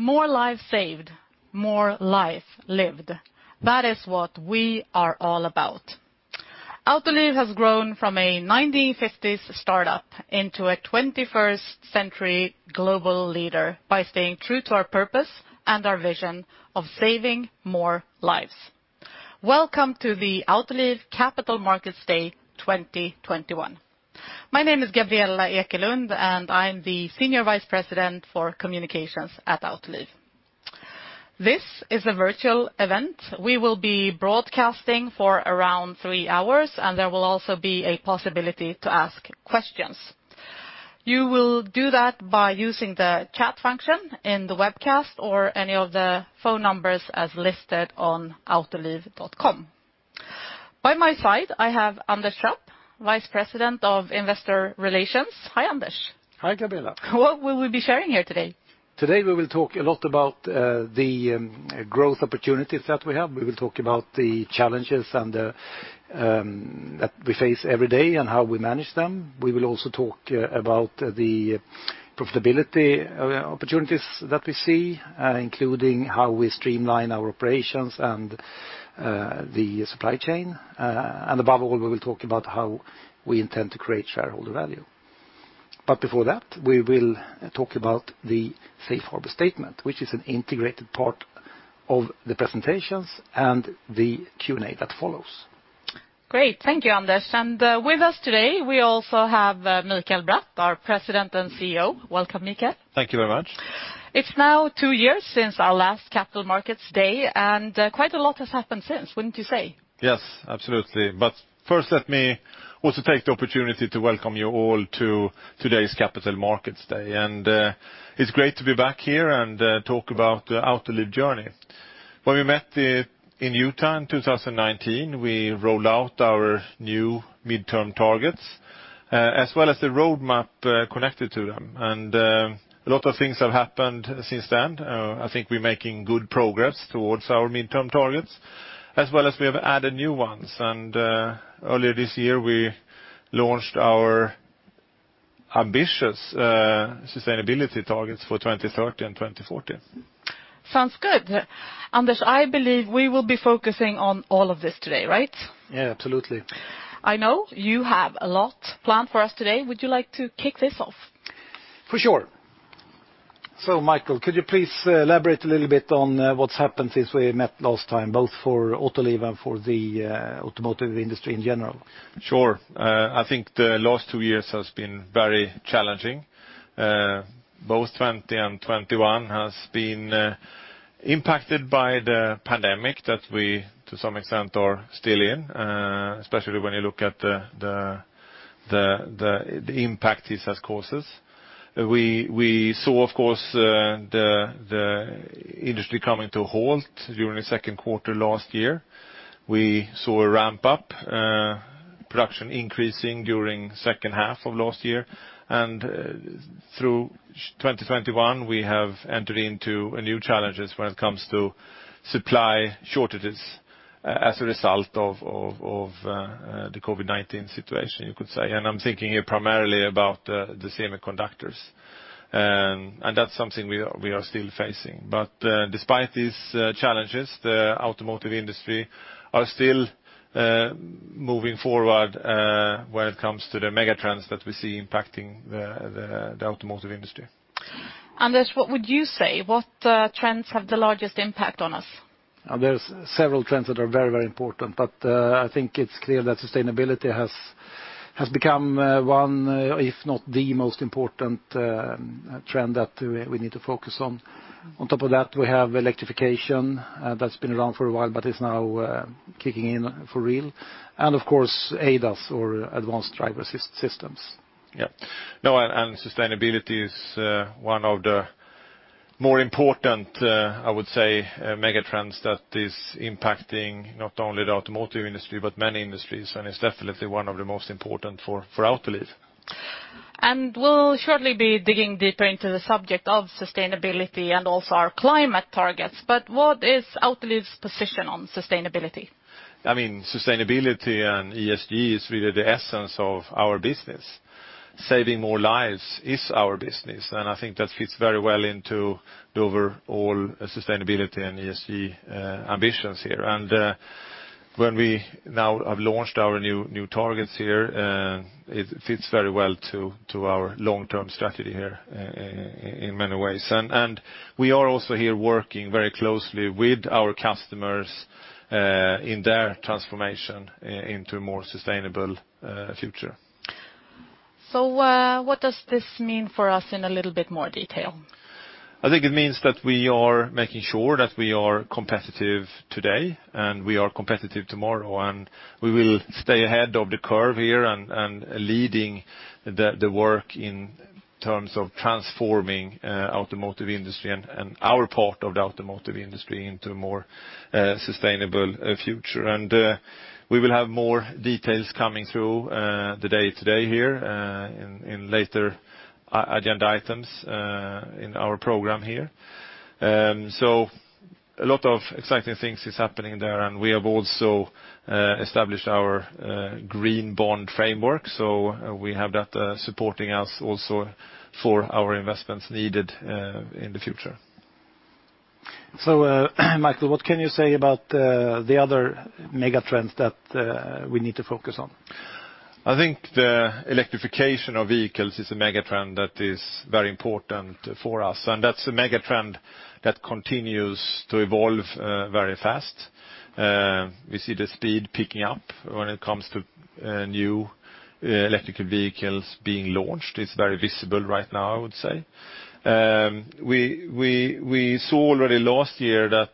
More lives saved, more life lived. That is what we are all about. Autoliv has grown from a 1950s startup into a 21st-century global leader by staying true to our purpose and our vision of saving more lives. Welcome to the Autoliv Capital Markets Day 2021. My name is Gabriella Ekelund, and I'm the Senior Vice President for Communications at Autoliv. This is a virtual event. We will be broadcasting for around three hours, and there will also be a possibility to ask questions. You will do that by using the chat function in the webcast or any of the phone numbers as listed on autoliv.com. By my side, I have Anders Trapp, Vice President of Investor Relations. Hi, Anders. Hi, Gabriella. What will we be sharing here today? Today, we will talk a lot about the growth opportunities that we have. We will talk about the challenges and that we face every day and how we manage them. We will also talk about the profitability opportunities that we see, including how we streamline our operations and the supply chain. Above all, we will talk about how we intend to create shareholder value. Before that, we will talk about the safe harbor statement, which is an integrated part of the presentations and the Q&A that follows. Great. Thank you, Anders. With us today, we also have Mikael Bratt, our President and CEO. Welcome, Mikael. Thank you very much. It's now two years since our last Capital Markets Day, and quite a lot has happened since, wouldn't you say? Yes, absolutely. First, let me also take the opportunity to welcome you all to today's Capital Markets Day. It's great to be back here and talk about the Autoliv journey. When we met in Utah in 2019, we rolled out our new midterm targets, as well as the roadmap connected to them. A lot of things have happened since then. I think we're making good progress towards our midterm targets, as well as we have added new ones. Earlier this year, we launched our ambitious sustainability targets for 2030 and 2040. Sounds good. Anders, I believe we will be focusing on all of this today, right? Yeah, absolutely. I know you have a lot planned for us today. Would you like to kick this off? For sure. Mikael, could you please elaborate a little bit on what's happened since we met last time, both for Autoliv and for the automotive industry in general? Sure. I think the last two years has been very challenging. Both 2020 and 2021 has been impacted by the pandemic that we, to some extent, are still in, especially when you look at the impact this has causes. We saw, of course, the industry coming to a halt during the second quarter last year. We saw a ramp-up, production increasing during second half of last year. Through 2021, we have entered into new challenges when it comes to supply shortages as a result of the COVID-19 situation, you could say. I'm thinking here primarily about the semiconductors. That's something we are still facing. Despite these challenges, the automotive industry are still moving forward when it comes to the megatrends that we see impacting the automotive industry. Anders, what would you say? What, trends have the largest impact on us? There are several trends that are very, very important, but I think it's clear that sustainability has become one, if not the most important, trend that we need to focus on. On top of that, we have electrification that's been around for a while, but it's now kicking in for real. Of course, ADAS or advanced driver assist systems. Yeah. No, sustainability is one of the more important, I would say, megatrends that is impacting not only the automotive industry, but many industries, and it's definitely one of the most important for Autoliv. We'll shortly be digging deeper into the subject of sustainability and also our climate targets. What is Autoliv's position on sustainability? I mean, sustainability and ESG is really the essence of our business. Saving more lives is our business, and I think that fits very well into the overall sustainability and ESG ambitions here. When we now have launched our new targets here, it fits very well to our long-term strategy here in many ways. We are also here working very closely with our customers in their transformation into a more sustainable future. What does this mean for us in a little bit more detail? I think it means that we are making sure that we are competitive today and we are competitive tomorrow, and we will stay ahead of the curve here and leading the work in terms of transforming automotive industry and our part of the automotive industry into a more sustainable future. We will have more details coming through the day today here in later agenda items in our program here. A lot of exciting things is happening there, and we have also established our Green Bond Framework. We have that supporting us also for our investments needed in the future. Mikael, what can you say about the other megatrends that we need to focus on? I think the electrification of vehicles is a megatrend that is very important for us, and that's a megatrend that continues to evolve very fast. We see the speed picking up when it comes to new electrical vehicles being launched. It's very visible right now, I would say. We saw already last year that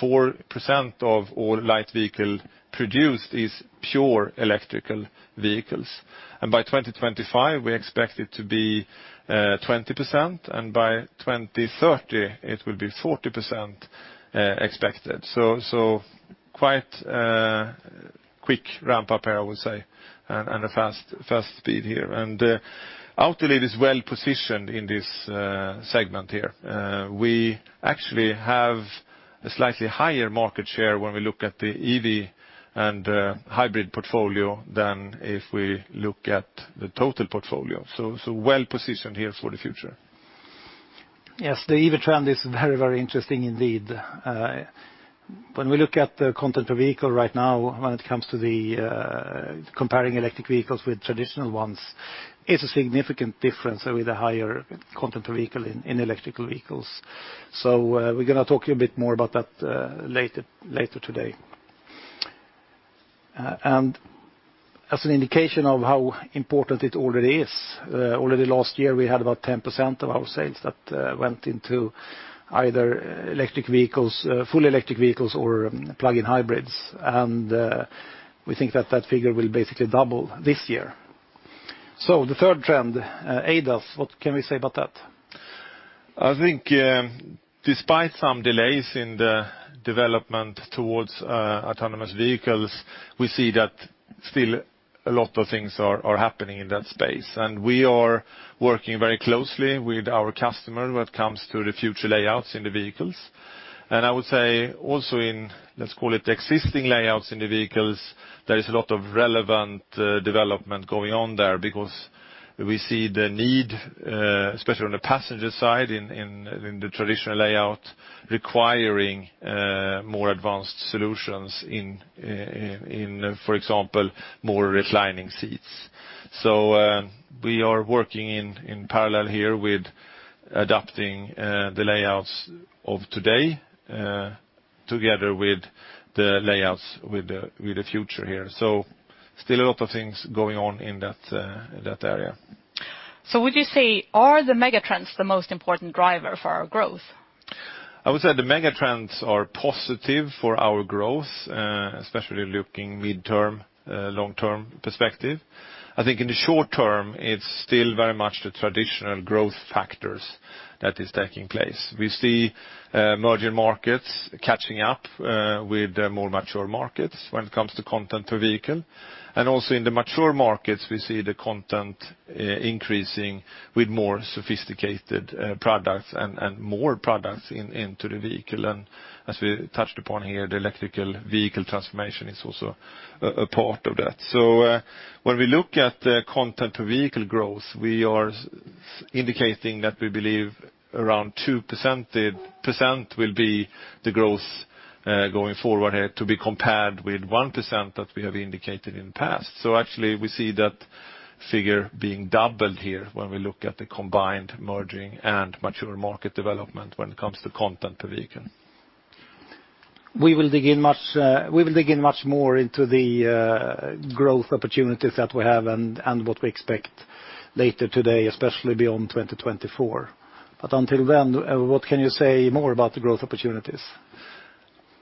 4% of all light vehicle produced is pure electrical vehicles. By 2025 we expect it to be 20%, and by 2030 it will be 40% expected. So quite quick ramp-up here I would say and a fast speed here. Autoliv is well-positioned in this segment here. We actually have a slightly higher market share when we look at the EV and hybrid portfolio than if we look at the total portfolio. Well positioned here for the future. Yes, the EV trend is very, very interesting indeed. When we look at the content per vehicle right now, when it comes to comparing electric vehicles with traditional ones, it's a significant difference with the higher content per vehicle in electric vehicles. We're gonna talk a bit more about that later today. As an indication of how important it already is, already last year we had about 10% of our sales that went into either electric vehicles, fully electric vehicles or plug-in hybrids. We think that figure will basically double this year. The third trend, ADAS, what can we say about that? I think, despite some delays in the development towards autonomous vehicles, we see that still a lot of things are happening in that space. We are working very closely with our customer when it comes to the future layouts in the vehicles. I would say also in, let's call it existing layouts in the vehicles, there is a lot of relevant development going on there because we see the need, especially on the passenger side in the traditional layout requiring more advanced solutions in, for example, more reclining seats. We are working in parallel here with adapting the layouts of today together with the layouts with the future here. Still a lot of things going on in that area. Would you say the megatrends are the most important driver for our growth? I would say the megatrends are positive for our growth, especially looking midterm, long-term perspective. I think in the short term, it's still very much the traditional growth factors that is taking place. We see emerging markets catching up with the more mature markets when it comes to content per vehicle. Also in the mature markets, we see the content increasing with more sophisticated products and more products into the vehicle. As we touched upon here, the electric vehicle transformation is also a part of that. When we look at the content per vehicle growth, we are indicating that we believe around 2% will be the growth going forward, to be compared with 1% that we have indicated in the past. Actually, we see that figure being doubled here when we look at the combined emerging and mature market development when it comes to content per vehicle. We will dig in much more into the growth opportunities that we have and what we expect later today, especially beyond 2024. Until then, what can you say more about the growth opportunities?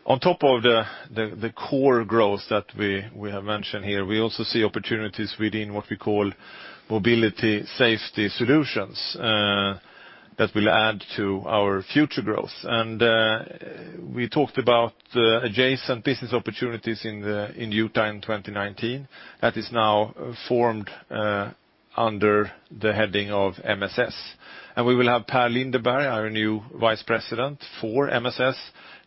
On top of the core growth that we have mentioned here, we also see opportunities within what we call mobility safety solutions that will add to our future growth. We talked about adjacent business opportunities in autumn 2019. That is now formed under the heading of MSS. We will have Per Lindeberg, our new Vice President for MSS,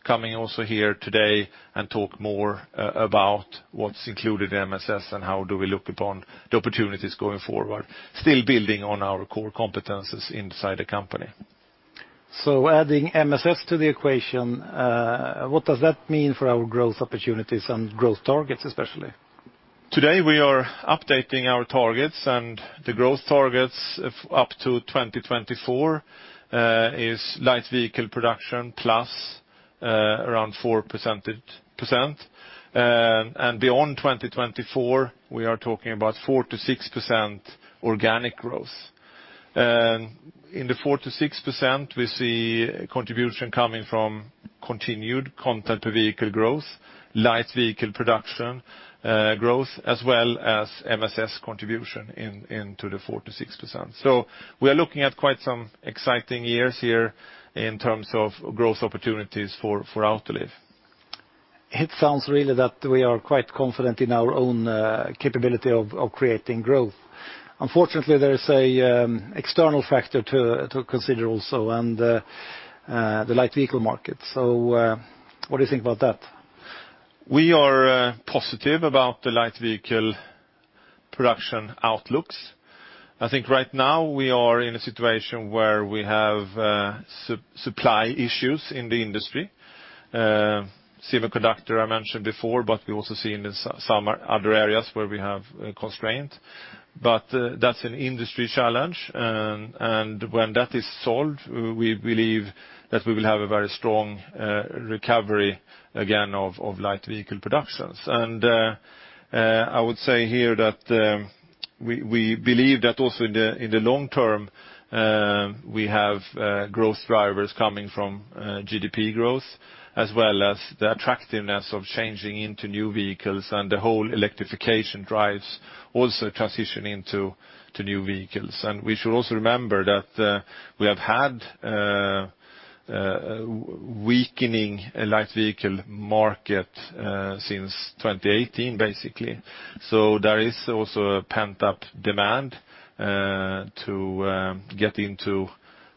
coming also here today and talk more about what's included in MSS and how we look upon the opportunities going forward, still building on our core competencies inside the company. Adding MSS to the equation, what does that mean for our growth opportunities and growth targets, especially? Today, we are updating our targets, and the growth targets up to 2024 is light vehicle production plus around 4%. Beyond 2024, we are talking about 4%-6% organic growth. In the 4%-6%, we see contribution coming from continued content per vehicle growth, light vehicle production growth, as well as MSS contribution into the 4%-6%. We are looking at quite some exciting years here in terms of growth opportunities for Autoliv. It sounds really that we are quite confident in our own capability of creating growth. Unfortunately, there is an external factor to consider also, and the light vehicle market. What do you think about that? We are positive about the light vehicle production outlooks. I think right now we are in a situation where we have supply issues in the industry. Semiconductor, I mentioned before, but we also see in some other areas where we have a constraint. That's an industry challenge. When that is solved, we believe that we will have a very strong recovery again of light vehicle productions. I would say here that we believe that also in the long term we have growth drivers coming from GDP growth, as well as the attractiveness of changing into new vehicles and the whole electrification drives also transition into new vehicles. We should also remember that we have had weakening a light vehicle market since 2018, basically. There is also a pent-up demand to get into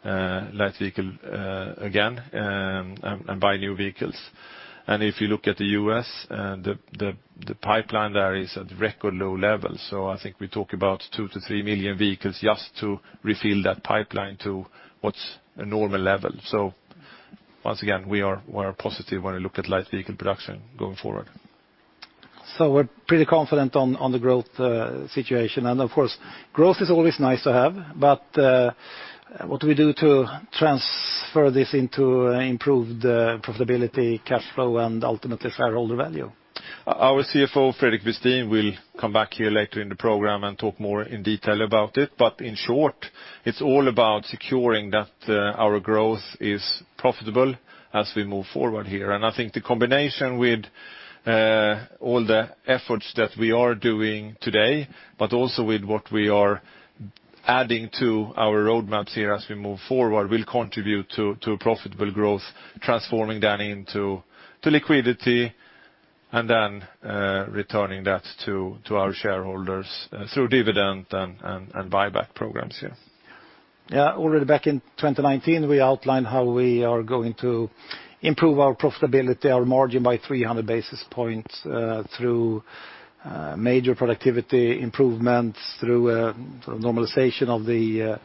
light vehicle again and buy new vehicles. If you look at the U.S., the pipeline there is at record low levels. I think we talk about 2 million-3 million vehicles just to refill that pipeline to what's a normal level. Once again, we are positive when we look at light vehicle production going forward. We're pretty confident on the growth situation. Of course, growth is always nice to have, but what do we do to transfer this into improved profitability, cash flow, and ultimately shareholder value? Our CFO, Fredrik Westin, will come back here later in the program and talk more in detail about it. In short, it's all about securing that our growth is profitable as we move forward here. I think the combination with all the efforts that we are doing today, but also with what we are adding to our roadmaps here as we move forward, will contribute to a profitable growth, transforming that into liquidity, and then returning that to our shareholders through dividend and buyback programs here. Already back in 2019, we outlined how we are going to improve our profitability, our margin by 300 basis points through major productivity improvements, through normalization of the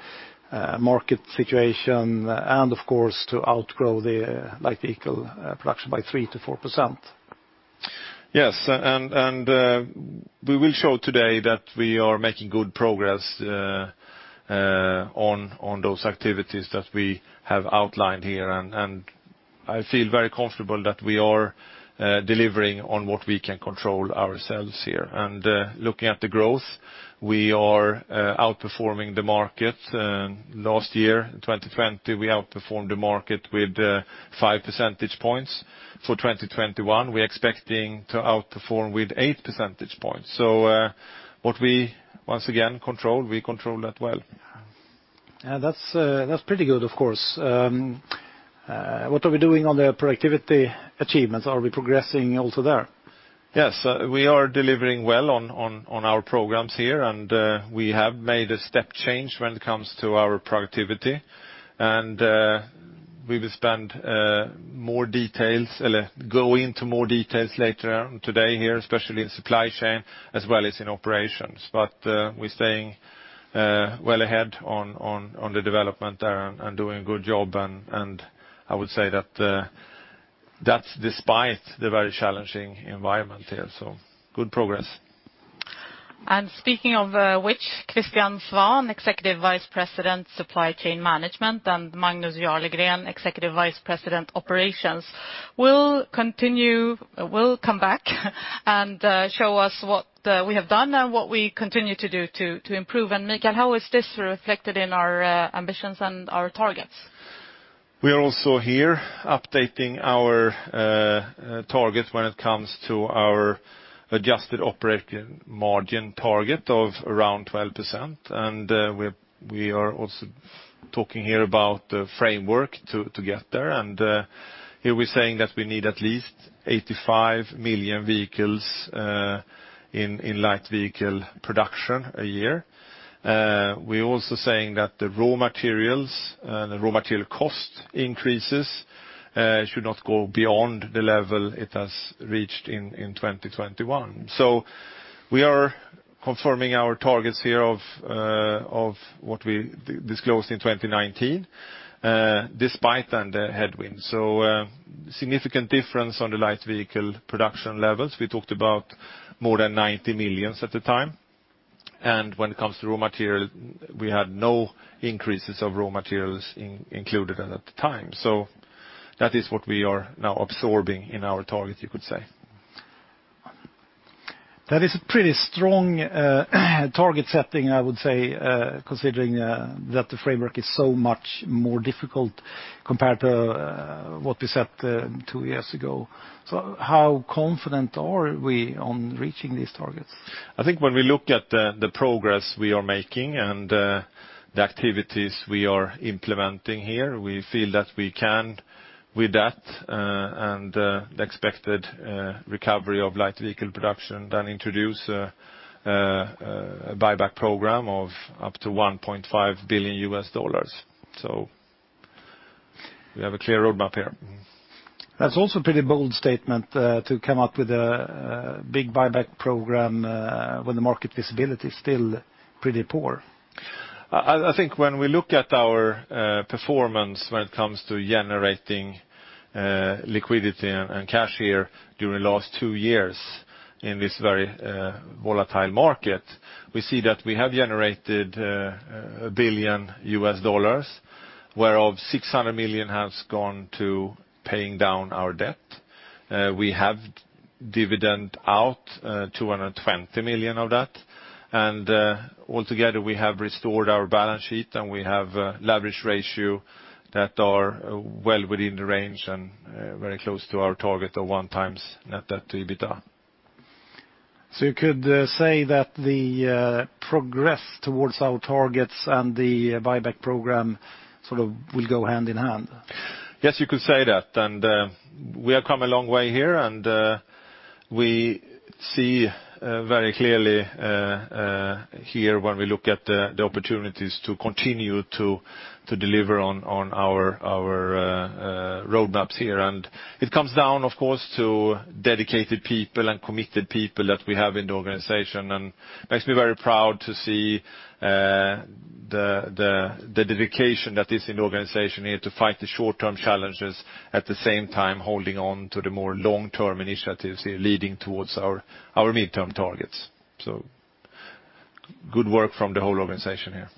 market situation, and of course to outgrow the light vehicle production by 3%-4%. Yes. We will show today that we are making good progress on those activities that we have outlined here. I feel very comfortable that we are delivering on what we can control ourselves here. Looking at the growth, we are outperforming the market. Last year, in 2020, we outperformed the market with 5 percentage points. For 2021, we're expecting to outperform with 8 percentage points. What we once again control, we control that well. Yeah, that's pretty good, of course. What are we doing on the productivity achievements? Are we progressing also there? Yes. We are delivering well on our programs here, and we have made a step change when it comes to our productivity. We will go into more details later today here, especially in supply chain as well as in operations. We're staying well ahead on the development there and doing a good job. I would say that that's despite the very challenging environment here. Good progress. Speaking of which, Christian Swahn, Executive Vice President, Supply Chain Management, and Magnus Jarlegren, Executive Vice President, Operations, will come back and show us what we have done and what we continue to do to improve. Mikael, how is this reflected in our ambitions and our targets? We are also here updating our target when it comes to our adjusted operating margin target of around 12%. We are also talking here about the framework to get there. Here we're saying that we need at least 85 million vehicles in light vehicle production a year. We're also saying that the raw materials and the raw material cost increases should not go beyond the level it has reached in 2021. We are confirming our targets here of what we disclosed in 2019 despite then the headwinds. Significant difference on the light vehicle production levels. We talked about more than 90 million at the time. When it comes to raw material, we had no increases of raw materials included at the time. That is what we are now absorbing in our targets, you could say. That is a pretty strong target setting, I would say, considering that the framework is so much more difficult compared to what we set two years ago. How confident are we on reaching these targets? I think when we look at the progress we are making and the activities we are implementing here, we feel that we can with that and the expected recovery of light vehicle production then introduce a buyback program of up to $1.5 billion. We have a clear roadmap here. That's also a pretty bold statement to come up with a big buyback program when the market visibility is still pretty poor. I think when we look at our performance when it comes to generating liquidity and cash here during the last two years in this very volatile market, we see that we have generated $1 billion, of which $600 million has gone to paying down our debt. We have paid out $220 million of that in dividends. Altogether, we have restored our balance sheet, and we have a leverage ratio that are well within the range and very close to our target of 1x net debt to EBITDA. You could say that the progress towards our targets and the buyback program sort of will go hand-in-hand. Yes, you could say that. We have come a long way here, and we see very clearly here when we look at the opportunities to continue to deliver on our roadmaps here. It comes down, of course, to dedicated people and committed people that we have in the organization. Makes me very proud to see the dedication that is in the organization here to fight the short-term challenges, at the same time, holding on to the more long-term initiatives leading towards our midterm targets. Good work from the whole organization here.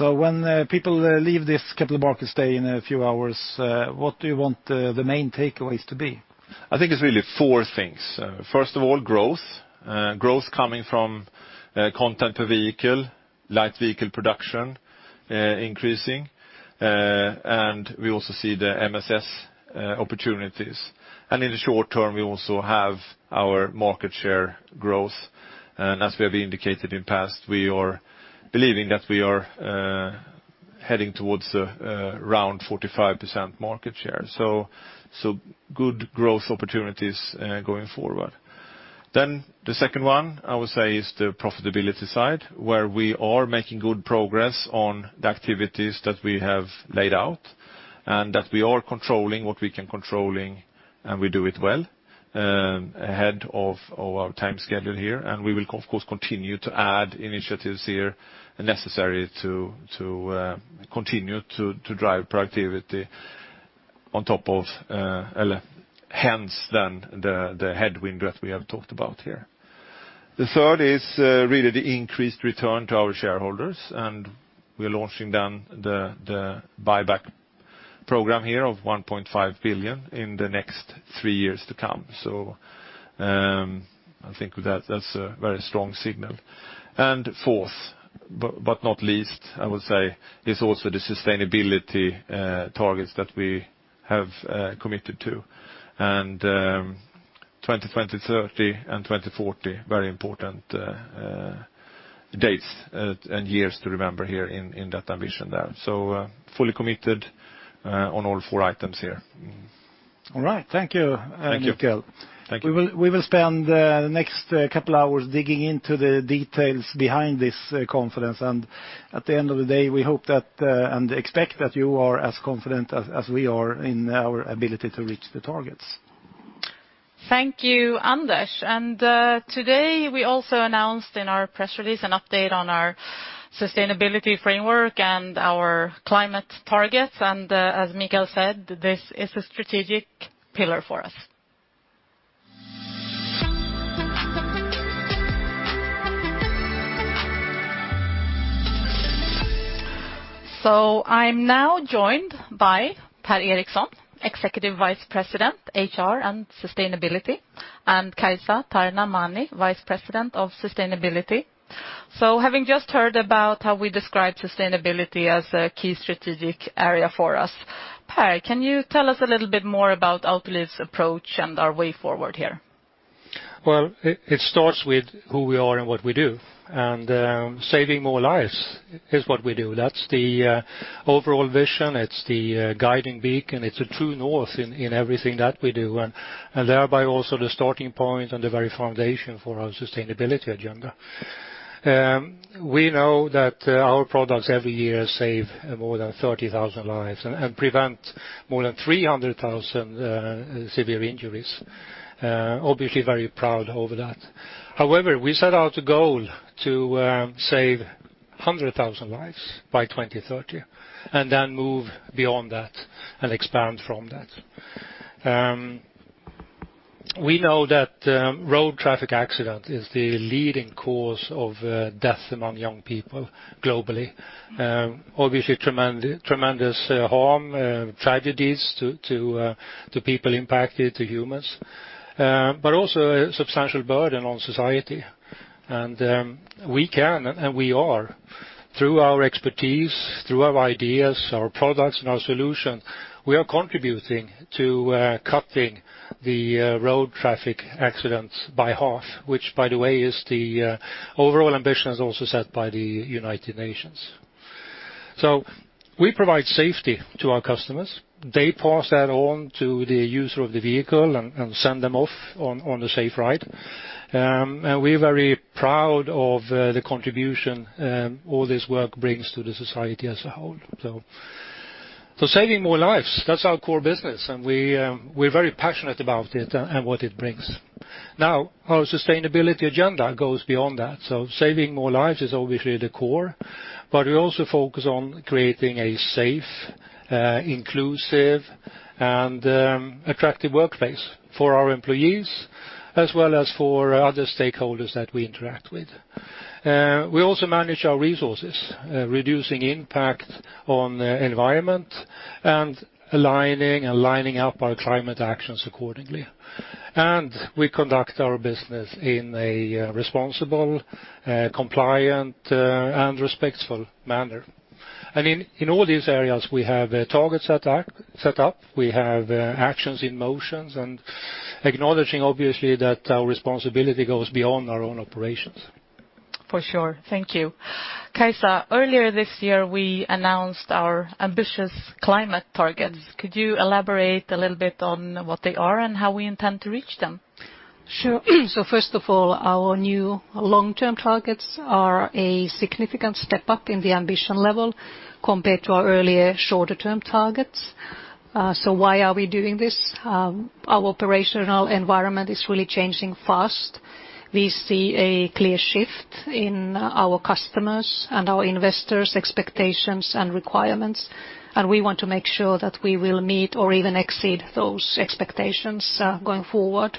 When people leave this Capital Markets Day in a few hours, what do you want the main takeaways to be? I think it's really four things. First of all, growth. Growth coming from content per vehicle, light vehicle production increasing, and we also see the MSS opportunities. In the short term, we also have our market share growth. As we have indicated in past, we are believing that we are heading towards around 45% market share. So good growth opportunities going forward. The second one, I would say, is the profitability side, where we are making good progress on the activities that we have laid out, and that we are controlling what we can control, and we do it well ahead of our time schedule here. We will of course continue to add initiatives here necessary to continue to drive productivity on top of the headwind that we have talked about here. The third is really the increased return to our shareholders, and we're launching then the buyback program here of $1.5 billion in the next three years to come. I think that that's a very strong signal. Fourth, but not least, I would say, is also the sustainability targets that we have committed to. 2030 and 2040, very important dates and years to remember here in that ambition there. Fully committed on all four items here. All right. Thank you, Mikael. Thank you. We will spend the next couple hours digging into the details behind this confidence. At the end of the day, we hope and expect that you are as confident as we are in our ability to reach the targets. Thank you, Anders. Today, we also announced in our press release an update on our sustainability framework and our climate targets. As Mikael said, this is a strategic pillar for us. I'm now joined by Per Ericson, Executive Vice President, HR and Sustainability, and Kaisa Tarna-Mani, Vice President of Sustainability. Having just heard about how we describe sustainability as a key strategic area for us, Per, can you tell us a little bit more about Autoliv's approach and our way forward here? Well, it starts with who we are and what we do. Saving more lives is what we do. That's the overall vision. It's the guiding beacon. It's a true north in everything that we do, and thereby also the starting point and the very foundation for our sustainability agenda. We know that our products every year save more than 30,000 lives and prevent more than 300,000 severe injuries. Obviously very proud of that. However, we set out a goal to save 100,000 lives by 2030 and then move beyond that and expand from that. We know that road traffic accidents are the leading cause of death among young people globally. Obviously tremendous harm, tragedies to people impacted, to humans, but also a substantial burden on society. We can, and we are, through our expertise, through our ideas, our products, and our solution, contributing to cutting the road traffic accidents by half, which, by the way, is the overall ambition as also set by the United Nations. We provide safety to our customers. They pass that on to the user of the vehicle and send them off on a safe ride. We're very proud of the contribution all this work brings to the society as a whole. Saving more lives, that's our core business, and we're very passionate about it and what it brings. Our sustainability agenda goes beyond that. Saving more lives is obviously the core, but we also focus on creating a safe, inclusive, and attractive workplace for our employees as well as for other stakeholders that we interact with. We also manage our resources, reducing impact on the environment and aligning and lining up our climate actions accordingly. We conduct our business in a responsible, compliant, and respectful manner. In all these areas we have targets set up. We have actions in motion and acknowledging obviously that our responsibility goes beyond our own operations. For sure. Thank you. Kaisa, earlier this year we announced our ambitious climate targets. Could you elaborate a little bit on what they are and how we intend to reach them? Sure. First of all, our new long-term targets are a significant step up in the ambition level compared to our earlier shorter term targets. Why are we doing this? Our operational environment is really changing fast. We see a clear shift in our customers and our investors' expectations and requirements, and we want to make sure that we will meet or even exceed those expectations, going forward.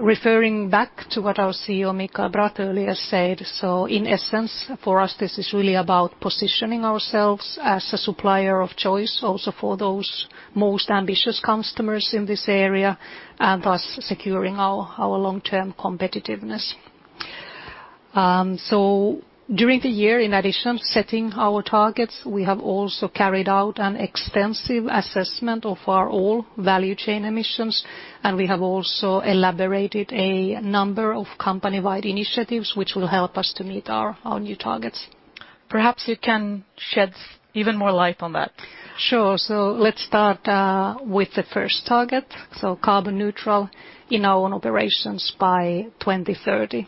Referring back to what our CEO, Mikael Bratt, earlier said, so in essence, for us, this is really about positioning ourselves as a supplier of choice also for those most ambitious customers in this area, and thus securing our long-term competitiveness. During the year, in addition to setting our targets, we have also carried out an extensive assessment of our overall value chain emissions, and we have also elaborated a number of company-wide initiatives which will help us to meet our new targets. Perhaps you can shed even more light on that. Sure. Let's start with the first target, carbon neutral in our own operations by 2030.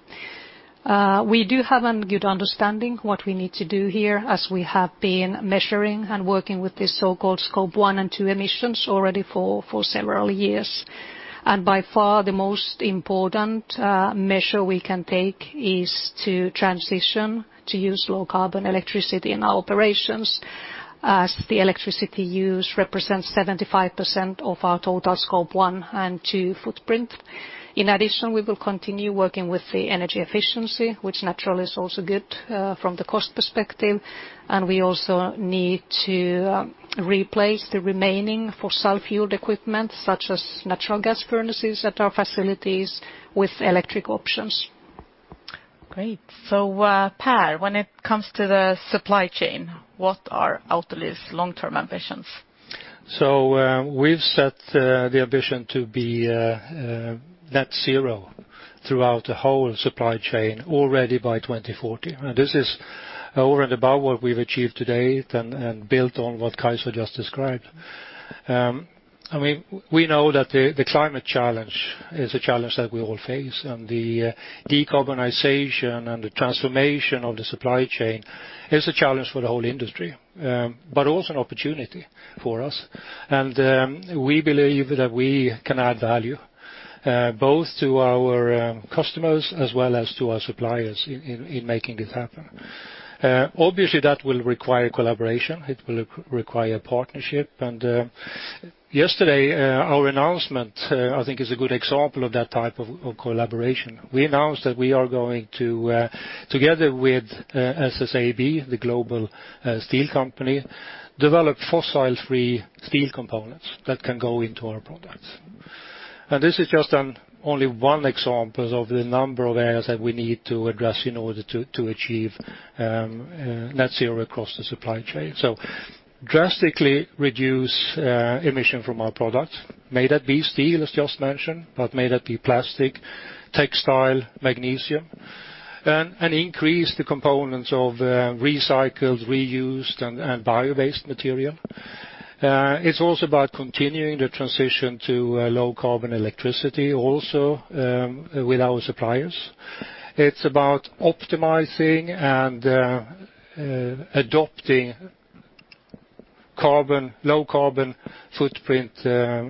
We do have a good understanding what we need to do here as we have been measuring and working with this so-called Scope 1 and 2 emissions already for several years. By far, the most important measure we can take is to transition to use low carbon electricity in our operations as the electricity used represents 75% of our total Scope 1 and 2 footprint. In addition, we will continue working with the energy efficiency, which naturally is also good from the cost perspective, and we also need to replace the remaining fossil fuel equipment such as natural gas furnaces at our facilities with electric options. Great. So Per, when it comes to the supply chain, what are Autoliv's long-term ambitions? We've set the ambition to be net zero throughout the whole supply chain already by 2040. This is over and above what we've achieved to date and built on what Kaisa just described. I mean, we know that the climate challenge is a challenge that we all face and the decarbonization and the transformation of the supply chain is a challenge for the whole industry, but also an opportunity for us. We believe that we can add value both to our customers as well as to our suppliers in making this happen. Obviously, that will require collaboration. It will require partnership. Yesterday, our announcement, I think is a good example of that type of collaboration. We announced that we are going to together with SSAB, the global steel company, develop fossil-free steel components that can go into our products. This is just one example of the number of areas that we need to address in order to achieve net zero across the supply chain. Drastically reduce emissions from our products, be it steel, as just mentioned, but be it plastic, textile, magnesium, and increase the components of recycled, reused, and bio-based material. It's also about continuing the transition to low carbon electricity also with our suppliers. It's about optimizing and adopting low-carbon footprint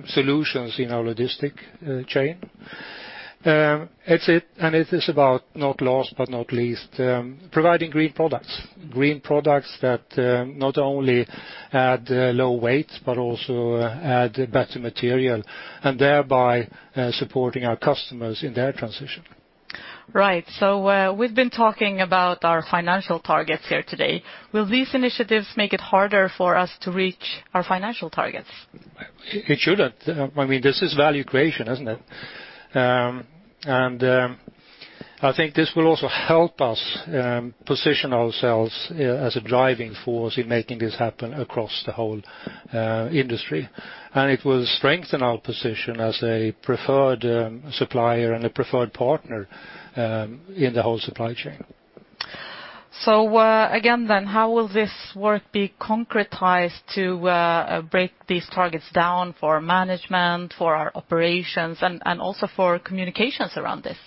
solutions in our logistics chain. It's about, last but not least, providing green products. Green products that not only add low weight, but also add better material, and thereby supporting our customers in their transition. Right. We've been talking about our financial targets here today. Will these initiatives make it harder for us to reach our financial targets? It shouldn't. I mean, this is value creation, isn't it? I think this will also help us position ourselves as a driving force in making this happen across the whole industry. It will strengthen our position as a preferred supplier and a preferred partner in the whole supply chain. Again, how will this work be concretized to break these targets down for management, for our operations, and also for communications around this?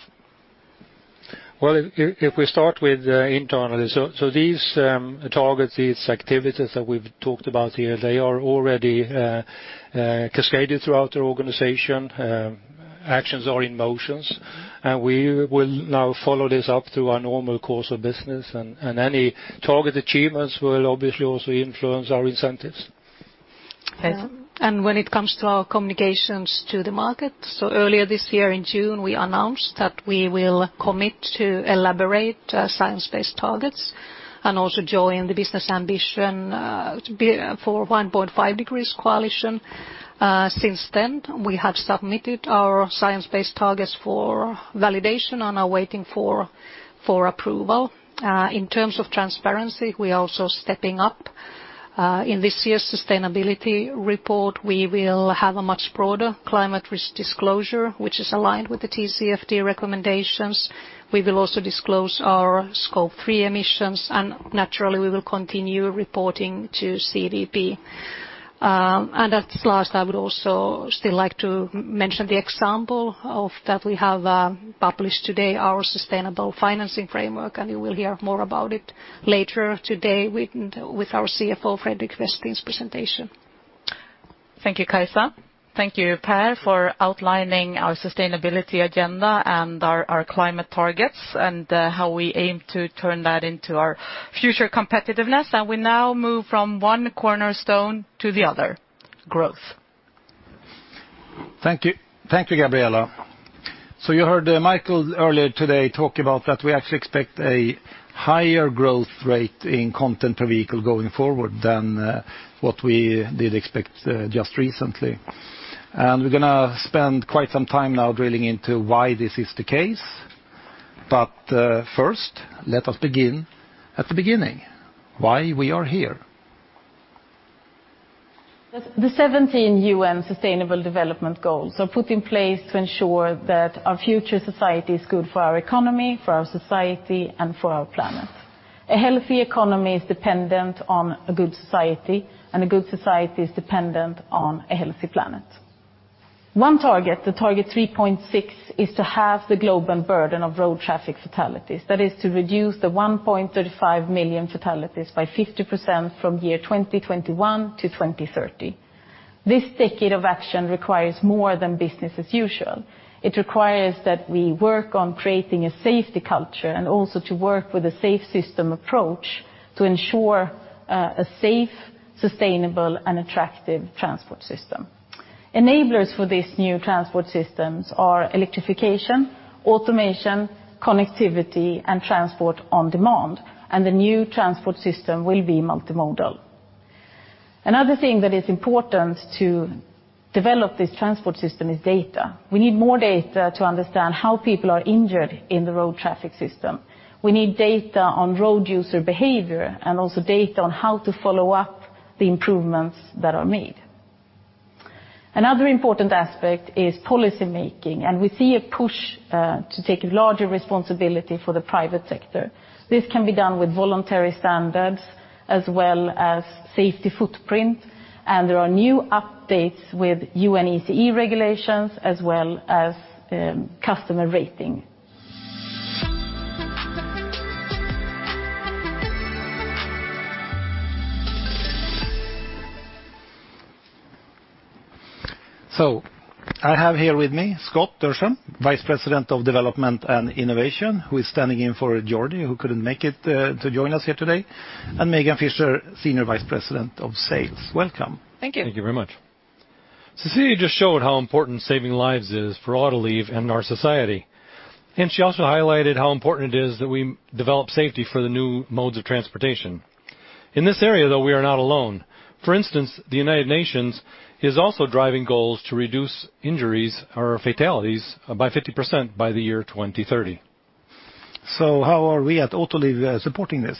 Well, if we start with internally. These targets, these activities that we've talked about here, they are already cascaded throughout our organization. Actions are in motion, and we will now follow this up through our normal course of business. Any target achievements will obviously also influence our incentives. Great. When it comes to our communications to the market, so earlier this year in June, we announced that we will commit to elaborate science-based targets, and also join the Business Ambition for 1.5 degrees coalition. Since then, we have submitted our science-based targets for validation and are waiting for approval. In terms of transparency, we are also stepping up. In this year's sustainability report, we will have a much broader climate risk disclosure, which is aligned with the TCFD recommendations. We will also disclose our Scope 3 emissions, and naturally, we will continue reporting to CDP. At last, I would also still like to mention the example that we have published today our Sustainable Financing Framework, and you will hear more about it later today with our CFO, Fredrik Westin's presentation. Thank you, Kaisa. Thank you, Per, for outlining our sustainability agenda and our climate targets, and how we aim to turn that into our future competitiveness. We now move from one cornerstone to the other, growth. Thank you. Thank you, Gabriella. You heard Mikael earlier today talk about that we actually expect a higher growth rate in content per vehicle going forward than what we did expect just recently. We're gonna spend quite some time now drilling into why this is the case. First, let us begin at the beginning, why we are here. The 17 U.N. Sustainable Development Goals are put in place to ensure that our future society is good for our economy, for our society, and for our planet. A healthy economy is dependent on a good society, and a good society is dependent on a healthy planet. One target, the target 3.6, is to halve the global burden of road traffic fatalities. That is to reduce the 1.35 million fatalities by 50% from year 2021 to 2030. This decade of action requires more than business as usual. It requires that we work on creating a safety culture and also to work with a safe system approach to ensure a safe, sustainable, and attractive transport system. Enablers for these new transport systems are electrification, automation, connectivity, and transport on demand, and the new transport system will be multimodal. Another thing that is important to develop this transport system is data. We need more data to understand how people are injured in the road traffic system. We need data on road user behavior and also data on how to follow up the improvements that are made. Another important aspect is policy making, and we see a push to take larger responsibility for the private sector. This can be done with voluntary standards as well as safety footprint, and there are new updates with UNECE regulations as well as customer rating. I have here with me Scott Dershem, Vice President of Development and Innovation, who is standing in for Jordi, who couldn't make it to join us here today, and Megan Fisher, Senior Vice President of Sales. Welcome. Thank you. Thank you very much. Cecilia just showed how important saving lives is for Autoliv and our society, and she also highlighted how important it is that we develop safety for the new modes of transportation. In this area, though, we are not alone. For instance, the United Nations is also driving goals to reduce injuries or fatalities by 50% by the year 2030. How are we at Autoliv supporting this?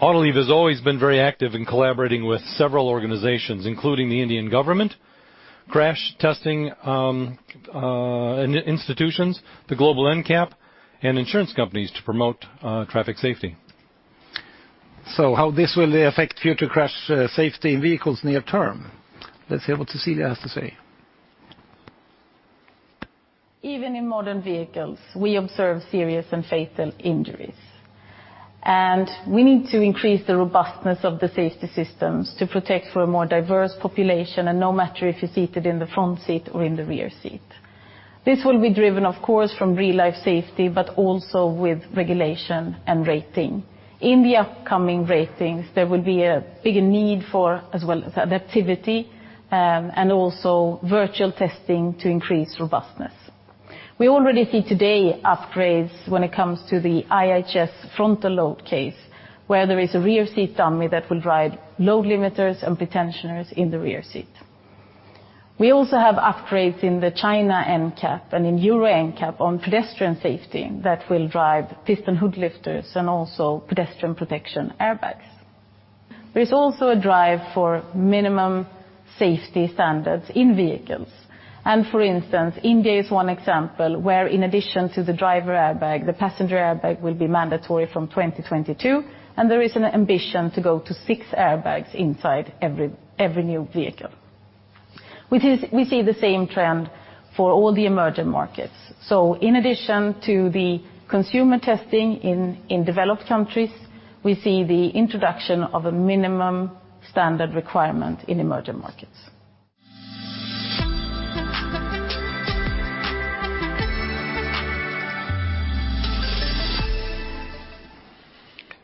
Autoliv has always been very active in collaborating with several organizations, including the Indian government, crash testing institutions, the global NCAP, and insurance companies to promote traffic safety. How this will affect future crash safety in vehicles near term, let's hear what Cecilia has to say. Even in modern vehicles, we observe serious and fatal injuries, and we need to increase the robustness of the safety systems to protect for a more diverse population and no matter if you're seated in the front seat or in the rear seat. This will be driven, of course, from real-life safety, but also with regulation and rating. In the upcoming ratings, there will be a big need for as well as adaptivity, and also virtual testing to increase robustness. We already see today upgrades when it comes to the IIHS frontal load case, where there is a rear seat dummy that will drive load limiters and pretensioners in the rear seat. We also have upgrades in the China NCAP and in Euro NCAP on pedestrian safety that will drive piston hood lifter and also pedestrian protection airbags. There's also a drive for minimum safety standards in vehicles. For instance, India is one example where in addition to the driver airbag, the passenger airbag will be mandatory from 2022, and there is an ambition to go to six airbags inside every new vehicle. We see the same trend for all the emerging markets. In addition to the consumer testing in developed countries, we see the introduction of a minimum standard requirement in emerging markets.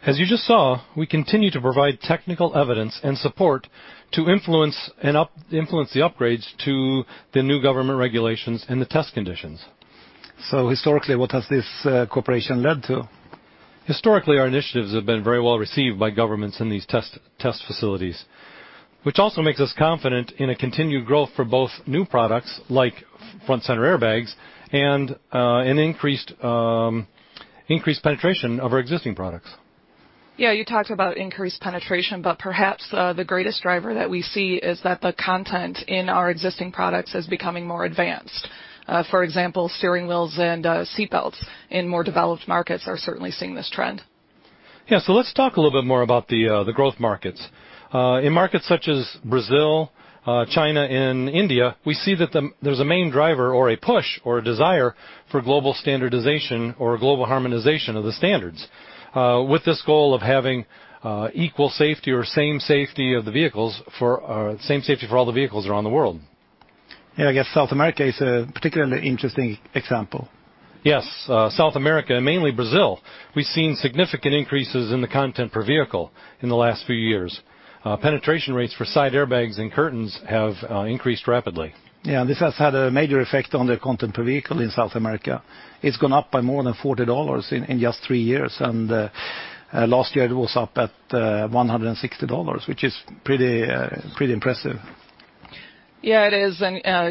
As you just saw, we continue to provide technical evidence and support to influence the upgrades to the new government regulations and the test conditions. Historically, what has this cooperation led to? Historically, our initiatives have been very well received by governments in these test facilities, which also makes us confident in a continued growth for both new products like front center airbags and an increased penetration of our existing products. Yeah. You talked about increased penetration, but perhaps the greatest driver that we see is that the content in our existing products is becoming more advanced. For example, steering wheels and seat belts in more developed markets are certainly seeing this trend. Let's talk a little bit more about the growth markets. In markets such as Brazil, China and India, we see that there's a main driver or a push or a desire for global standardization or global harmonization of the standards, with this goal of having equal safety or same safety of the vehicles for same safety for all the vehicles around the world. Yeah. I guess South America is a particularly interesting example. Yes. South America, mainly Brazil, we've seen significant increases in the content per vehicle in the last few years. Penetration rates for side airbags and curtains have increased rapidly. This has had a major effect on the content per vehicle in South America. It's gone up by more than $40 in just three years. Last year, it was up at $160, which is pretty impressive. Yeah, it is.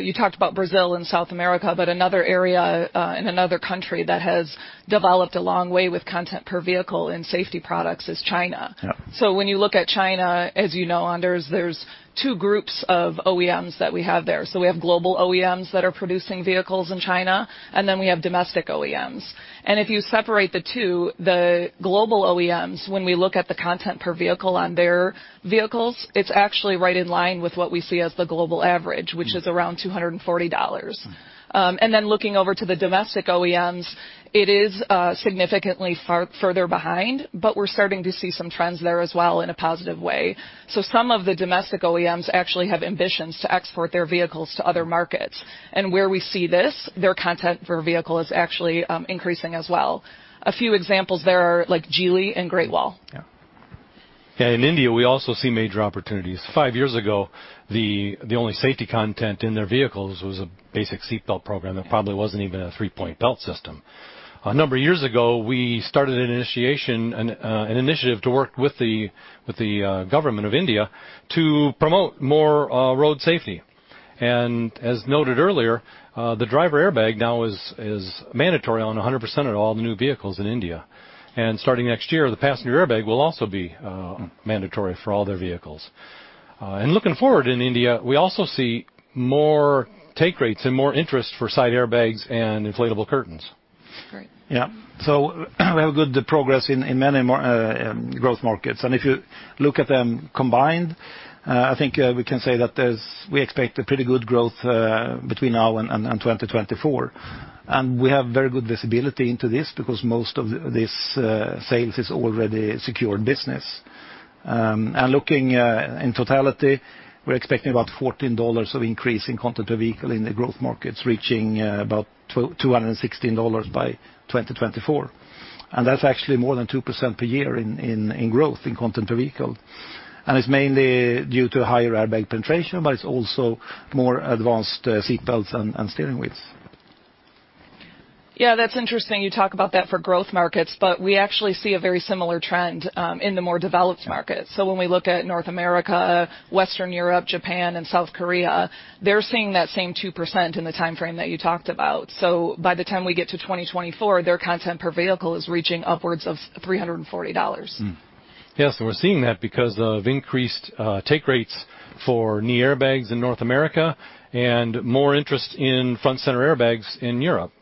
You talked about Brazil and South America, but another area and another country that has developed a long way with content per vehicle and safety products is China. Yeah. When you look at China, as you know, Anders, there's two groups of OEMs that we have there. We have global OEMs that are producing vehicles in China, and then we have domestic OEMs. If you separate the two, the global OEMs, when we look at the content per vehicle on their vehicles, it's actually right in line with what we see as the global average, which is around $240. Looking over to the domestic OEMs, it is significantly further behind, but we're starting to see some trends there as well in a positive way. Some of the domestic OEMs actually have ambitions to export their vehicles to other markets. Where we see this, their content per vehicle is actually increasing as well. A few examples there are, like, Geely and Great Wall. Yeah. Yeah, in India, we also see major opportunities. Five years ago, the only safety content in their vehicles was a basic seat belt program that probably wasn't even a three-point belt system. A number of years ago, we started an initiative to work with the government of India to promote more road safety. As noted earlier, the driver airbag now is mandatory on 100% of all the new vehicles in India. Starting next year, the passenger airbag will also be mandatory for all their vehicles. Looking forward in India, we also see more take rates and more interest for side airbags and inflatable curtains. Great. Yeah. We have good progress in many growth markets. If you look at them combined, I think we can say that we expect a pretty good growth between now and 2024. We have very good visibility into this because most of this sales is already secured business. Looking in totality, we're expecting about $14 of increase in content per vehicle in the growth markets, reaching about $216 by 2024. That's actually more than 2% per year in growth in content per vehicle. It's mainly due to higher airbag penetration, but it's also more advanced seat belts and steering wheels. Yeah, that's interesting you talk about that for growth markets, but we actually see a very similar trend in the more developed markets. When we look at North America, Western Europe, Japan, and South Korea, they're seeing that same 2% in the timeframe that you talked about. By the time we get to 2024, their content per vehicle is reaching upwards of $340. Yes, we're seeing that because of increased take rates for knee airbags in North America and more interest in front center airbags in Europe.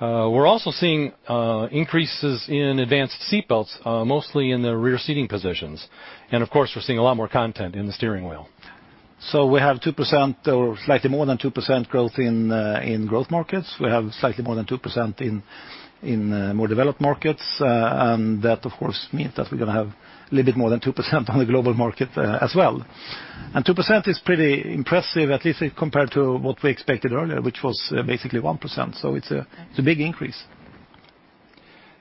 We're also seeing increases in advanced seat belts, mostly in the rear seating positions. Of course, we're seeing a lot more content in the steering wheel. We have 2% or slightly more than 2% growth in growth markets. We have slightly more than 2% in more developed markets. And that, of course, means that we're gonna have a little bit more than 2% on the global market, as well. And 2% is pretty impressive, at least compared to what we expected earlier, which was basically 1%. It's a big increase.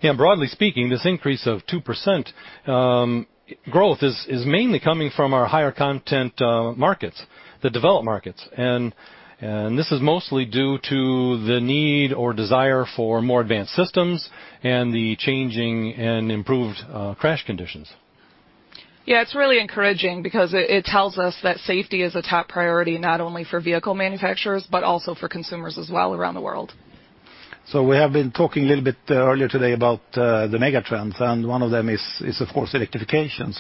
Yeah, broadly speaking, this increase of 2% growth is mainly coming from our higher content markets, the developed markets. This is mostly due to the need or desire for more advanced systems and the changing and improved crash conditions. Yeah, it's really encouraging because it tells us that safety is a top priority, not only for vehicle manufacturers, but also for consumers as well around the world. We have been talking a little bit earlier today about the megatrends, and one of them is of course electrification.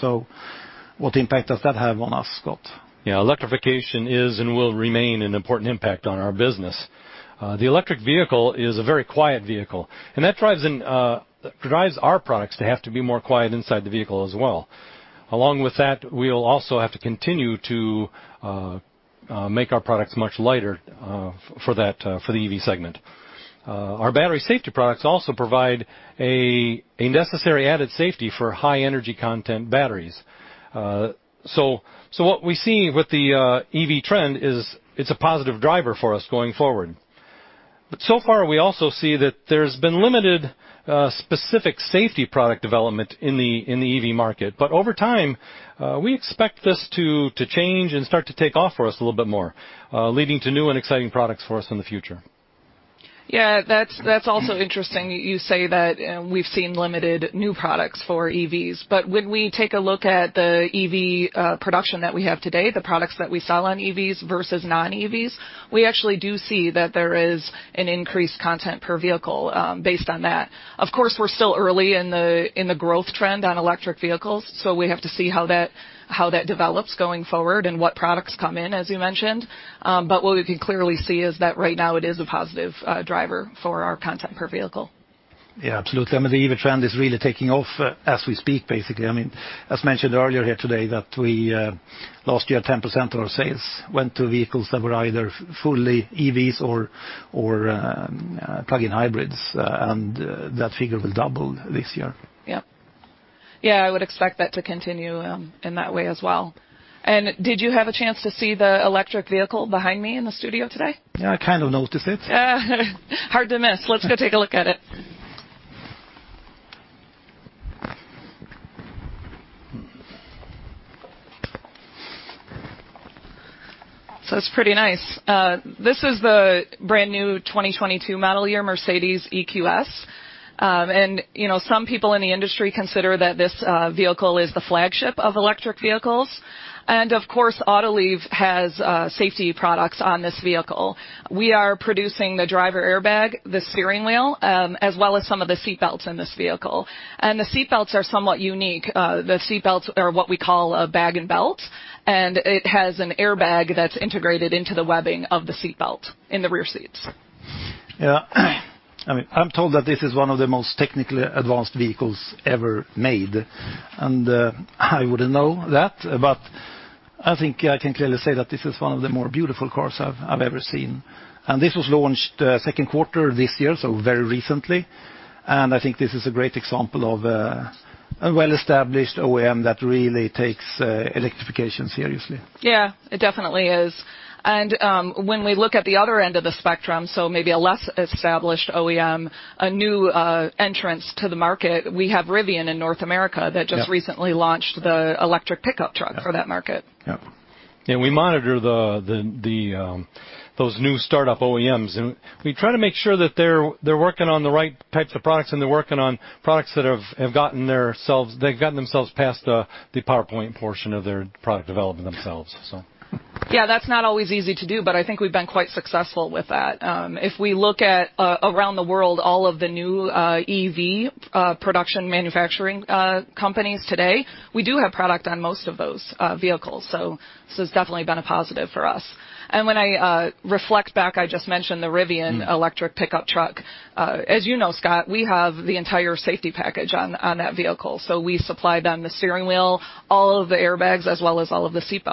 What impact does that have on us, Scott? Yeah. Electrification is and will remain an important impact on our business. The electric vehicle is a very quiet vehicle, and that drives our products to have to be more quiet inside the vehicle as well. Along with that, we'll also have to continue to make our products much lighter for the EV segment. Our battery safety products also provide a necessary added safety for high energy content batteries. So what we see with the EV trend is it's a positive driver for us going forward. So far, we also see that there's been limited specific safety product development in the EV market. Over time, we expect this to change and start to take off for us a little bit more, leading to new and exciting products for us in the future. Yeah. That's also interesting you say that we've seen limited new products for EVs. When we take a look at the EV production that we have today, the products that we sell on EVs versus non-EVs, we actually do see that there is an increased content per vehicle based on that. Of course, we're still early in the growth trend on electric vehicles, so we have to see how that develops going forward and what products come in, as you mentioned. What we can clearly see is that right now it is a positive driver for our content per vehicle. Yeah, absolutely. I mean, the EV trend is really taking off as we speak, basically. I mean, as mentioned earlier here today that we, last year 10% of our sales went to vehicles that were either fully EVs or plug-in hybrids. That figure will double this year. Yeah. Yeah, I would expect that to continue in that way as well. Did you have a chance to see the electric vehicle behind me in the studio today? Yeah, I kind of noticed it. Hard to miss. Let's go take a look at it. It's pretty nice. This is the brand-new 2022 model year Mercedes EQS. You know, some people in the industry consider that this vehicle is the flagship of electric vehicles. Of course, Autoliv has safety products on this vehicle. We are producing the driver airbag, the steering wheel, as well as some of the seat belts in this vehicle. The seat belts are somewhat unique. The seat belts are what we call a Bag-in-belt, and it has an airbag that's integrated into the webbing of the seat belt in the rear seats. Yeah. I mean, I'm told that this is one of the most technically advanced vehicles ever made. I wouldn't know that, but I think I can clearly say that this is one of the more beautiful cars I've ever seen. This was launched second quarter this year, so very recently. I think this is a great example of a well-established OEM that really takes electrification seriously. Yeah, it definitely is. When we look at the other end of the spectrum, so maybe a less established OEM, a new entrant to the market, we have Rivian in North America- Yeah. That just recently launched the electric pickup truck for that market. Yeah. We monitor those new startup OEMs, and we try to make sure that they're working on the right types of products and they're working on products that have gotten themselves past the PowerPoint portion of their product development themselves. Yeah, that's not always easy to do, but I think we've been quite successful with that. If we look around the world, all of the new EV production manufacturing companies today, we do have product on most of those vehicles. This has definitely been a positive for us. When I reflect back, I just mentioned the Rivian electric pickup truck. As you know, Scott, we have the entire safety package on that vehicle. We supply them the steering wheel, all of the airbags, as well as all of the seat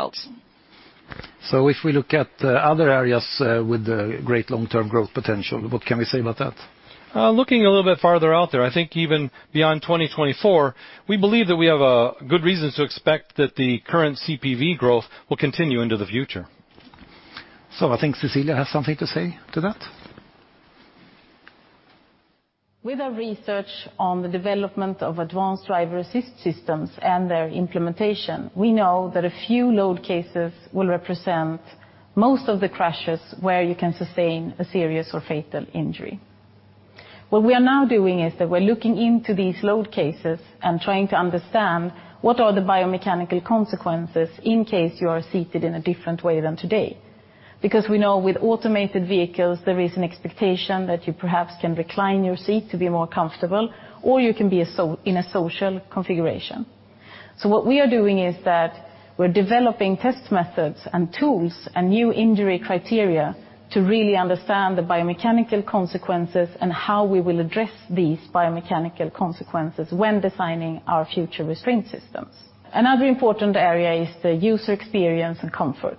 belts. If we look at other areas with great long-term growth potential, what can we say about that? Looking a little bit farther out there, I think even beyond 2024, we believe that we have a good reason to expect that the current CPV growth will continue into the future. I think Cecilia has something to say to that. With our research on the development of advanced driver assist systems and their implementation, we know that a few load cases will represent most of the crashes where you can sustain a serious or fatal injury. What we are now doing is that we're looking into these load cases and trying to understand what are the biomechanical consequences in case you are seated in a different way than today. Because we know with automated vehicles, there is an expectation that you perhaps can recline your seat to be more comfortable, or you can be in a social configuration. What we are doing is that we're developing test methods and tools and new injury criteria to really understand the biomechanical consequences and how we will address these biomechanical consequences when designing our future restraint systems. Another important area is the user experience and comfort.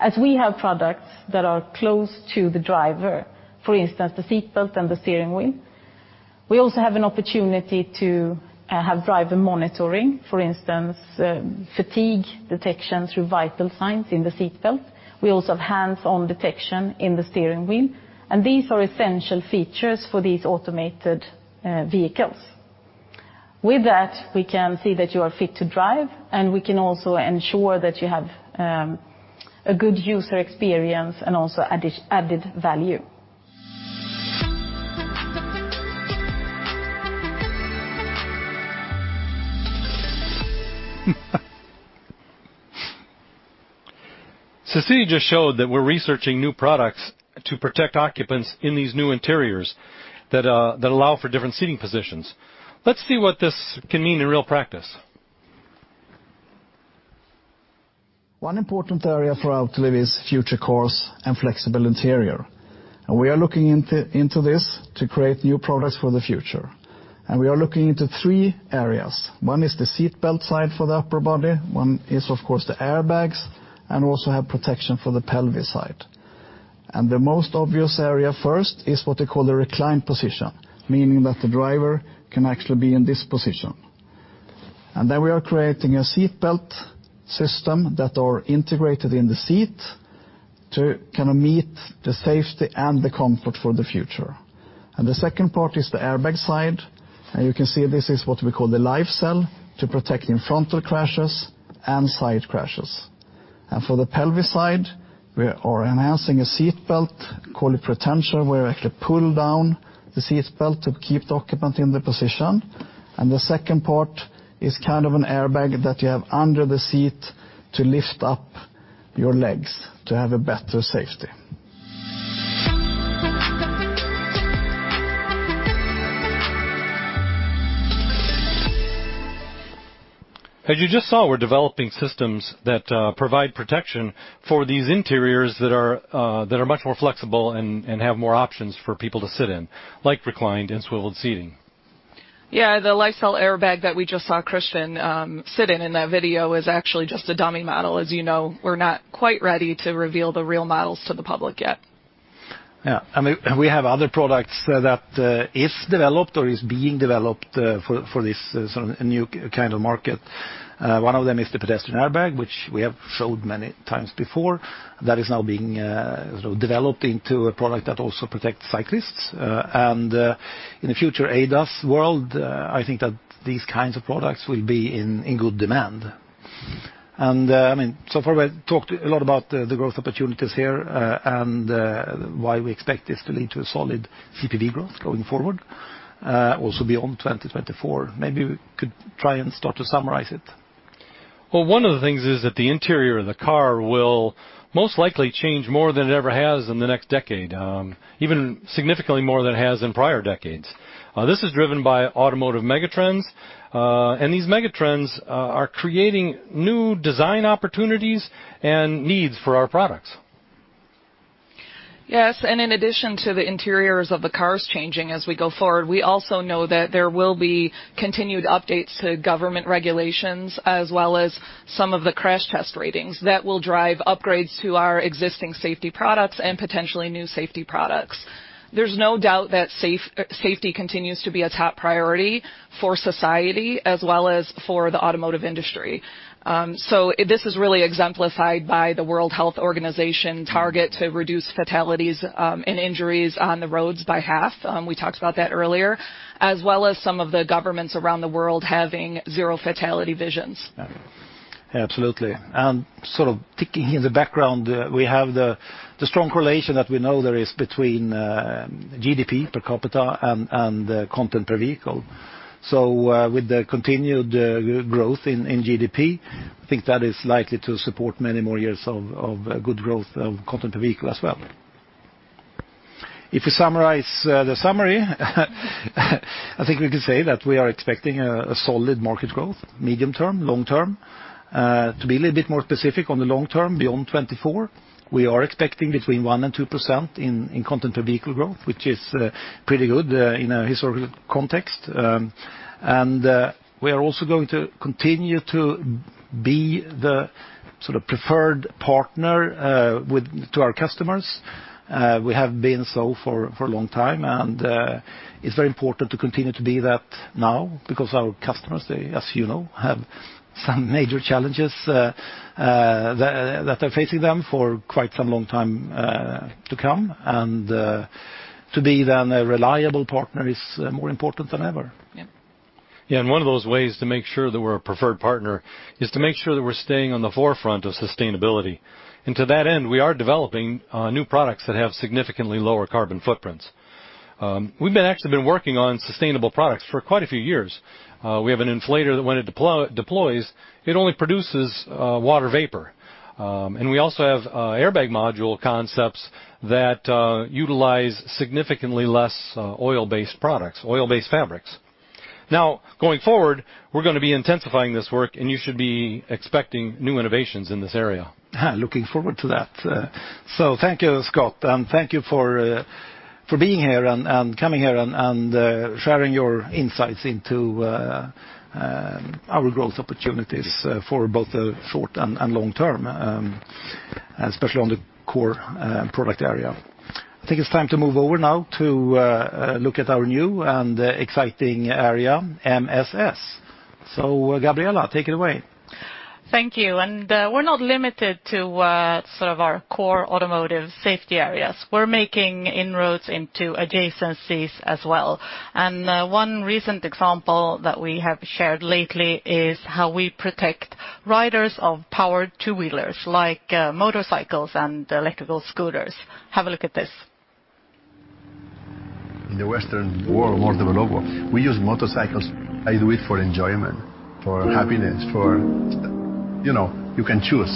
As we have products that are close to the driver, for instance, the seat belt and the steering wheel, we also have an opportunity to have driver monitoring, for instance, fatigue detection through vital signs in the seat belt. We also have hands-on detection in the steering wheel, and these are essential features for these automated vehicles. With that, we can see that you are fit to drive, and we can also ensure that you have a good user experience and also added value. Cecilia just showed that we're researching new products to protect occupants in these new interiors that allow for different seating positions. Let's see what this can mean in real practice. One important area for Autoliv is future cars and flexible interior. We are looking into this to create new products for the future. We are looking into three areas. One is the seatbelt side for the upper body, one is, of course, the airbags, and also the protection for the pelvis side. The most obvious area first is what they call the recline position, meaning that the driver can actually be in this position. Then we are creating a seatbelt system that are integrated in the seat to kind of meet the safety and the comfort for the future. The second part is the airbag side. You can see this is what we call the Life Cell to protect in frontal crashes and side crashes. For the pelvis side, we are enhancing a seatbelt, call it pretension, where we actually pull down the seatbelt to keep the occupant in the position. The second part is kind of an airbag that you have under the seat to lift up your legs to have a better safety. As you just saw, we're developing systems that provide protection for these interiors that are much more flexible and have more options for people to sit in, like reclined and swiveled seating. Yeah. The Life Cell airbag that we just saw Christian sit in that video is actually just a dummy model. As you know, we're not quite ready to reveal the real models to the public yet. We have other products that is developed or is being developed for this sort of new kind of market. One of them is the pedestrian airbag, which we have showed many times before, that is now being sort of developed into a product that also protects cyclists. In the future ADAS world, I think that these kinds of products will be in good demand. I mean, so far we've talked a lot about the growth opportunities here, and why we expect this to lead to a solid CPV growth going forward, also beyond 2024. Maybe we could try and start to summarize it. Well, one of the things is that the interior of the car will most likely change more than it ever has in the next decade, even significantly more than it has in prior decades. This is driven by automotive megatrends, and these megatrends are creating new design opportunities and needs for our products. Yes, in addition to the interiors of the cars changing as we go forward, we also know that there will be continued updates to government regulations, as well as some of the crash test ratings that will drive upgrades to our existing safety products and potentially new safety products. There's no doubt that safety continues to be a top priority for society as well as for the automotive industry. This is really exemplified by the World Health Organization target to reduce fatalities, and injuries on the roads by half, we talked about that earlier, as well as some of the governments around the world having zero fatality visions. Yeah. Absolutely. Sort of ticking in the background, we have the strong correlation that we know there is between GDP per capita and content per vehicle. With the continued growth in GDP, I think that is likely to support many more years of good growth of content per vehicle as well. If we summarize the summary I think we can say that we are expecting a solid market growth medium term, long term. To be a little bit more specific on the long term, beyond 2024, we are expecting between 1% and 2% in content per vehicle growth, which is pretty good in a historical context. We are also going to continue to be the sort of preferred partner to our customers. We have been so for a long time, and it's very important to continue to be that now because our customers, they, as you know, have some major challenges that are facing them for quite some long time to come. To be then a reliable partner is more important than ever. Yeah. One of those ways to make sure that we're a preferred partner is to make sure that we're staying on the forefront of sustainability. To that end, we are developing new products that have significantly lower carbon footprints. We've actually been working on sustainable products for quite a few years. We have an inflator that when it deploys, it only produces water vapor. We also have airbag module concepts that utilize significantly less oil-based products, oil-based fabrics. Now, going forward, we're gonna be intensifying this work, and you should be expecting new innovations in this area. Looking forward to that. Thank you, Scott, and thank you for being here and coming here and sharing your insights into our growth opportunities for both the short and long term, especially on the core product area. I think it's time to move over now to look at our new and exciting area, MSS. Gabriella, take it away. Thank you. We're not limited to sort of our core automotive safety areas. We're making inroads into adjacencies as well. One recent example that we have shared lately is how we protect riders of powered two-wheelers like motorcycles and electric scooters. Have a look at this. In the Western world, more developed world, we use motorcycles. I do it for enjoyment, for happiness. You know, you can choose.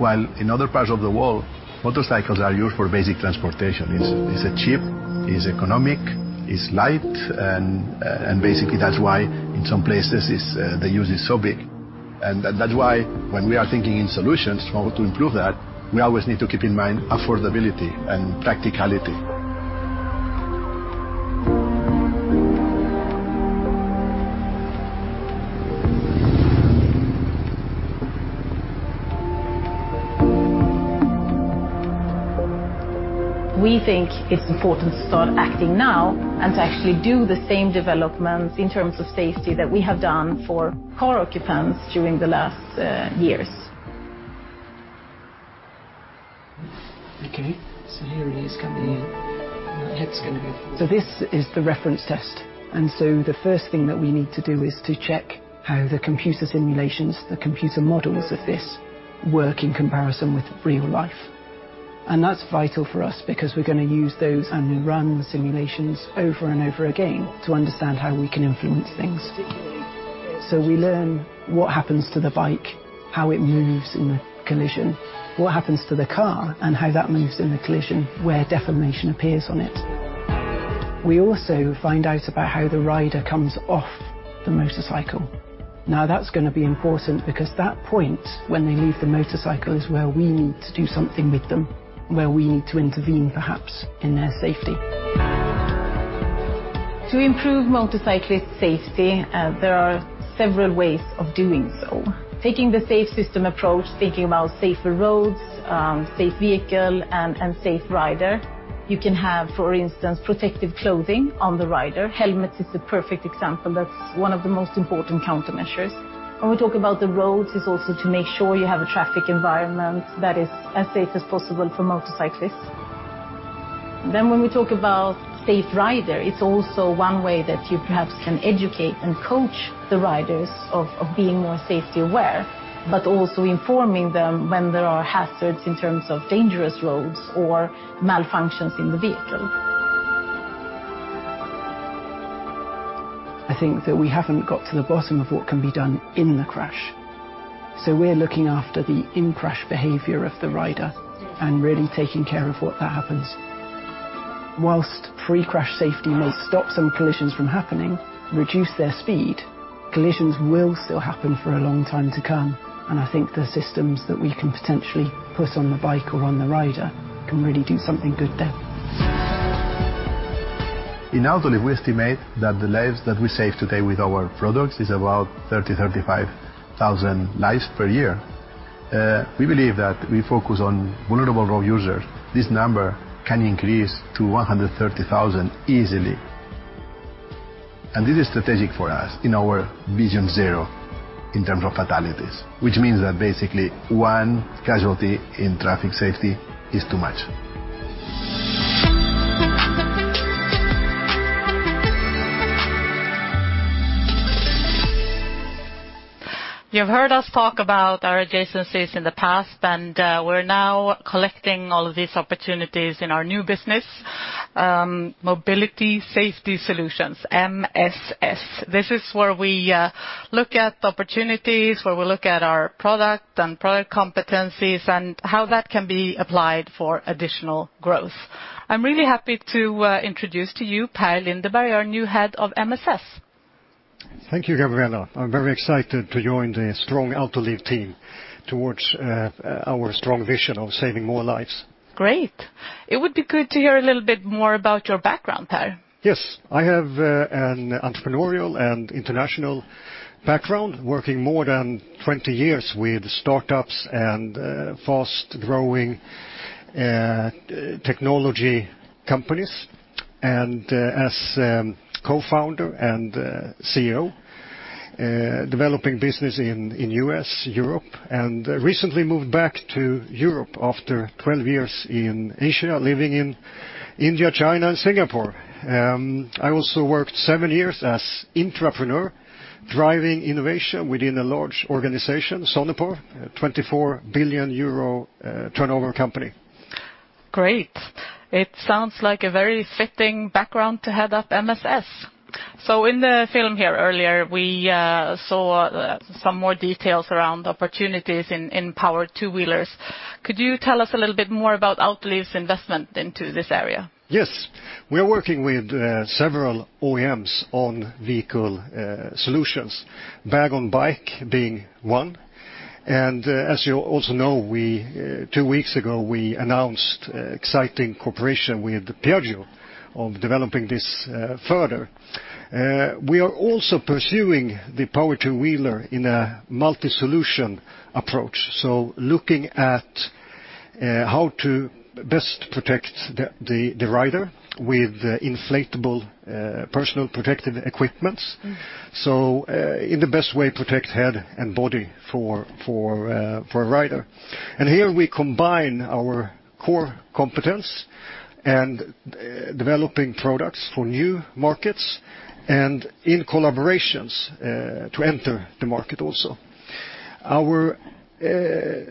While in other parts of the world, motorcycles are used for basic transportation. It's cheap, it's economic, it's light, and basically that's why in some places the use is so big. That's why when we are thinking in solutions how to improve that, we always need to keep in mind affordability and practicality. We think it's important to start acting now and to actually do the same developments in terms of safety that we have done for car occupants during the last years. Okay. Here it is coming in. This is the reference test, and so the first thing that we need to do is to check how the computer simulations, the computer models of this work in comparison with real life. That's vital for us because we're gonna use those, and we run simulations over and over again to understand how we can influence things. We learn what happens to the bike, how it moves in the collision, what happens to the car, and how that moves in the collision, where deformation appears on it. We also find out about how the rider comes off the motorcycle. Now, that's gonna be important because that point when they leave the motorcycle is where we need to do something with them, where we need to intervene perhaps in their safety. To improve motorcyclist safety, there are several ways of doing so. Taking the safe system approach, thinking about safer roads, safe vehicle, and safe rider. You can have, for instance, protective clothing on the rider. Helmets is the perfect example. That's one of the most important countermeasures. When we talk about the roads, it's also to make sure you have a traffic environment that is as safe as possible for motorcyclists. When we talk about safe rider, it's also one way that you perhaps can educate and coach the riders of being more safety aware, but also informing them when there are hazards in terms of dangerous roads or malfunctions in the vehicle. I think that we haven't got to the bottom of what can be done in the crash. We're looking after the in-crash behavior of the rider and really taking care of what that happens. Whilst pre-crash safety may stop some collisions from happening, reduce their speed, collisions will still happen for a long time to come, and I think the systems that we can potentially put on the bike or on the rider can really do something good there. In Autoliv, we estimate that the lives that we save today with our products is about 30,000-35,000 lives per year. We believe that we focus on vulnerable road users. This number can increase to 130,000 easily. This is strategic for us in our Vision Zero in terms of fatalities, which means that basically one casualty in traffic safety is too much. You've heard us talk about our adjacencies in the past, and we're now collecting all of these opportunities in our new business, Mobility Safety Solutions, MSS. This is where we look at opportunities, where we look at our product and product competencies and how that can be applied for additional growth. I'm really happy to introduce to you Per Lindeberg, our new Head of MSS. Thank you, Gabriella. I'm very excited to join the strong Autoliv team towards our strong vision of saving more lives. Great. It would be good to hear a little bit more about your background, Per. Yes. I have an entrepreneurial and international background, working more than 20 years with startups and fast-growing technology companies, and as co-founder and CEO developing business in U.S., Europe. Recently moved back to Europe after 12 years in Asia, living in India, China, and Singapore. I also worked seven years as entrepreneur, driving innovation within a large organization, Sonepar, a 24 billion euro turnover company. Great. It sounds like a very fitting background to head up MSS. In the film here earlier, we saw some more details around opportunities in powered two-wheelers. Could you tell us a little bit more about Autoliv's investment into this area? Yes. We are working with several OEMs on vehicle solutions. Bag-on-bike being one. As you also know, two weeks ago we announced exciting cooperation with Piaggio of developing this further. We are also pursuing the powered two-wheeler in a multi-solution approach. Looking at how to best protect the rider with inflatable personal protective equipment. In the best way, protect head and body for a rider. Here we combine our core competence and developing products for new markets and in collaborations to enter the market also. Our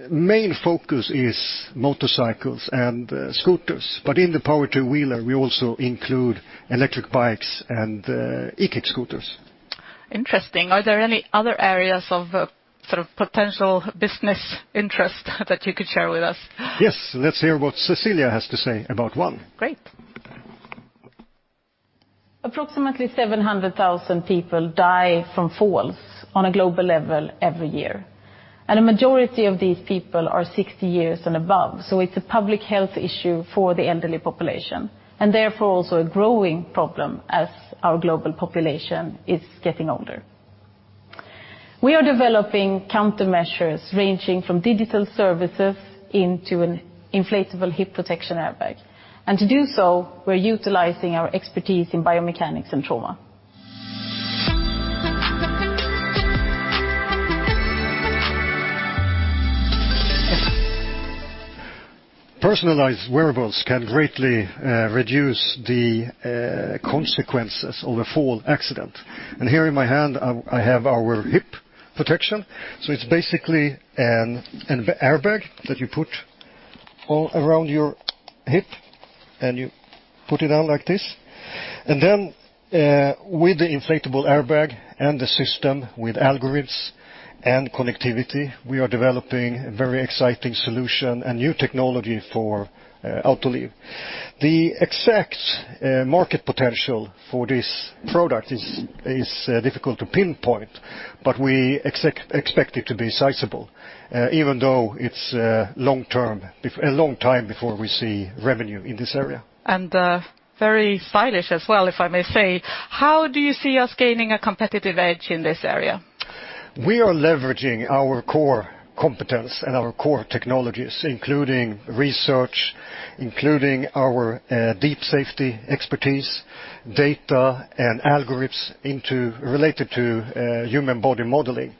main focus is motorcycles and scooters. In the powered two-wheeler, we also include electric bikes and e-scooters. Interesting. Are there any other areas of sort of potential business interest that you could share with us? Yes. Let's hear what Cecilia has to say about one. Great. Approximately 700,000 people die from falls on a global level every year, and a majority of these people are 60 years and above, so it's a public health issue for the elderly population, and therefore also a growing problem as our global population is getting older. We are developing countermeasures ranging from digital services into an inflatable hip protection airbag. To do so, we're utilizing our expertise in biomechanics and trauma. Personalized wearables can greatly reduce the consequences of a fall accident. Here in my hand I have our hip protection. It's basically an airbag that you put all around your hip, and you put it on like this. Then, with the inflatable airbag and the system with algorithms and connectivity, we are developing a very exciting solution and new technology for Autoliv. The exact market potential for this product is difficult to pinpoint, but we expect it to be sizable, even though it's long term a long time before we see revenue in this area. Very stylish as well, if I may say. How do you see us gaining a competitive edge in this area? We are leveraging our core competence and our core technologies, including research, our deep safety expertise, data and algorithms related to human body modeling.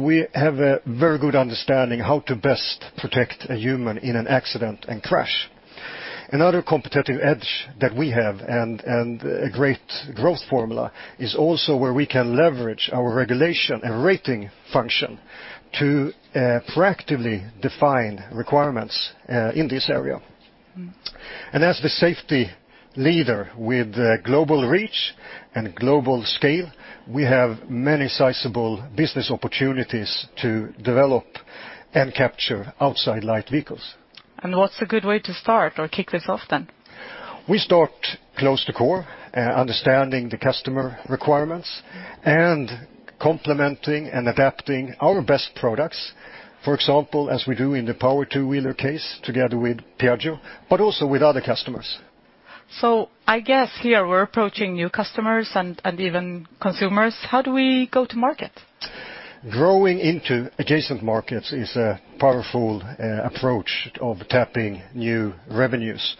We have a very good understanding how to best protect a human in an accident and crash. Another competitive edge that we have and a great growth formula is also where we can leverage our regulation and rating function to proactively define requirements in this area. As the safety leader with global reach and global scale, we have many sizable business opportunities to develop and capture outside light vehicles. What's a good way to start or kick this off then? We start close to core, understanding the customer requirements. Complementing and adapting our best products. For example, as we do in the powered two-wheeler case together with Piaggio, but also with other customers. I guess here we're approaching new customers and even consumers. How do we go to market? Growing into adjacent markets is a powerful approach of tapping new revenues.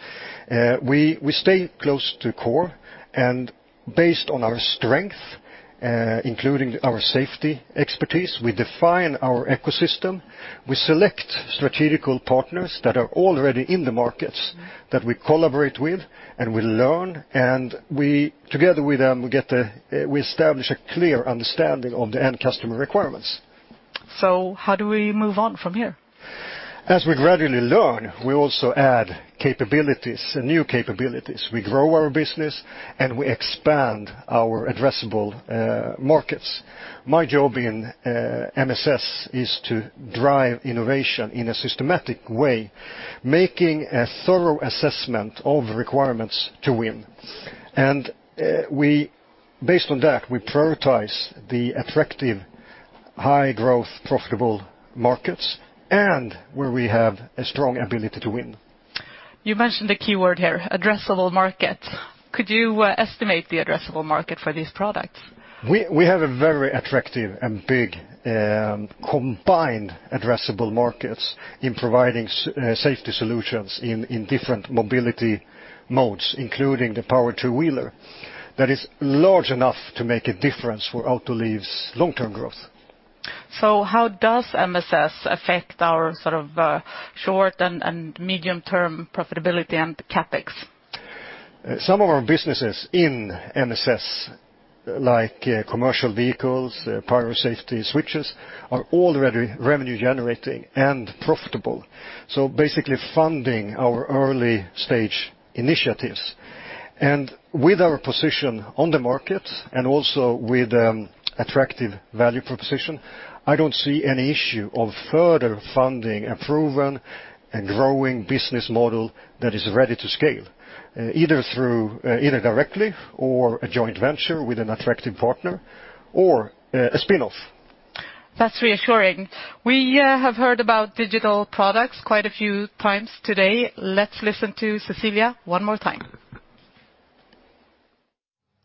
We stay close to core, and based on our strength, including our safety expertise, we define our ecosystem. We select strategic partners that are already in the markets that we collaborate with and we learn together with them, we establish a clear understanding of the end customer requirements. How do we move on from here? As we gradually learn, we also add capabilities, new capabilities. We grow our business, and we expand our addressable markets. My job in MSS is to drive innovation in a systematic way, making a thorough assessment of requirements to win. Based on that, we prioritize the attractive, high growth, profitable markets and where we have a strong ability to win. You mentioned the keyword here, addressable market. Could you estimate the addressable market for these products? We have a very attractive and big combined addressable markets in providing safety solutions in different mobility modes, including the power two-wheeler, that is large enough to make a difference for Autoliv's long-term growth. How does MSS affect our sort of short and medium-term profitability and CapEx? Some of our businesses in MSS, like commercial vehicles, pyro safety switches, are already revenue generating and profitable, so basically funding our early stage initiatives. With our position on the market and also with attractive value proposition, I don't see any issue of further funding a proven and growing business model that is ready to scale, either directly or a joint venture with an attractive partner or a spin-off. That's reassuring. We have heard about digital products quite a few times today. Let's listen to Cecilia one more time.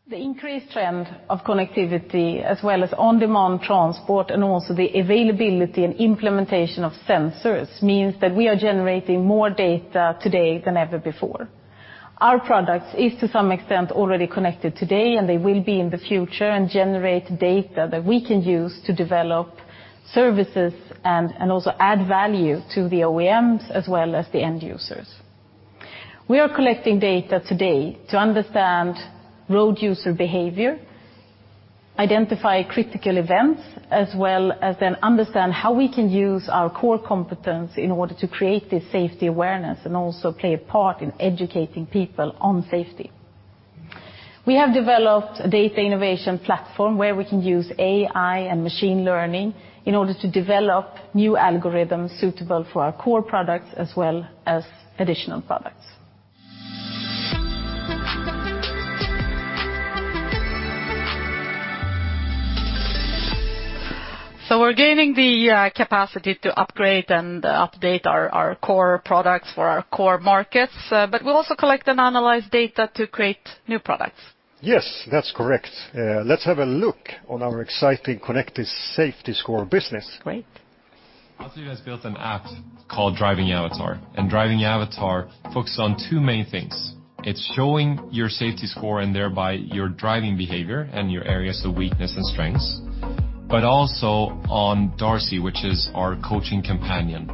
The increased trend of connectivity as well as on-demand transport and also the availability and implementation of sensors means that we are generating more data today than ever before. Our products is, to some extent, already connected today, and they will be in the future and generate data that we can use to develop services and also add value to the OEMs as well as the end users. We are collecting data today to understand road user behavior, identify critical events, as well as then understand how we can use our core competence in order to create this safety awareness and also play a part in educating people on safety. We have developed a data innovation platform where we can use AI and machine learning in order to develop new algorithms suitable for our core products as well as additional products. We're gaining the capacity to upgrade and update our core products for our core markets, but we'll also collect and analyze data to create new products. Yes, that's correct. Let's have a look on our exciting Connected Safety Score business. Great. Autoliv has built an app called Driving Avatar, and Driving Avatar focuses on two main things. It's showing your safety score and thereby your driving behavior and your areas of weakness and strengths, but also on DARCY, which is our coaching companion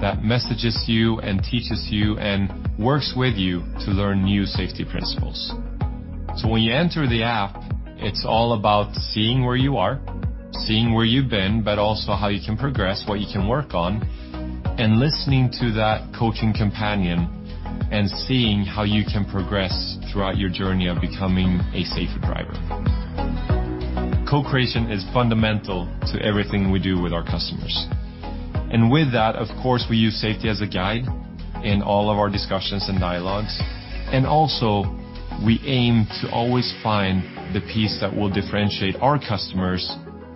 that messages you and teaches you and works with you to learn new safety principles. When you enter the app, it's all about seeing where you are, seeing where you've been, but also how you can progress, what you can work on, and listening to that coaching companion and seeing how you can progress throughout your journey of becoming a safer driver. Co-creation is fundamental to everything we do with our customers. With that, of course, we use safety as a guide in all of our discussions and dialogues. We aim to always find the piece that will differentiate our customers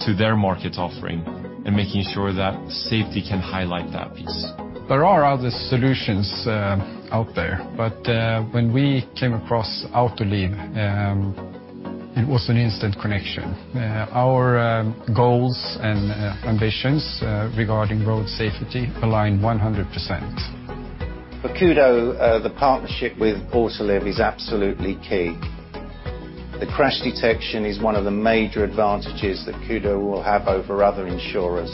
to their market offering and making sure that safety can highlight that piece. There are other solutions out there, but when we came across Autoliv, it was an instant connection. Our goals and ambitions regarding road safety align 100%. For Kudo, the partnership with Autoliv is absolutely key. The crash detection is one of the major advantages that Kudo will have over other insurers.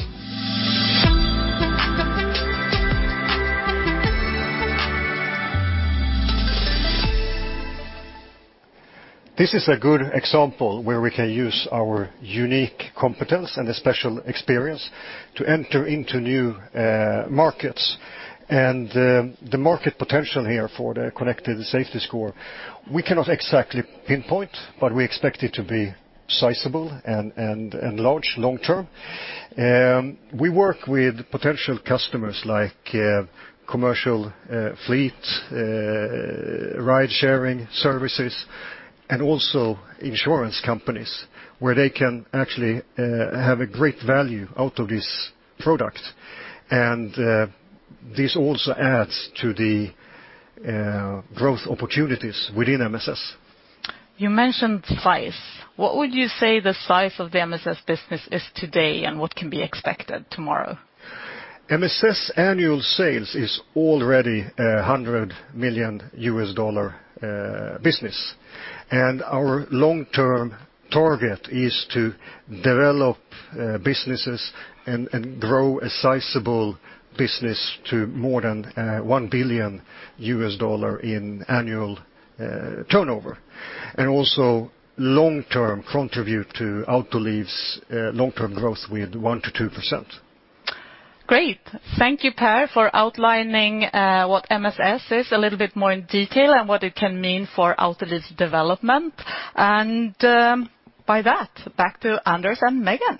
This is a good example where we can use our unique competence and special experience to enter into new markets. The market potential here for the Connected Safety Score, we cannot exactly pinpoint, but we expect it to be sizable and large long term. We work with potential customers like commercial fleet ride-sharing services, and also insurance companies where they can actually have a great value out of this product. This also adds to the growth opportunities within MSS. You mentioned size. What would you say the size of the MSS business is today, and what can be expected tomorrow? MSS annual sales is already $100 million business, and our long-term target is to develop businesses and grow a sizable business to more than $1 billion in annual turnover, and also long-term contribute to Autoliv's long-term growth with 1%-2%. Great. Thank you, Per, for outlining what MSS is a little bit more in detail and what it can mean for Autoliv's development. By that, back to Anders and Megan.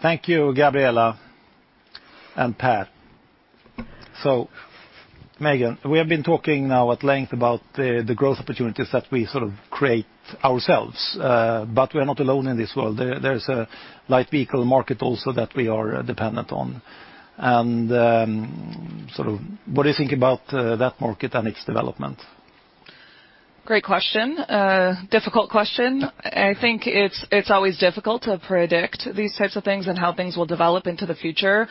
Thank you, Gabriella and Per. Megan, we have been talking now at length about the growth opportunities that we sort of create ourselves, but we're not alone in this world. There's a light vehicle market also that we are dependent on. Sort of, what do you think about that market and its development? Great question. A difficult question. I think it's always difficult to predict these types of things and how things will develop into the future.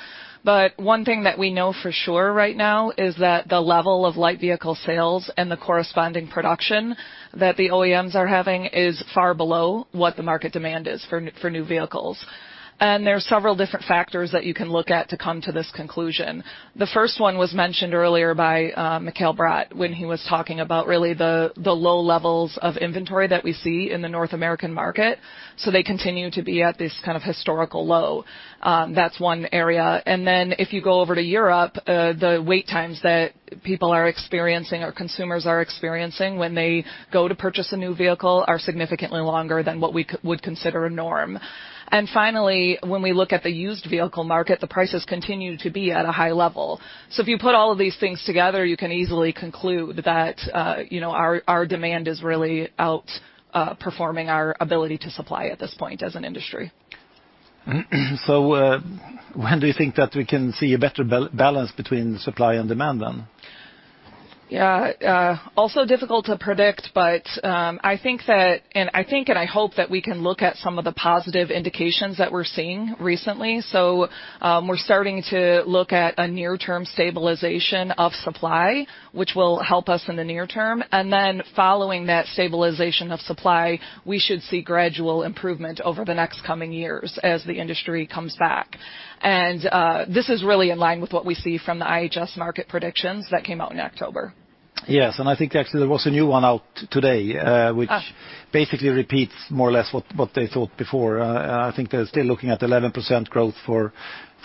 One thing that we know for sure right now is that the level of light vehicle sales and the corresponding production that the OEMs are having is far below what the market demand is for new vehicles. There are several different factors that you can look at to come to this conclusion. The first one was mentioned earlier by Mikael Bratt when he was talking about the low levels of inventory that we see in the North American market. They continue to be at this kind of historical low. That's one area. If you go over to Europe, the wait times that people are experiencing or consumers are experiencing when they go to purchase a new vehicle are significantly longer than what we would consider a norm. Finally, when we look at the used vehicle market, the prices continue to be at a high level. If you put all of these things together, you can easily conclude that, you know, our demand is really outperforming our ability to supply at this point as an industry. When do you think that we can see a better balance between supply and demand then? Yeah, also difficult to predict, but I think and I hope that we can look at some of the positive indications that we're seeing recently. We're starting to look at a near-term stabilization of supply, which will help us in the near term. This is really in line with what we see from the IHS Markit predictions that came out in October. Yes, I think actually there was a new one out today, which basically repeats more or less what they thought before. I think they're still looking at 11% growth for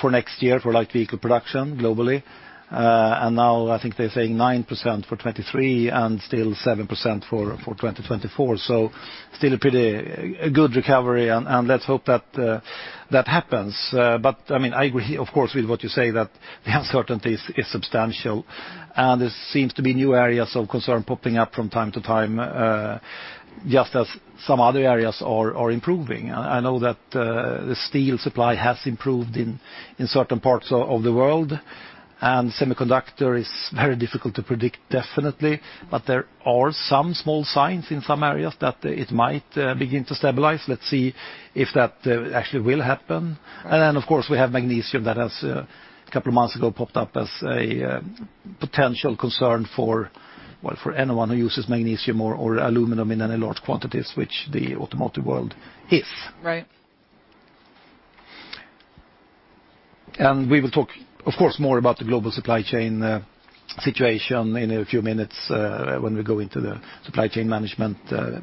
next year for light vehicle production globally. Now I think they're saying 9% for 2023 and still 7% for 2024. Still a pretty good recovery and let's hope that happens. I mean, I agree, of course, with what you say that the uncertainty is substantial, and there seems to be new areas of concern popping up from time to time, just as some other areas are improving. I know that the steel supply has improved in certain parts of the world, and semiconductor is very difficult to predict, definitely. There are some small signs in some areas that it might begin to stabilize. Let's see if that actually will happen. Then, of course, we have magnesium that has a couple of months ago popped up as a potential concern for well, for anyone who uses magnesium or aluminum in any large quantities, which the automotive world is. Right. We will talk, of course, more about the global supply chain situation in a few minutes, when we go into the supply chain management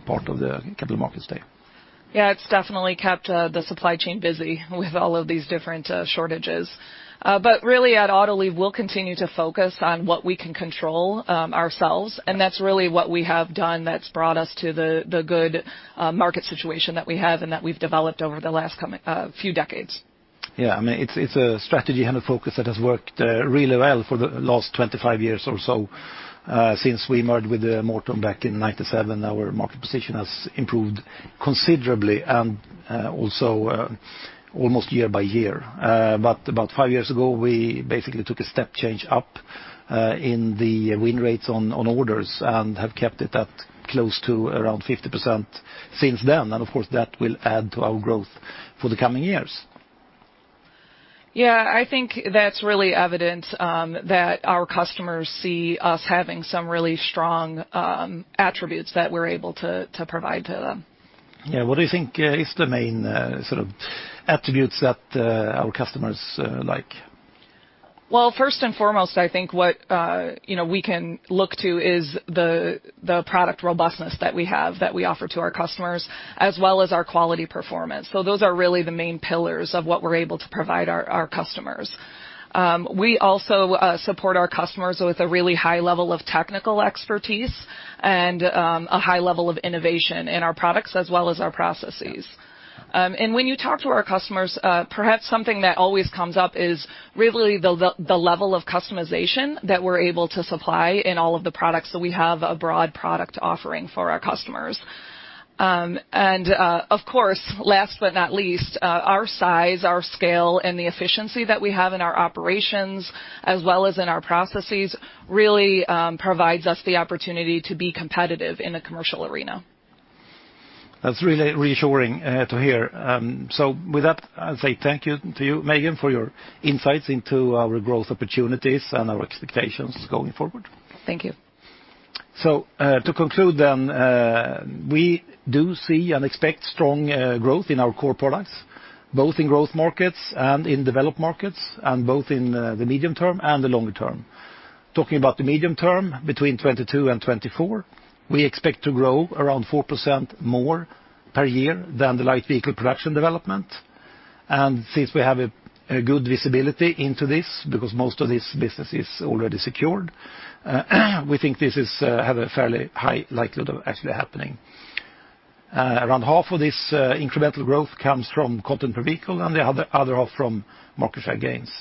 part of the Capital Markets Day. Yeah, it's definitely kept the supply chain busy with all of these different shortages. Really at Autoliv, we'll continue to focus on what we can control ourselves, and that's really what we have done that's brought us to the good market situation that we have and that we've developed over the last couple few decades. Yeah. I mean, it's a strategy and a focus that has worked really well for the last 25 years or so. Since we merged with Morton back in 1997, our market position has improved considerably and also almost year-by-year. About five years ago, we basically took a step change up in the win rates on orders and have kept it at close to around 50% since then. Of course, that will add to our growth for the coming years. Yeah, I think that's really evident that our customers see us having some really strong attributes that we're able to provide to them. Yeah. What do you think is the main sort of attributes that our customers like? Well, first and foremost, I think what you know, we can look to is the product robustness that we have, that we offer to our customers, as well as our quality performance. Those are really the main pillars of what we're able to provide our customers. We also support our customers with a really high level of technical expertise and a high level of innovation in our products as well as our processes. When you talk to our customers, perhaps something that always comes up is really the level of customization that we're able to supply in all of the products that we have a broad product offering for our customers. Of course, last but not least, our size, our scale, and the efficiency that we have in our operations as well as in our processes really provides us the opportunity to be competitive in the commercial arena. That's really reassuring to hear. With that, I'll say thank you to you, Megan, for your insights into our growth opportunities and our expectations going forward. Thank you. To conclude then, we do see and expect strong growth in our core products, both in growth markets and in developed markets, and both in the medium term and the longer term. Talking about the medium term, between 2022 and 2024, we expect to grow around 4% more per year than the light vehicle production development. Since we have a good visibility into this, because most of this business is already secured, we think this has a fairly high likelihood of actually happening. Around half of this incremental growth comes from content per vehicle, and the other half from market share gains.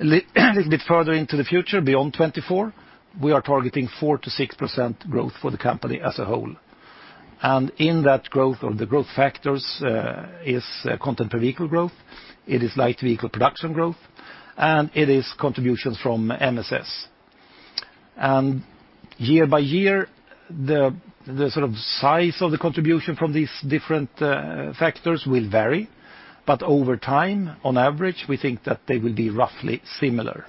A little bit further into the future, beyond 2024, we are targeting 4%-6% growth for the company as a whole. In that growth or the growth factors, is content per vehicle growth, it is light vehicle production growth, and it is contributions from MSS. Year-by-year, the sort of size of the contribution from these different factors will vary, but over time, on average, we think that they will be roughly similar.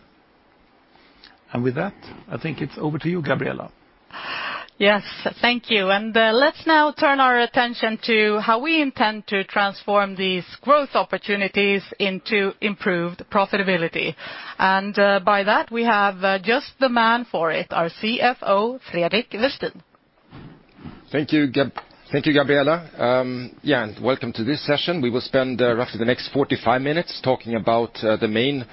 With that, I think it's over to you, Gabriella. Yes. Thank you. Let's now turn our attention to how we intend to transform these growth opportunities into improved profitability. By that, we have just the man for it, our CFO, Fredrik Westin. Thank you, Gabriella. Welcome to this session. We will spend roughly the next 45 minutes talking about the main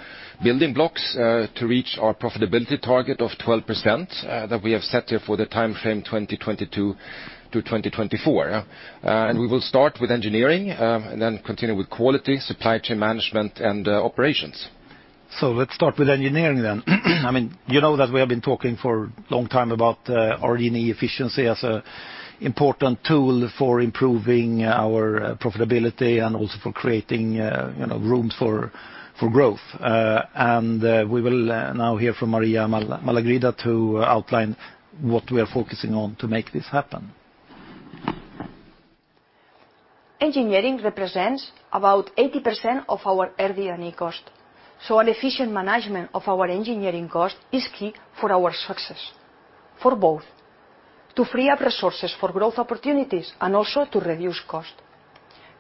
building blocks to reach our profitability target of 12%, that we have set here for the timeframe 2022 to 2024. We will start with engineering and then continue with quality, supply chain management, and operations. Let's start with engineering then. I mean, you know that we have been talking for a long time about our R&D efficiency as an important tool for improving our profitability and also for creating, you know, room for growth. We will now hear from Maria Malagrida to outline what we are focusing on to make this happen. Engineering represents about 80% of our RD&E cost. An efficient management of our engineering cost is key for our success, for both to free up resources for growth opportunities and also to reduce cost.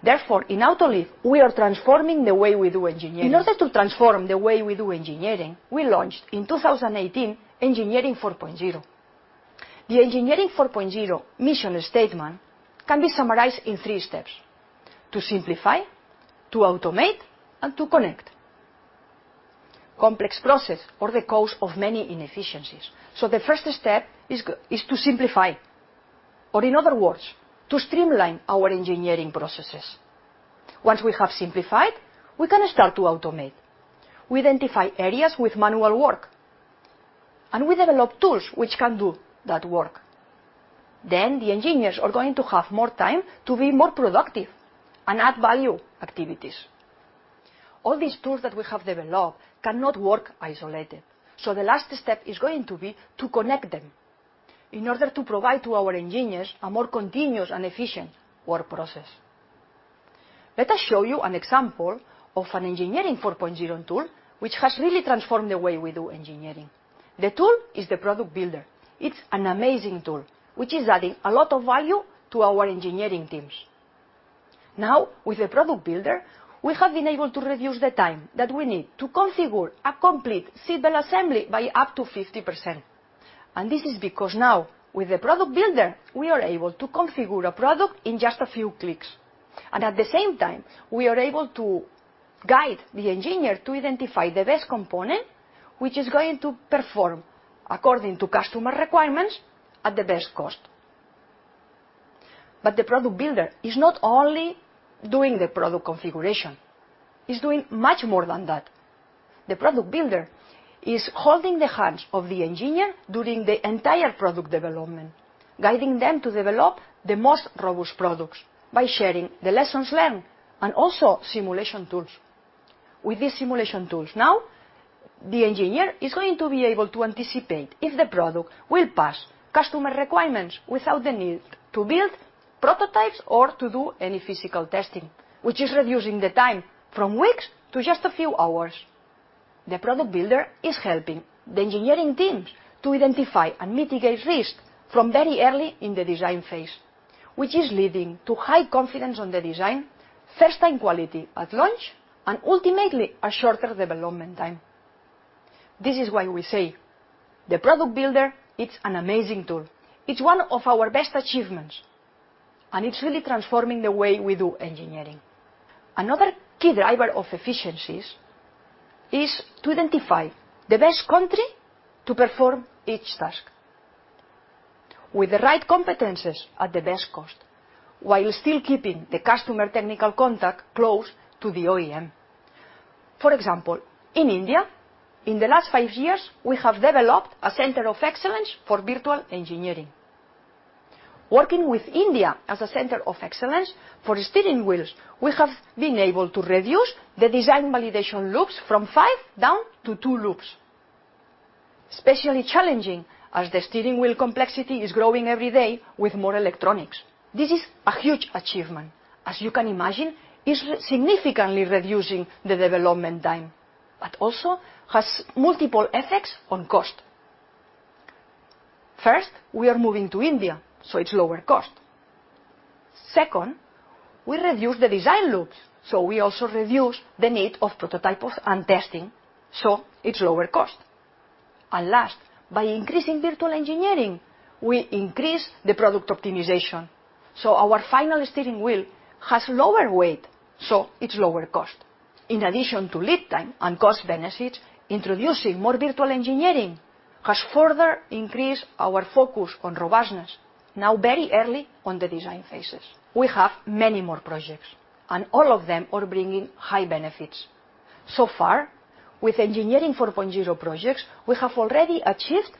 Therefore, in Autoliv, we are transforming the way we do engineering. In order to transform the way we do engineering, we launched in 2018 Engineering 4.0. The Engineering 4.0 mission statement can be summarized in three steps, to simplify, to automate, and to connect. Complex process are the cause of many inefficiencies, so the first step is to simplify, or in other words, to streamline our engineering processes. Once we have simplified, we can start to automate. We identify areas with manual work, and we develop tools which can do that work. Then the engineers are going to have more time to be more productive and add value activities. All these tools that we have developed cannot work isolated, so the last step is going to be to connect them in order to provide to our engineers a more continuous and efficient work process. Let us show you an example of an Engineering 4.0 tool which has really transformed the way we do engineering. The tool is the Product Builder. It's an amazing tool which is adding a lot of value to our engineering teams. Now, with the Product Builder, we have been able to reduce the time that we need to configure a complete seatbelt assembly by up to 50%, and this is because now with the Product Builder, we are able to configure a product in just a few clicks, and at the same time, we are able to guide the engineer to identify the best component which is going to perform according to customer requirements at the best cost. The Product Builder is not only doing the product configuration. It's doing much more than that. The Product Builder is holding the hands of the engineer during the entire product development, guiding them to develop the most robust products by sharing the lessons learned and also simulation tools. With these simulation tools now, the engineer is going to be able to anticipate if the product will pass customer requirements without the need to build prototypes or to do any physical testing, which is reducing the time from weeks to just a few hours. The Product Builder is helping the engineering teams to identify and mitigate risk from very early in the design phase, which is leading to high confidence on the design, first time quality at launch, and ultimately, a shorter development time. This is why we say the Product Builder, it's an amazing tool. It's one of our best achievements, and it's really transforming the way we do engineering. Another key driver of efficiencies is to identify the best country to perform each task with the right competencies at the best cost while still keeping the customer technical contact close to the OEM. For example, in India, in the last five years, we have developed a center of excellence for virtual engineering. Working with India as a center of excellence for steering wheels, we have been able to reduce the design validation loops from five down to two loops, especially challenging as the steering wheel complexity is growing every day with more electronics. This is a huge achievement. As you can imagine, it's significantly reducing the development time, but also has multiple effects on cost. First, we are moving to India, so it's lower cost. Second, we reduce the design loops, so we also reduce the need of prototypes and testing, so it's lower cost. Last, by increasing virtual engineering, we increase the product optimization, so our final steering wheel has lower weight, so it's lower cost. In addition to lead time and cost benefits, introducing more virtual engineering has further increased our focus on robustness now very early on the design phases. We have many more projects, and all of them are bringing high benefits. So far, with Engineering 4.0 projects, we have already achieved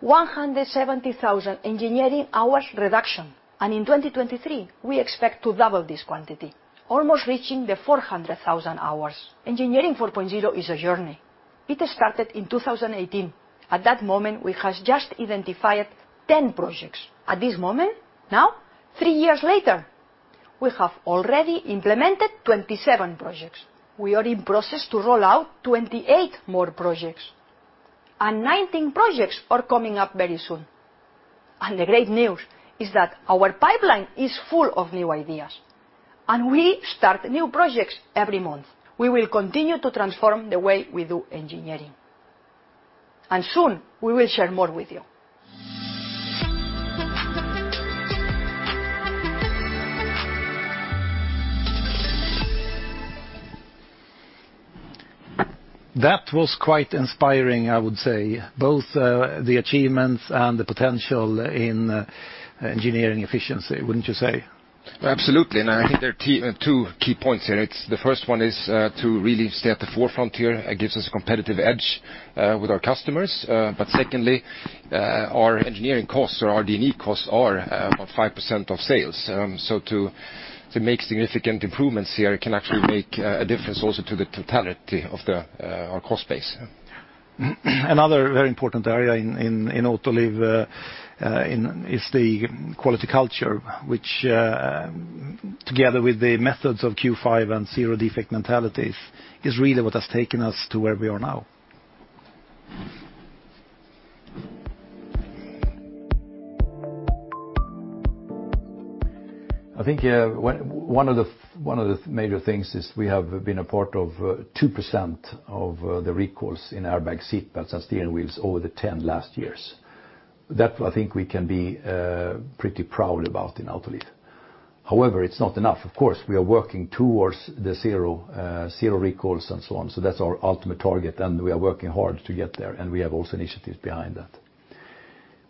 170,000 engineering hours reduction, and in 2023, we expect to double this quantity, almost reaching the 400,000 hours. Engineering 4.0 is a journey. It started in 2018. At that moment, we had just identified 10 projects. At this moment, now, three years later, we have already implemented 27 projects. We are in process to roll out 28 more projects, and 19 projects are coming up very soon. The great news is that our pipeline is full of new ideas, and we start new projects every month. We will continue to transform the way we do engineering, and soon we will share more with you. That was quite inspiring, I would say, both the achievements and the potential in engineering efficiency, wouldn't you say? Absolutely, I think there are two key points here. The first one is to really stay at the forefront here. It gives us competitive edge with our customers. Secondly, our engineering costs or our RD&E costs are about 5% of sales. To make significant improvements here can actually make a difference also to the totality of our cost base. Another very important area in Autoliv is the quality culture which, together with the methods of Q5 and zero defect mentalities, is really what has taken us to where we are now. I think, yeah, one of the major things is we have been a part of 2% of the recalls in airbag seatbelts and steering wheels over the last 10 years. That I think we can be pretty proud about in Autoliv. However, it's not enough. Of course, we are working towards zero recalls and so on. That's our ultimate target, and we are working hard to get there, and we have also initiatives behind that.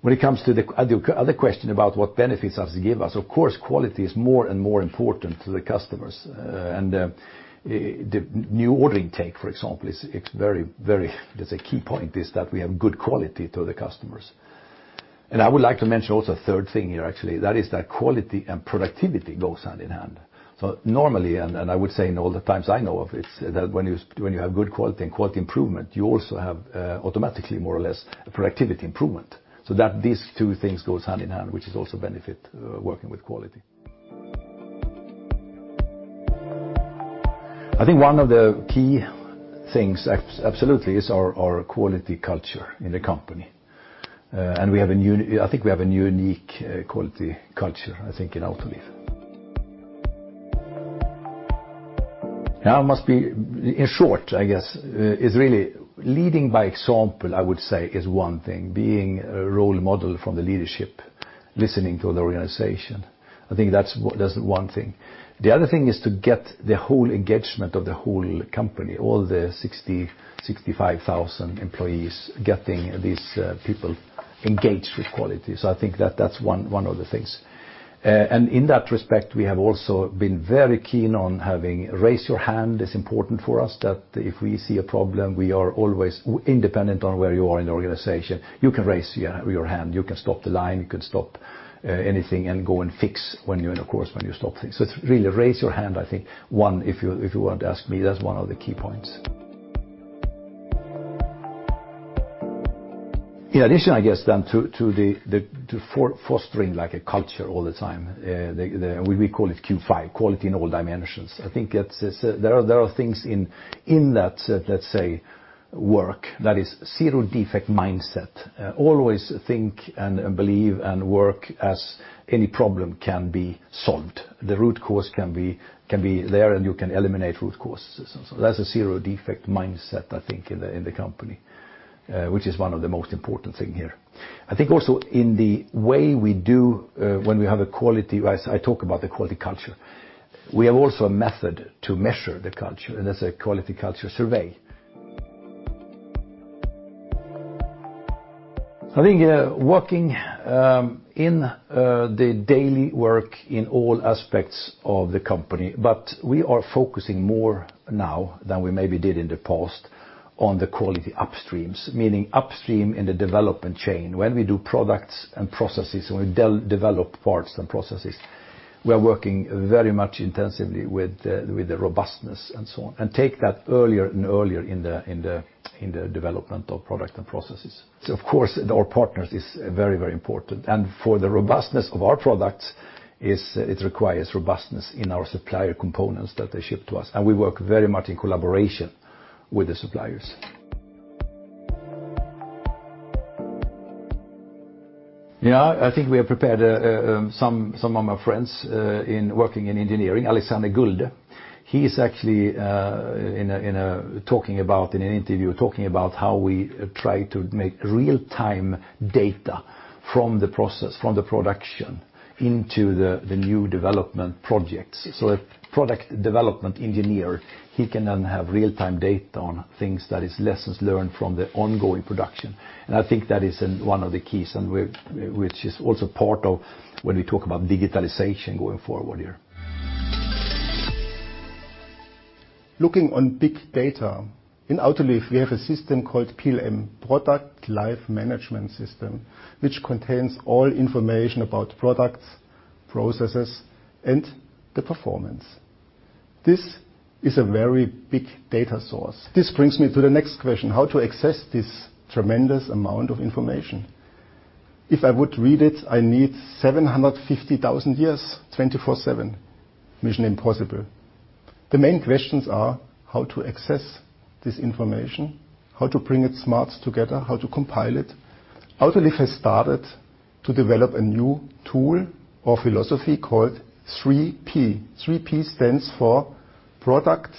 When it comes to the other question about what benefits has it give us, of course, quality is more and more important to the customers. And the new order intake, for example, is very. There's a key point is that we have good quality to the customers. I would like to mention also a third thing here, actually. That is that quality and productivity goes hand in hand. Normally, and I would say in all the times I know of is that when you have good quality and quality improvement, you also have automatically more or less productivity improvement. So that these two things goes hand in hand, which is also a benefit working with quality. I think one of the key things absolutely is our quality culture in the company. I think we have a unique quality culture, I think, in Autoliv. Now it must be, in short, I guess, is really leading by example, I would say is one thing. Being a role model from the leadership, listening to the organization. I think that's one thing. The other thing is to get the whole engagement of the whole company, all the 65,000 employees, getting these people engaged with quality. I think that that's one of the things. In that respect, we have also been very keen on having raise your hand is important for us, that if we see a problem, we are always independent of where you are in the organization, you can raise your hand. You can stop the line, you can stop anything and go and fix, and of course when you stop things. It's really raise your hand. I think if you were to ask me, that's one of the key points. In addition, to fostering like a culture all the time, we call it Q5, quality in all dimensions. I think it's there are things in that, let's say, work that is zero defect mindset. Always think and believe and work as any problem can be solved. The root cause can be there, and you can eliminate root causes. That's a zero defect mindset, I think, in the company, which is one of the most important thing here. I think also in the way we do when we have a quality. I talk about the quality culture. We have also a method to measure the culture, and that's a quality culture survey. I think working in the daily work in all aspects of the company, but we are focusing more now than we maybe did in the past on the quality upstreams, meaning upstream in the development chain. When we do products and processes, when we develop parts and processes, we are working very much intensively with the robustness and so on, and take that earlier and earlier in the development of product and processes. Of course, our partners is very, very important. For the robustness of our products is it requires robustness in our supplier components that they ship to us. We work very much in collaboration with the suppliers. Yeah, I think we have prepared some of my friends in working in engineering, Alexander Gulde. He is actually in an interview talking about how we try to make real-time data from the process, from the production into the new development projects. A product development engineer can then have real-time data on things that is lessons learned from the ongoing production. I think that is one of the keys, which is also part of when we talk about digitalization going forward here. Looking on big data, in Autoliv, we have a system called PLM, Product Lifecycle Management System, which contains all information about products, processes, and the performance. This is a very big data source. This brings me to the next question, how to access this tremendous amount of information. If I would read it, I need 750,000 years, 24/7. Mission impossible. The main questions are how to access this information, how to bring it smart together, how to compile it. Autoliv has started to develop a new tool or philosophy called 3P. 3P stands for product,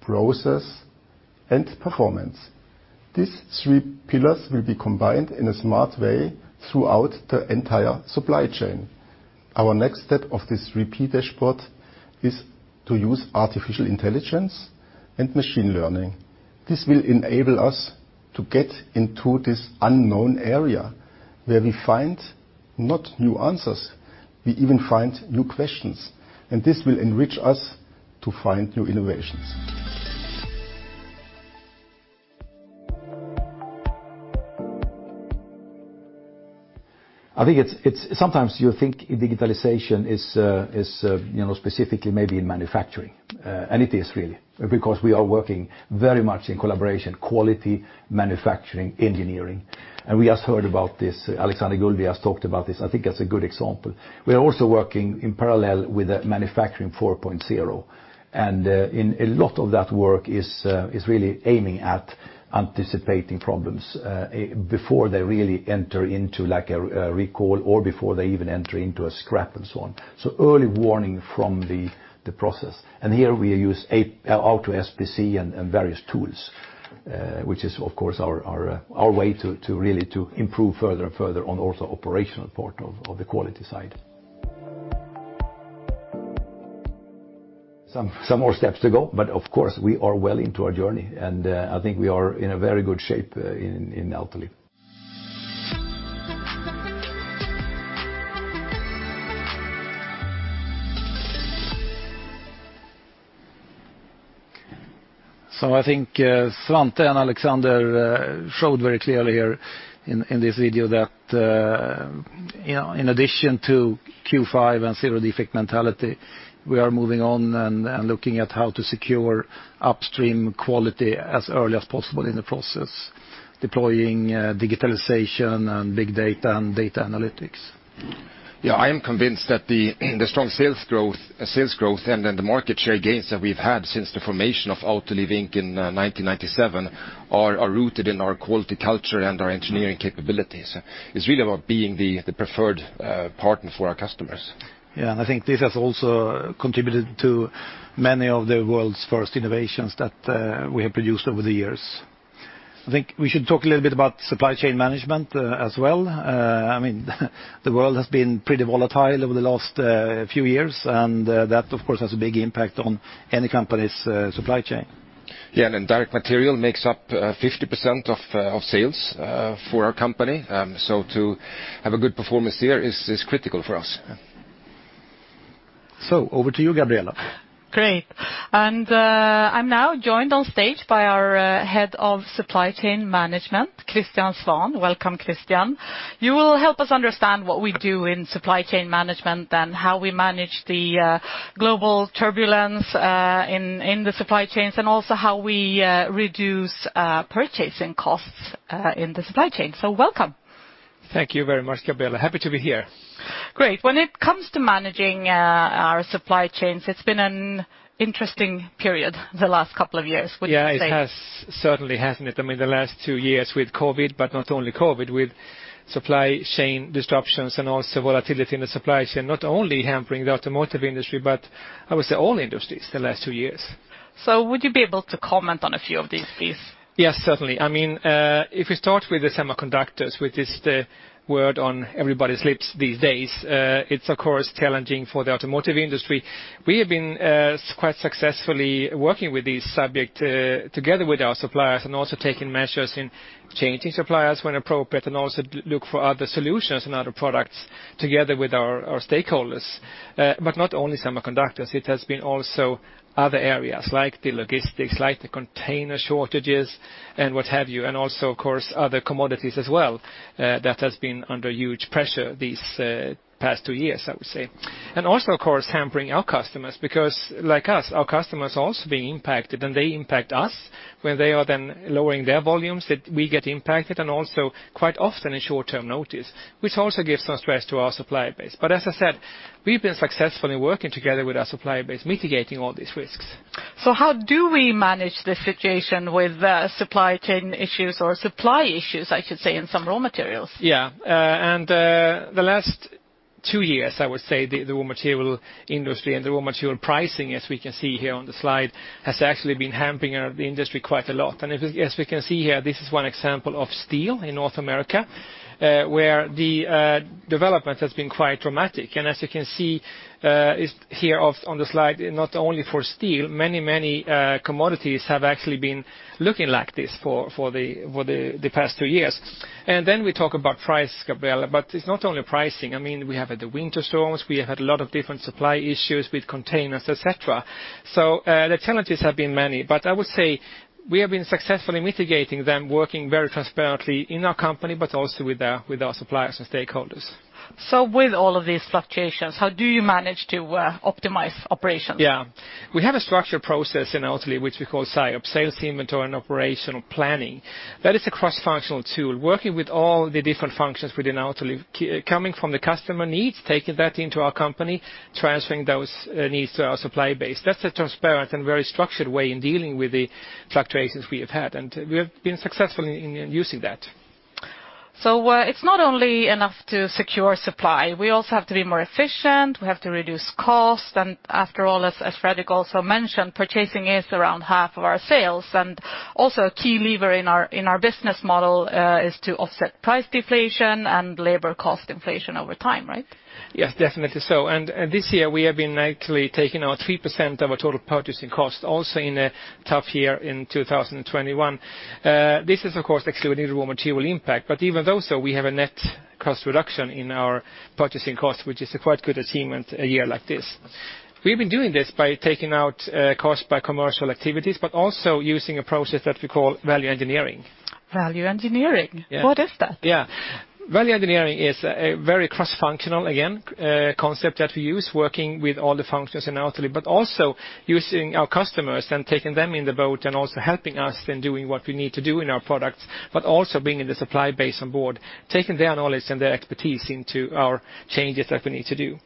process, and performance. These three pillars will be combined in a smart way throughout the entire supply chain. Our next step of this 3P dashboard is to use artificial intelligence and machine learning. This will enable us to get into this unknown area where we find not new answers, we even find new questions. This will enrich us to find new innovations. I think it's. Sometimes you think digitalization is, you know, specifically maybe in manufacturing. It is really because we are working very much in collaboration, quality, manufacturing, engineering. We just heard about this. Alexander Gulde has talked about this. I think that's a good example. We are also working in parallel with Manufacturing 4.0, and in a lot of that work is really aiming at anticipating problems before they really enter into like a recall or before they even enter into a scrap and so on. Early warning from the process. Here we use Auto-SPC and various tools. Which is of course our way to really improve further and further on also operational part of the quality side. Some more steps to go, but of course we are well into our journey, and I think we are in a very good shape in Autoliv. I think, Svante and Alexander, showed very clearly here in this video that, you know, in addition to Q5 and zero defect mentality, we are moving on and looking at how to secure upstream quality as early as possible in the process, deploying digitalization and big data and data analytics. Yeah, I am convinced that the strong sales growth and then the market share gains that we've had since the formation of Autoliv, Inc. in 1997 are rooted in our quality culture and our engineering capabilities. It's really about being the preferred partner for our customers. Yeah, I think this has also contributed to many of the world's first innovations that we have produced over the years. I think we should talk a little bit about supply chain management as well. I mean, the world has been pretty volatile over the last few years, and that of course has a big impact on any company's supply chain. Yeah. Direct material makes up 50% of sales for our company, so to have a good performance here is critical for us. Over to you, Gabriella. Great. I'm now joined on stage by our Head of Supply Chain Management, Christian Swahn. Welcome, Christian. You will help us understand what we do in supply chain management and how we manage the global turbulence in the supply chains and also how we reduce purchasing costs in the supply chain. Welcome. Thank you very much, Gabriella. Happy to be here. Great. When it comes to managing our supply chains, it's been an interesting period the last couple of years, wouldn't you say? Yeah, it has certainly, hasn't it? I mean, the last two years with COVID, but not only COVID, with supply chain disruptions and also volatility in the supply chain, not only hampering the automotive industry, but I would say all industries the last two years. Would you be able to comment on a few of these, please? Yes, certainly. I mean, if we start with the semiconductors, which is the word on everybody's lips these days, it's of course challenging for the automotive industry. We have been quite successfully working with this subject together with our suppliers and also taking measures in changing suppliers when appropriate and also look for other solutions and other products together with our stakeholders. Not only semiconductors, it has been also other areas like the logistics, like the container shortages and what have you, and also of course other commodities as well, that has been under huge pressure these past two years, I would say. Also of course hampering our customers because, like us, our customers are also being impacted and they impact us when they are then lowering their volumes that we get impacted and also quite often in short term notice, which also gives some stress to our supplier base. As I said, we've been successfully working together with our supplier base, mitigating all these risks. How do we manage the situation with the supply chain issues or supply issues, I should say, in some raw materials? The last two years, I would say, the raw material industry and the raw material pricing, as we can see here on the slide, has actually been hampering the industry quite a lot. As we can see here, this is one example of steel in North America, where the development has been quite dramatic. As you can see here on the slide, not only for steel, many commodities have actually been looking like this for the past two years. We talk about price, Gabriella, but it's not only pricing. I mean, we have had the winter storms. We have had a lot of different supply issues with containers, et cetera. The challenges have been many, but I would say we have been successfully mitigating them, working very transparently in our company, but also with our suppliers and stakeholders. With all of these fluctuations, how do you manage to optimize operations? Yeah. We have a structured process in Autoliv which we call SIOP, Sales, Inventory, and Operational Planning. That is a cross-functional tool, working with all the different functions within Autoliv, coming from the customer needs, taking that into our company, transferring those needs to our supply base. That's a transparent and very structured way in dealing with the fluctuations we have had, and we have been successful in using that. It's not only enough to secure supply. We also have to be more efficient, we have to reduce cost, and after all, as Fredrik also mentioned, purchasing is around half of our sales. A key lever in our business model is to offset price deflation and labor cost inflation over time, right? Yes, definitely so. This year we have been actually taking out 3% of our total purchasing cost, also in a tough year in 2021. This is of course excluding the raw material impact, but even though so, we have a net cost reduction in our purchasing cost, which is a quite good achievement a year like this. We've been doing this by taking out cost by commercial activities, but also using a process that we call value engineering. Value engineering? Yeah. What is that? Yeah. Value engineering is a very cross-functional, again, a concept that we use working with all the functions in Autoliv, but also using our customers and taking them on board and also helping us in doing what we need to do in our products, but also bringing the supply base on board, taking their knowledge and their expertise into our changes that we need to do.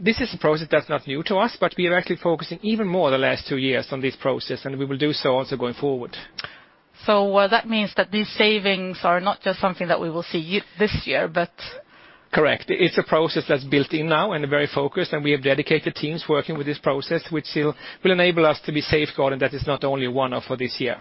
This is a process that's not new to us, but we are actually focusing even more the last two years on this process, and we will do so also going forward. So that means that these savings are not just something that we will see this year, but- Correct. It's a process that's built in now and very focused, and we have dedicated teams working with this process, which will enable us to be safeguarded, that is not only one-off for this year.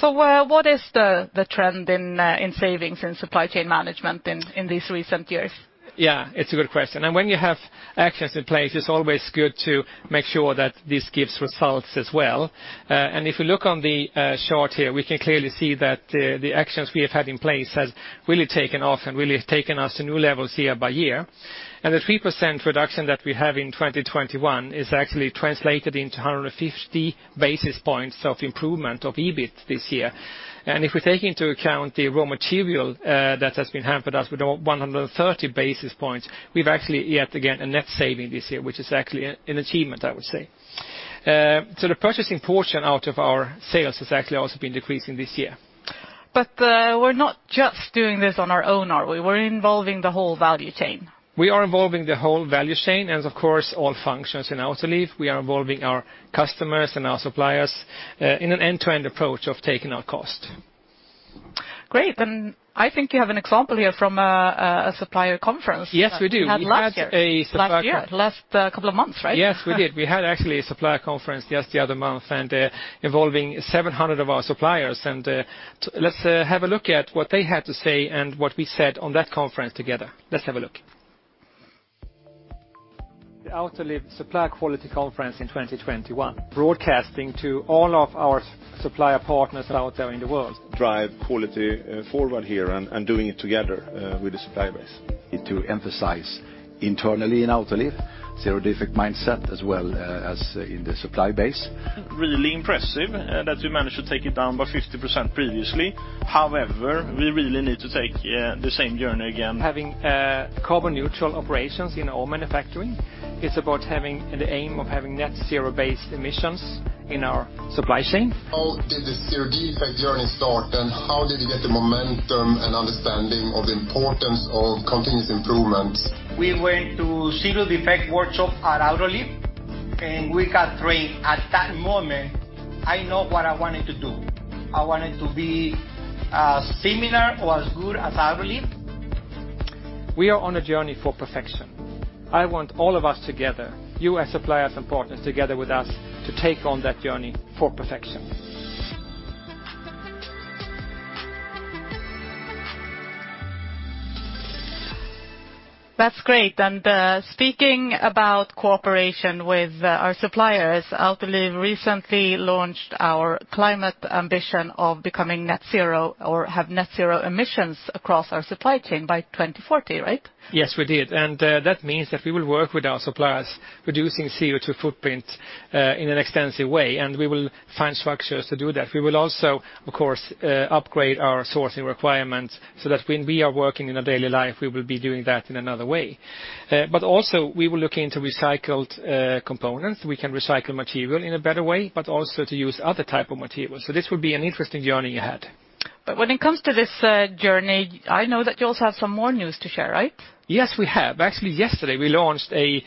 What is the trend in savings in supply chain management in these recent years? Yeah, it's a good question. When you have actions in place, it's always good to make sure that this gives results as well. If you look on the chart here, we can clearly see that the actions we have had in place has really taken off and really has taken us to new levels year-by-year. The 3% reduction that we have in 2021 is actually translated into 150 basis points of improvement of EBIT this year. If we take into account the raw material that has been hampered us with 130 basis points, we've actually yet again a net saving this year, which is actually an achievement, I would say. The purchasing portion out of our sales has actually also been decreasing this year. We're not just doing this on our own, are we? We're involving the whole value chain. We are involving the whole value chain and of course all functions in Autoliv. We are involving our customers and our suppliers in an end-to-end approach of taking our cost. Great. I think you have an example here from a supplier conference- Yes, we do. That you had last year. Last couple of months, right? Yes, we did. We had actually a supplier conference just the other month, and involving 700 of our suppliers. Let's have a look at what they had to say and what we said on that conference together. Let's have a look. The Autoliv Supplier Quality Conference in 2021, broadcasting to all of our supplier partners out there in the world. We need to drive quality forward here and doing it together with the supplier base. We need to emphasize internally in Autoliv zero defect mindset as well as in the supply base. Really impressive that we managed to take it down by 50% previously. However, we really need to take the same journey again. Having carbon neutral operations in all manufacturing, it's about having the aim of having net zero base emissions in our supply chain. How did the Zero Defect journey start, and how did you get the momentum and understanding of the importance of continuous improvement? We went to Zero Defect workshop at Autoliv, and we got trained. At that moment, I know what I wanted to do. I wanted to be similar or as good as Autoliv. We are on a journey for perfection. I want all of us together, you as suppliers and partners together with us, to take on that journey for perfection. That's great. Speaking about cooperation with our suppliers, Autoliv recently launched our climate ambition of becoming net zero or have net zero emissions across our supply chain by 2040, right? Yes, we did. That means that we will work with our suppliers, reducing CO2 footprint, in an extensive way, and we will find structures to do that. We will also, of course, upgrade our sourcing requirements so that when we are working in our daily life, we will be doing that in another way. Also we will look into recycled components. We can recycle material in a better way, but also to use other type of materials. This would be an interesting journey ahead. When it comes to this journey, I know that you also have some more news to share, right? Yes, we have. Actually, yesterday, we launched a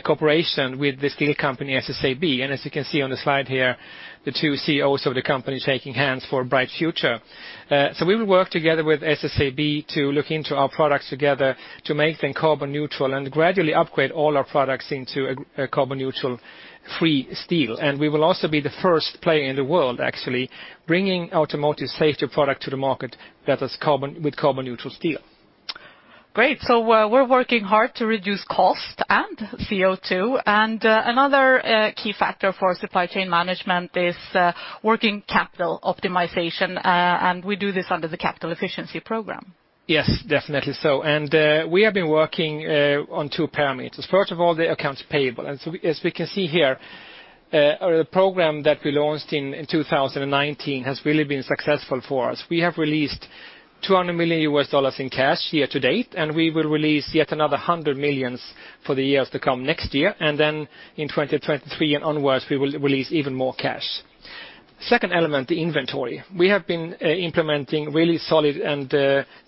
cooperation with the steel company SSAB. As you can see on the slide here, the two CEOs of the company taking hands for a bright future. We will work together with SSAB to look into our products together to make them carbon neutral and gradually upgrade all our products into a carbon neutral free steel. We will also be the first player in the world actually bringing automotive safety product to the market that is carbon neutral steel. Great. We're working hard to reduce cost and CO2. Another key factor for supply chain management is working capital optimization, and we do this under the capital efficiency program. Yes, definitely so. We have been working on two parameters. First of all, the accounts payable. As we can see here, a program that we launched in 2019 has really been successful for us. We have released $200 million in cash year-to-date, and we will release yet another $100 million for the years to come next year. In 2023 and onwards, we will release even more cash. Second element, the inventory. We have been implementing really solid and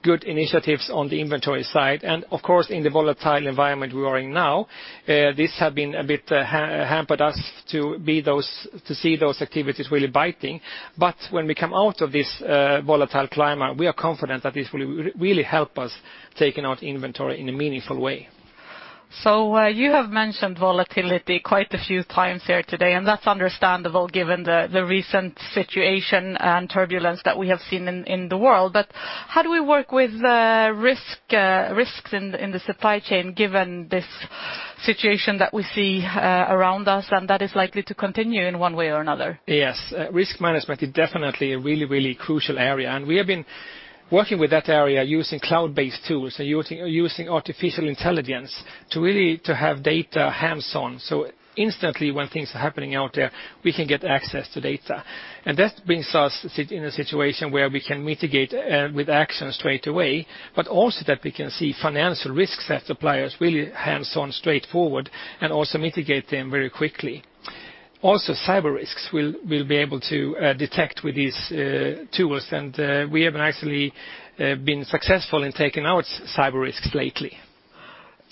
good initiatives on the inventory side. Of course, in the volatile environment we are in now, this has been a bit hampered us to see those activities really biting. When we come out of this volatile climate, we are confident that this will really help us taking out inventory in a meaningful way. You have mentioned volatility quite a few times here today, and that's understandable given the recent situation and turbulence that we have seen in the world. How do we work with risks in the supply chain given this situation that we see around us and that is likely to continue in one way or another? Yes. Risk management is definitely a really crucial area, and we have been working with that area using cloud-based tools and using artificial intelligence to have data hands-on. Instantly when things are happening out there, we can get access to data. That brings us in a situation where we can mitigate with action straight away, but also that we can see financial risks that suppliers really hands-on straightforward and also mitigate them very quickly. Also, cyber risks we'll be able to detect with these tools. We have actually been successful in taking out cyber risks lately.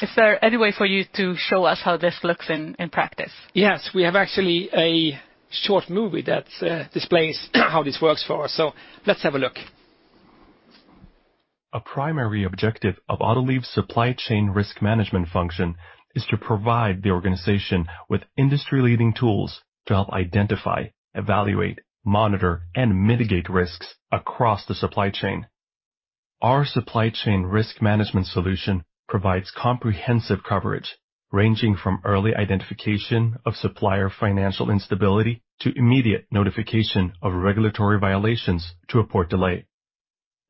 Is there any way for you to show us how this looks in practice? Yes. We have actually a short movie that displays how this works for us, so let's have a look. A primary objective of Autoliv's supply chain risk management function is to provide the organization with industry-leading tools to help identify, evaluate, monitor, and mitigate risks across the supply chain. Our supply chain risk management solution provides comprehensive coverage ranging from early identification of supplier financial instability to immediate notification of regulatory violations to a port delay.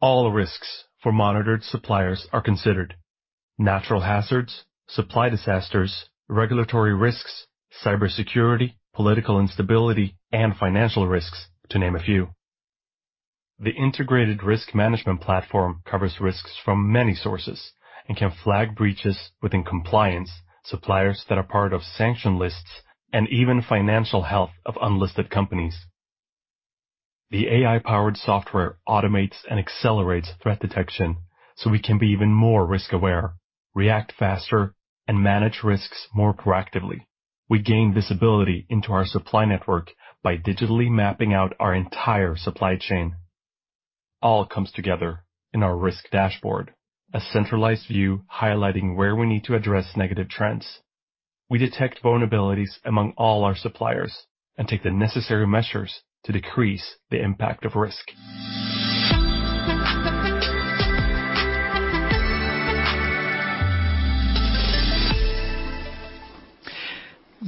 All risks for monitored suppliers are considered, natural hazards, supply disasters, regulatory risks, cybersecurity, political instability, and financial risks, to name a few. The integrated risk management platform covers risks from many sources and can flag breaches within compliance, suppliers that are part of sanction lists, and even financial health of unlisted companies. The AI-powered software automates and accelerates threat detection so we can be even more risk aware, react faster, and manage risks more proactively. We gain visibility into our supply network by digitally mapping out our entire supply chain. All comes together in our risk dashboard, a centralized view highlighting where we need to address negative trends. We detect vulnerabilities among all our suppliers and take the necessary measures to decrease the impact of risk.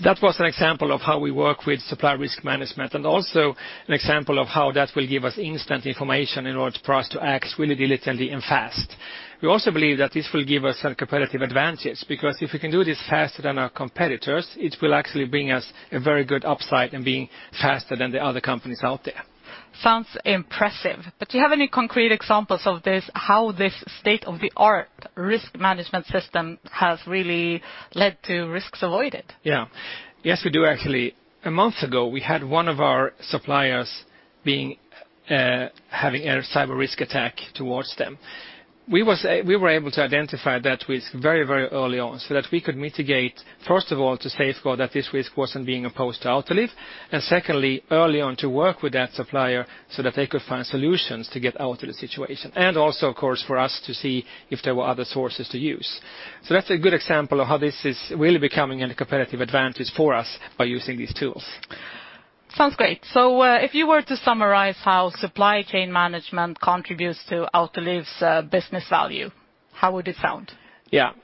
That was an example of how we work with supply risk management and also an example of how that will give us instant information in order for us to act really diligently and fast. We also believe that this will give us a competitive advantage because if we can do this faster than our competitors, it will actually bring us a very good upside in being faster than the other companies out there. Sounds impressive, but do you have any concrete examples of this, how this state-of-the-art risk management system has really led to risks avoided? Yeah. Yes, we do actually. A month ago, we had one of our suppliers being, having a cyber risk attack towards them. We were able to identify that risk very, very early on so that we could mitigate, first of all, to safeguard that this risk wasn't being imposed to Autoliv, and secondly, early on to work with that supplier so that they could find solutions to get out of the situation and also, of course, for us to see if there were other sources to use. That's a good example of how this is really becoming a competitive advantage for us by using these tools. Sounds great. If you were to summarize how supply chain management contributes to Autoliv's business value, how would it sound?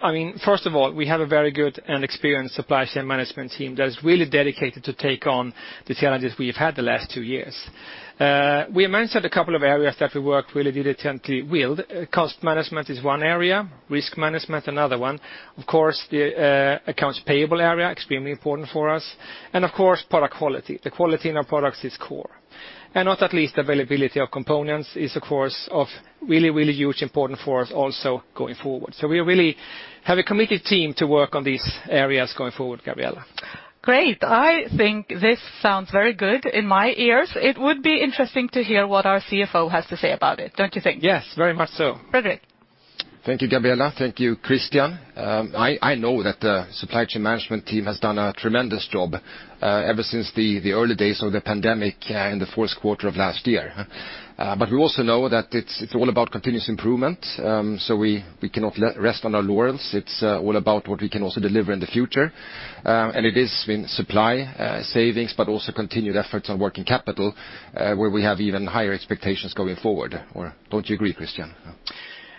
I mean, first of all, we have a very good and experienced supply chain management team that is really dedicated to take on the challenges we have had the last two years. We mentioned a couple of areas that we work really diligently with. Cost management is one area, risk management another one. Of course, the accounts payable area, extremely important for us, and of course, product quality. The quality in our products is core. And not least availability of components is of course of really, really huge importance for us also going forward. We really have a committed team to work on these areas going forward, Gabriella. Great. I think this sounds very good in my ears. It would be interesting to hear what our CFO has to say about it, don't you think? Yes, very much so. Fredrik. Thank you, Gabriella. Thank you, Christian. I know that the supply chain management team has done a tremendous job ever since the early days of the pandemic in the fourth quarter of last year. We also know that it's all about continuous improvement, so we cannot rest on our laurels. It's all about what we can also deliver in the future. It is in supply savings, but also continued efforts on working capital, where we have even higher expectations going forward. Or don't you agree, Christian?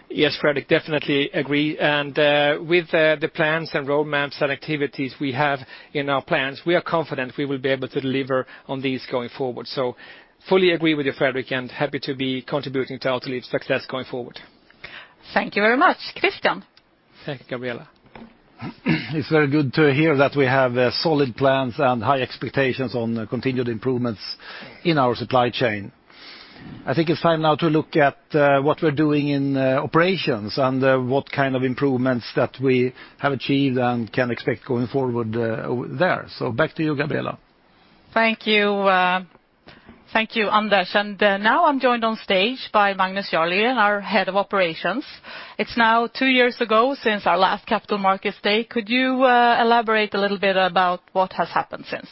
Yes, Fredrik, I definitely agree. With the plans and roadmaps and activities we have in our plans, we are confident we will be able to deliver on these going forward. Fully agree with you, Fredrik, and happy to be contributing to Autoliv's success going forward. Thank you very much, Christian. Thank you, Gabriella. It's very good to hear that we have solid plans and high expectations on continued improvements in our supply chain. I think it's time now to look at what we're doing in operations and what kind of improvements that we have achieved and can expect going forward there. Back to you, Gabriella. Thank you. Thank you, Anders. Now I'm joined on stage by Magnus Jarlegren, our Head of Operations. It's now two years ago since our last Capital Markets Day. Could you elaborate a little bit about what has happened since?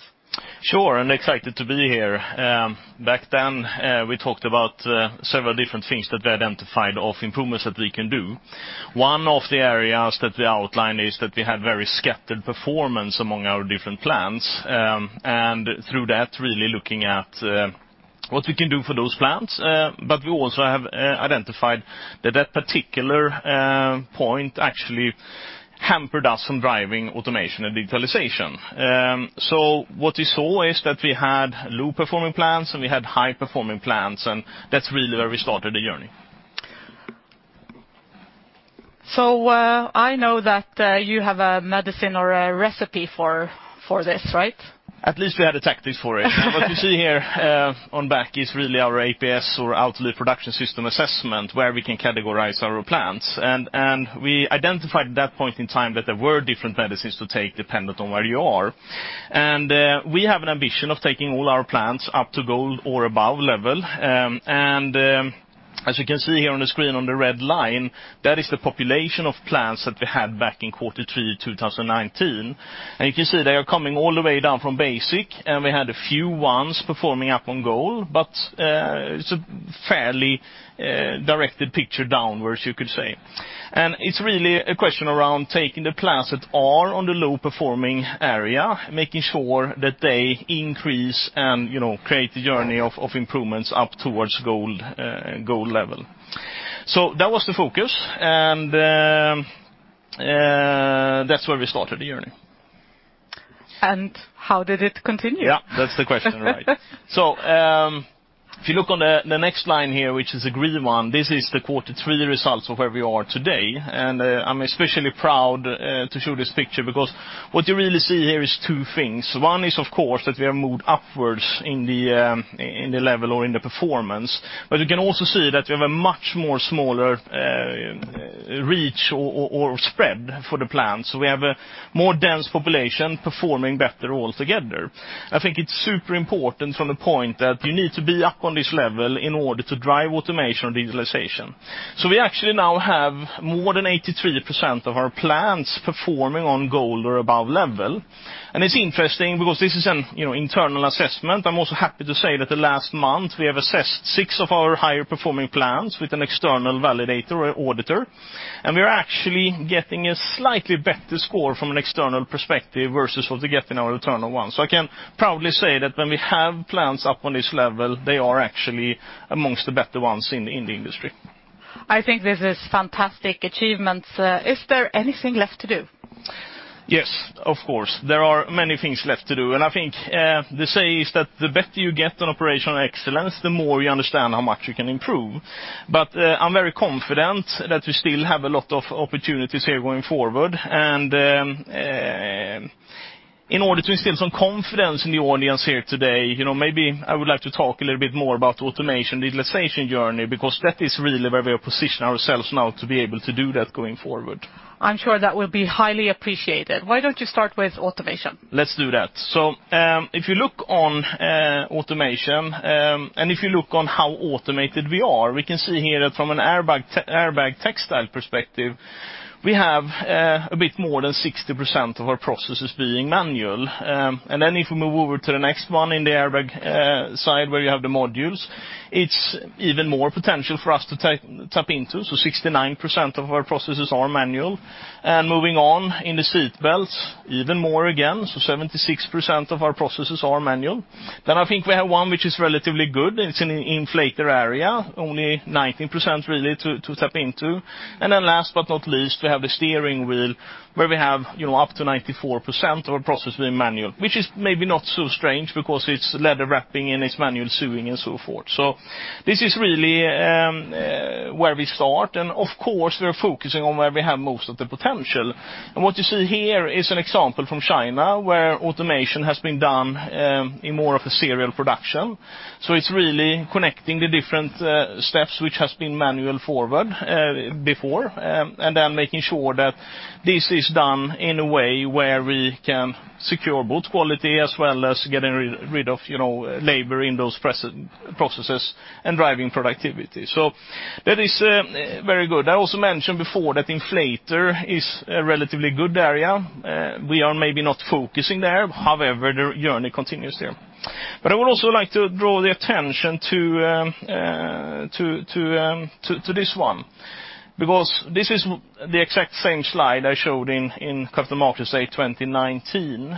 Sure, excited to be here. Back then, we talked about several different things that we identified of improvements that we can do. One of the areas that we outlined is that we had very scattered performance among our different plants, and through that, really looking at what we can do for those plants. We also have identified that that particular point actually hampered us from driving automation and digitalization. What we saw is that we had low-performing plants, and we had high-performing plants, and that's really where we started the journey. I know that you have a medicine or a recipe for this, right? At least we had a tactic for it. What you see here on back is really our APS or Autoliv Production System assessment where we can categorize our plants. We identified at that point in time that there were different measures to take dependent on where you are. We have an ambition of taking all our plants up to gold or above level. As you can see here on the screen on the red line, that is the population of plants that we had back in quarter three 2019. You can see they are coming all the way down from basic, and we had a few performing up to gold, but it's a fairly skewed picture downwards, you could say. It's really a question around taking the plants that are on the low performing area, making sure that they increase and you know, create the journey of improvements up towards goal level. That was the focus and that's where we started the journey. How did it continue? Yeah, that's the question, right. If you look on the next line here, which is a green one, this is the quarter three results of where we are today. I'm especially proud to show this picture because what you really see here is two things. One is of course that we have moved upwards in the level or in the performance. You can also see that we have a much more smaller reach or spread for the plants. We have a more dense population performing better altogether. I think it's super important from the point that you need to be up on this level in order to drive automation and digitalization. We actually now have more than 83% of our plants performing on goal or above level. It's interesting because this is an, you know, internal assessment. I'm also happy to say that the last month we have assessed six of our higher performing plants with an external validator or auditor, and we are actually getting a slightly better score from an external perspective versus what we get in our internal one. I can proudly say that when we have plants up on this level, they are actually amongst the better ones in the industry. I think this is fantastic achievements. Is there anything left to do? Yes, of course, there are many things left to do, and I think the saying is that the better you get on operational excellence, the more you understand how much you can improve. I'm very confident that we still have a lot of opportunities here going forward and in order to instill some confidence in the audience here today, you know, maybe I would like to talk a little bit more about automation digitalization journey, because that is really where we position ourselves now to be able to do that going forward. I'm sure that will be highly appreciated. Why don't you start with automation? Let's do that. If you look on automation, and if you look on how automated we are, we can see here that from an airbag textile perspective, we have a bit more than 60% of our processes being manual. If we move over to the next one in the airbag side where you have the modules, it's even more potential for us to tap into. 69% of our processes are manual. Moving on in the seat belts even more again, 76% of our processes are manual. I think we have one which is relatively good. It's in the inflator area, only 19% really to tap into. Last but not least, we have the steering wheel where we have, you know, up to 94% of our process being manual. Which is maybe not so strange because it's leather wrapping, and it's manual sewing and so forth. This is really where we start. Of course we are focusing on where we have most of the potential. What you see here is an example from China, where automation has been done in more of a serial production. It's really connecting the different steps which have been manual before, and then making sure that this is done in a way where we can secure both quality as well as getting rid of, you know, labor in those pre-processes and driving productivity. That is very good. I also mentioned before that inflator is a relatively good area. We are maybe not focusing there. However, the journey continues there. I would also like to draw the attention to this one, because this is the exact same slide I showed in Capital Markets Day 2019.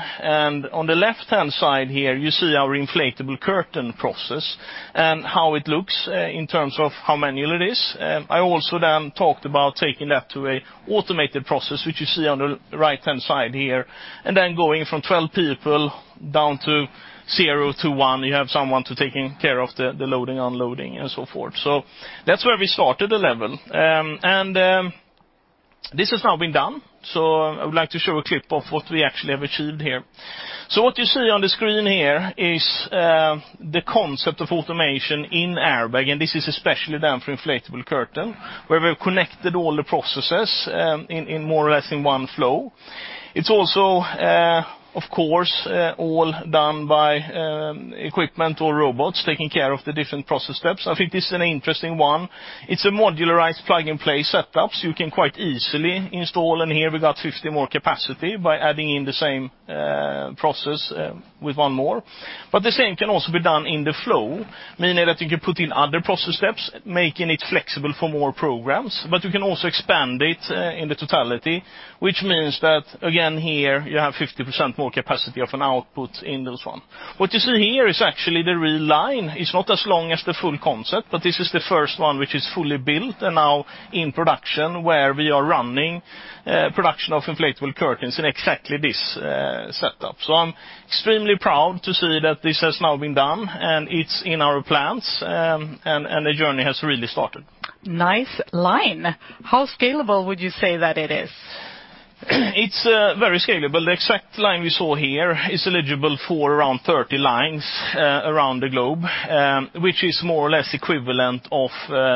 On the left-hand side here, you see our inflatable curtain process and how it looks in terms of how manual it is. I also then talked about taking that to a automated process, which you see on the right-hand side here, and then going from 12 people down to zero to one. You have someone to taking care of the loading, unloading and so forth. That's where we started the level. This has now been done, so I would like to show a clip of what we actually have achieved here. What you see on the screen here is the concept of automation in airbag, and this is especially done for inflatable curtain, where we've connected all the processes in more or less one flow. It's also, of course, all done by equipment or robots taking care of the different process steps. I think this is an interesting one. It's a modularized plug-and-play setup, so you can quite easily install. Here we got 50% more capacity by adding in the same process with one more. The same can also be done in the flow, meaning that you can put in other process steps, making it flexible for more programs. You can also expand it in the totality, which means that again, here you have 50% more capacity of an output in this one. What you see here is actually the real line. It's not as long as the full concept, but this is the first one which is fully built and now in production, where we are running production of inflatable curtains in exactly this setup. I'm extremely proud to see that this has now been done, and it's in our plans, and the journey has really started. Nice line. How scalable would you say that it is? It's very scalable. The exact line we saw here is eligible for around 30 lines around the globe, which is more or less equivalent of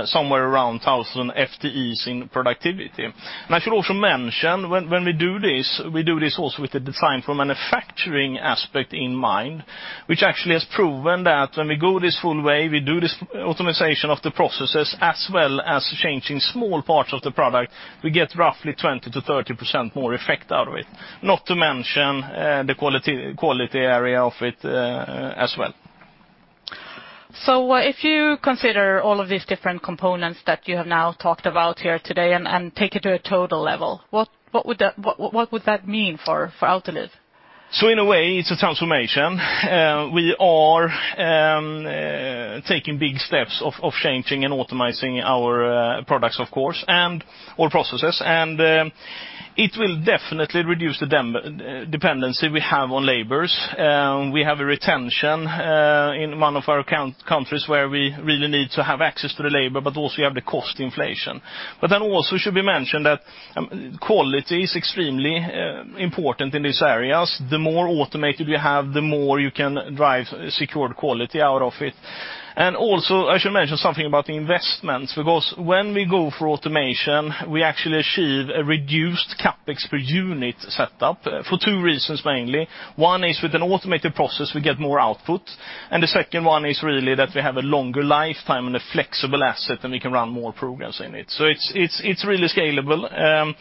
somewhere around 1,000 FTEs in productivity. I should also mention when we do this, we do this also with the design for manufacturing aspect in mind, which actually has proven that when we go this full way, we do this automation of the processes as well as changing small parts of the product. We get roughly 20%-30% more effect out of it. Not to mention the quality area of it as well. If you consider all of these different components that you have now talked about here today and take it to a total level, what would that mean for Autoliv? In a way, it's a transformation. We are taking big steps of changing and automating our products, of course, and our processes. It will definitely reduce the dependency we have on labor. We have attrition in one of our countries where we really need to have access to the labor, but also you have the cost inflation. Then also it should be mentioned that quality is extremely important in these areas. The more automated you have, the more you can drive secured quality out of it. Also, I should mention something about the investments, because when we go for automation, we actually achieve a reduced CapEx per unit set up for two reasons, mainly. One is with an automated process, we get more output, and the second one is really that we have a longer lifetime and a flexible asset, and we can run more programs in it. It's really scalable.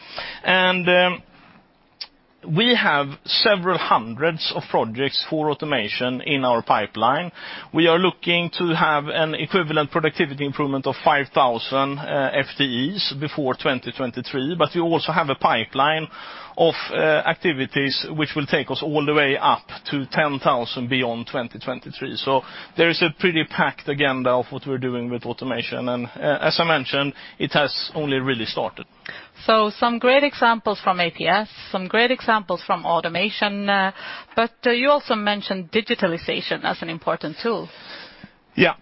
We have several hundreds of projects for automation in our pipeline. We are looking to have an equivalent productivity improvement of 5,000 FTEs before 2023, but we also have a pipeline of activities which will take us all the way up to 10,000 beyond 2023. There is a pretty packed agenda of what we're doing with automation. As I mentioned, it has only really started. Some great examples from APS, some great examples from automation, but you also mentioned digitalization as an important tool. Yeah.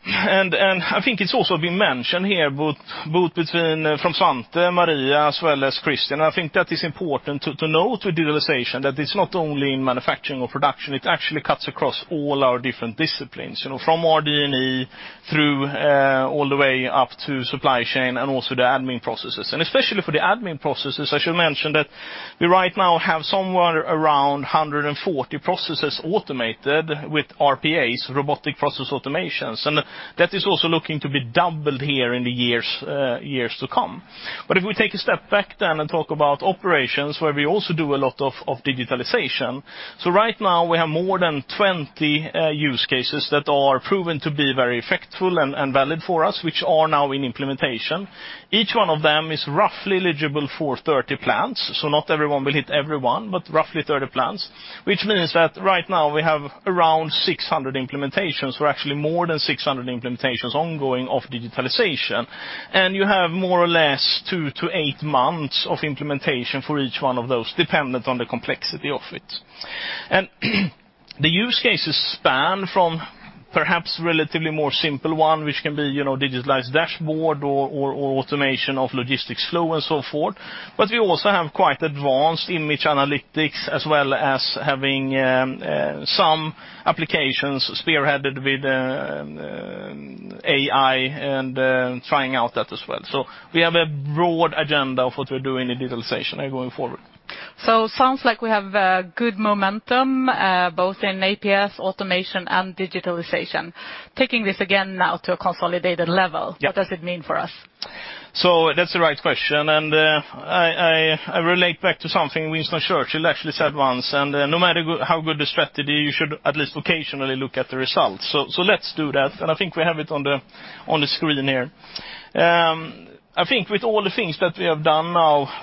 I think it's also been mentioned here from Svante, Maria, as well as Christian. I think that is important to note with digitalization, that it's not only in manufacturing or production, it actually cuts across all our different disciplines, you know, from RD&E through all the way up to supply chain and also the admin processes. Especially for the admin processes, I should mention that we right now have somewhere around 140 processes automated with RPAs, robotic process automations, and that is also looking to be doubled here in the years to come. If we take a step back then and talk about operations, where we also do a lot of digitalization. Right now we have more than 20 use cases that are proven to be very effective and valid for us, which are now in implementation. Each one of them is roughly eligible for 30 plants, so not everyone will hit everyone, but roughly 30 plants. Which means that right now we have around 600 implementations, or actually more than 600 implementations ongoing of digitalization. You have more or less two to 8 months of implementation for each one of those, dependent on the complexity of it. The use cases span from perhaps relatively more simple one, which can be, you know, digitized dashboard or automation of logistics flow and so forth. We also have quite advanced image analytics as well as having some applications spearheaded with AI and trying out that as well. We have a broad agenda of what we're doing in digitalization and going forward. Sounds like we have good momentum both in APS, automation, and digitalization. Taking this again now to a consolidated level. Yeah. What does it mean for us? That's the right question. I relate back to something Winston Churchill actually said once, and no matter how good the strategy, you should at least occasionally look at the results. Let's do that. I think we have it on the screen here. I think with all the things that we have done in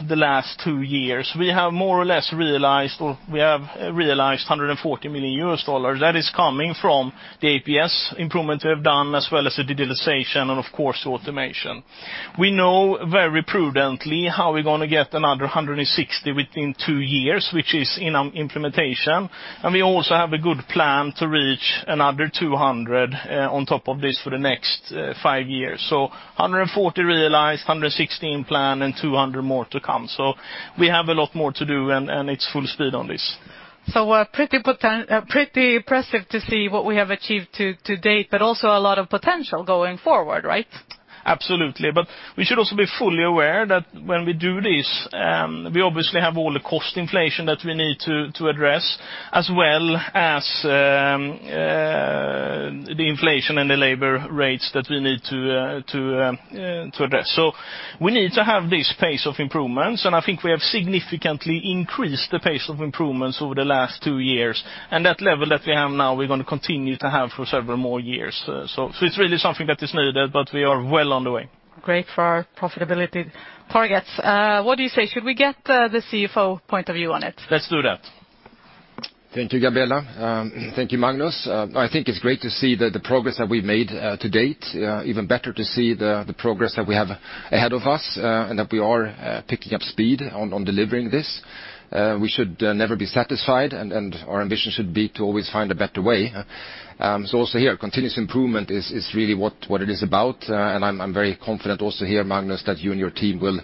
the last two years, we have realized $140 million. That is coming from the APS improvement we have done, as well as the digitalization and of course, automation. We know very prudently how we're gonna get another $160 million within two years, which is in implementation. We also have a good plan to reach another $200 million on top of this for the next five years. $140 million realized, $160 million planned, and $200 million more to come. We have a lot more to do, and it's full speed on this. Pretty impressive to see what we have achieved to date, but also a lot of potential going forward, right? Absolutely. We should also be fully aware that when we do this, we obviously have all the cost inflation that we need to address, as well as the inflation and the labor rates that we need to address. We need to have this pace of improvements, and I think we have significantly increased the pace of improvements over the last two years. That level that we have now, we're gonna continue to have for several more years. It's really something that is needed, but we are well on the way. Great for our profitability targets. What do you say? Should we get the CFO point of view on it? Let's do that. Thank you, Gabriella. Thank you, Magnus. I think it's great to see the progress that we've made to date. Even better to see the progress that we have ahead of us and that we are picking up speed on delivering this. We should never be satisfied and our ambition should be to always find a better way. Also here, continuous improvement is really what it is about. I'm very confident also here, Magnus, that you and your team will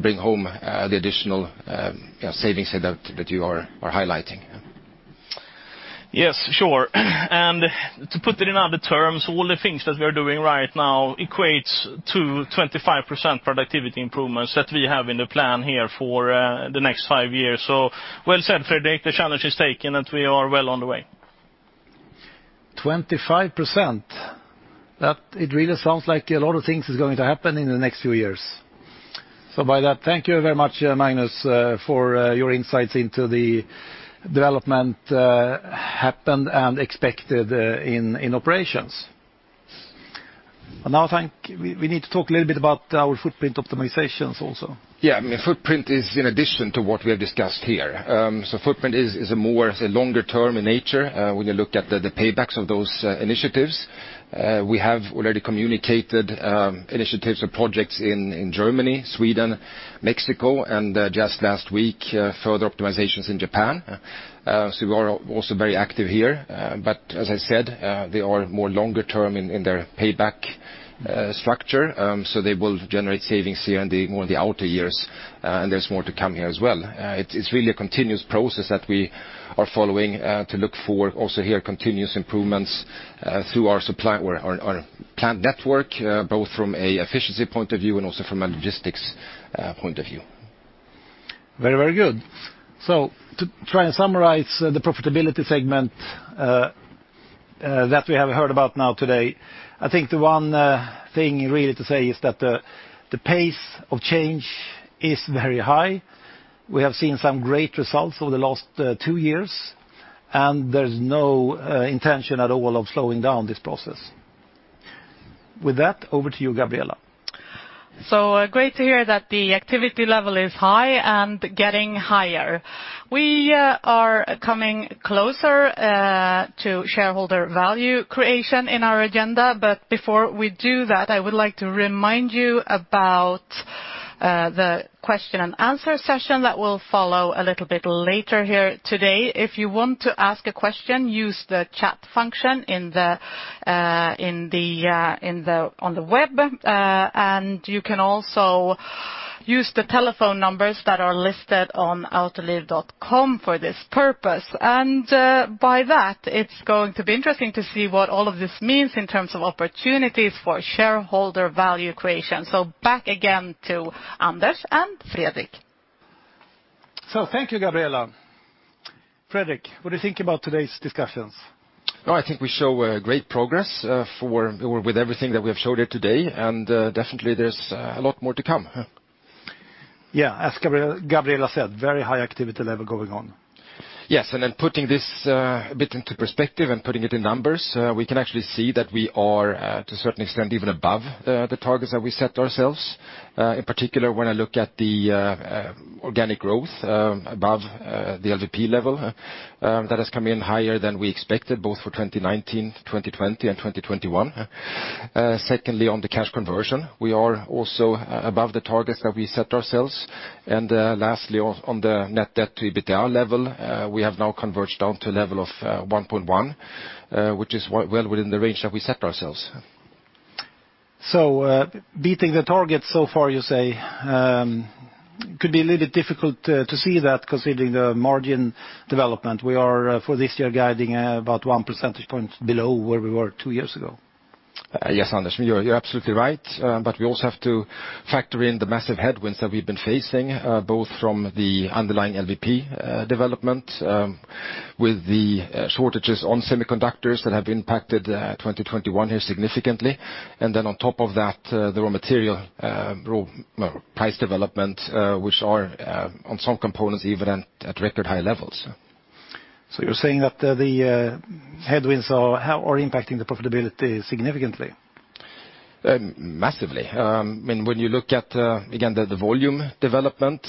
bring home the additional, you know, savings that you are highlighting. Yes, sure. To put it in other terms, all the things that we are doing right now equates to 25% productivity improvements that we have in the plan here for the next five years. Well said, Fredrik. The challenge is taken, and we are well on the way. 25%. It really sounds like a lot of things is going to happen in the next few years. With that, thank you very much, Magnus, for your insights into the developments that have happened and are expected in operations. Now I think we need to talk a little bit about our footprint optimizations also. Yeah. I mean, footprint is in addition to what we have discussed here. Footprint is a more, say, longer term in nature, when you look at the paybacks of those initiatives. We have already communicated initiatives or projects in Germany, Sweden, Mexico, and just last week, further optimizations in Japan. We are also very active here, but as I said, they are more longer term in their payback structure, they will generate savings here in the more outer years, and there's more to come here as well. It's really a continuous process that we are following to look for also here continuous improvements through our supply or our plant network, both from an efficiency point of view and also from a logistics point of view. Very, very good. To try and summarize the profitability segment that we have heard about now today, I think the one thing really to say is that the pace of change is very high. We have seen some great results over the last two years, and there's no intention at all of slowing down this process. With that, over to you, Gabriella. Great to hear that the activity level is high and getting higher. We are coming closer to shareholder value creation in our agenda. Before we do that, I would like to remind you about the question-and-answer session that will follow a little bit later here today. If you want to ask a question, use the chat function on the web. You can also use the telephone numbers that are listed on autoliv.com for this purpose. By that, it's going to be interesting to see what all of this means in terms of opportunities for shareholder value creation. Back again to Anders and Fredrik. Thank you, Gabriella. Fredrik, what do you think about today's discussions? No, I think we show great progress for or with everything that we have showed here today, and definitely there's a lot more to come. Yeah. As Gabriella said, very high activity level going on. Yes. Putting this a bit into perspective and putting it in numbers, we can actually see that we are to a certain extent even above the targets that we set ourselves. In particular, when I look at the organic growth above the LVP level, that has come in higher than we expected, both for 2019, 2020 and 2021. Secondly, on the cash conversion, we are also above the targets that we set ourselves. Lastly on the net debt to EBITDA level, we have now converged down to a level of 1.1, which is well within the range that we set ourselves. Beating the target so far, you say, could be a little difficult to see that considering the margin development. We are, for this year, guiding about 1 percentage point below where we were two years ago. Yes, Anders, you're absolutely right. But we also have to factor in the massive headwinds that we've been facing, both from the underlying LVP development, with the shortages on semiconductors that have impacted 2021 here significantly. Then on top of that, the raw material price development, which are on some components even at record high levels. You're saying that the headwinds are impacting the profitability significantly? Massively. I mean, when you look at, again, the volume development,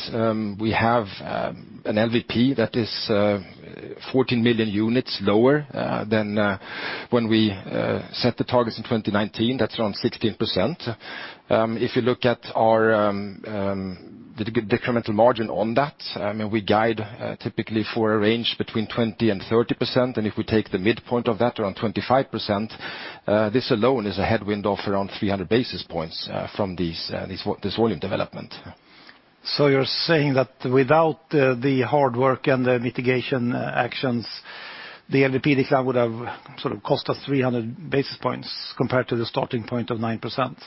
we have an LVP that is 14 million units lower than when we set the targets in 2019. That's around 16%. If you look at our the decremental margin on that, I mean, we guide typically for a range between 20% and 30%. If we take the midpoint of that, around 25%, this alone is a headwind of around 300 basis points from this volume development. You're saying that without the hard work and the mitigation actions, the LVP decline would have sort of cost us 300 basis points compared to the starting point of 9%?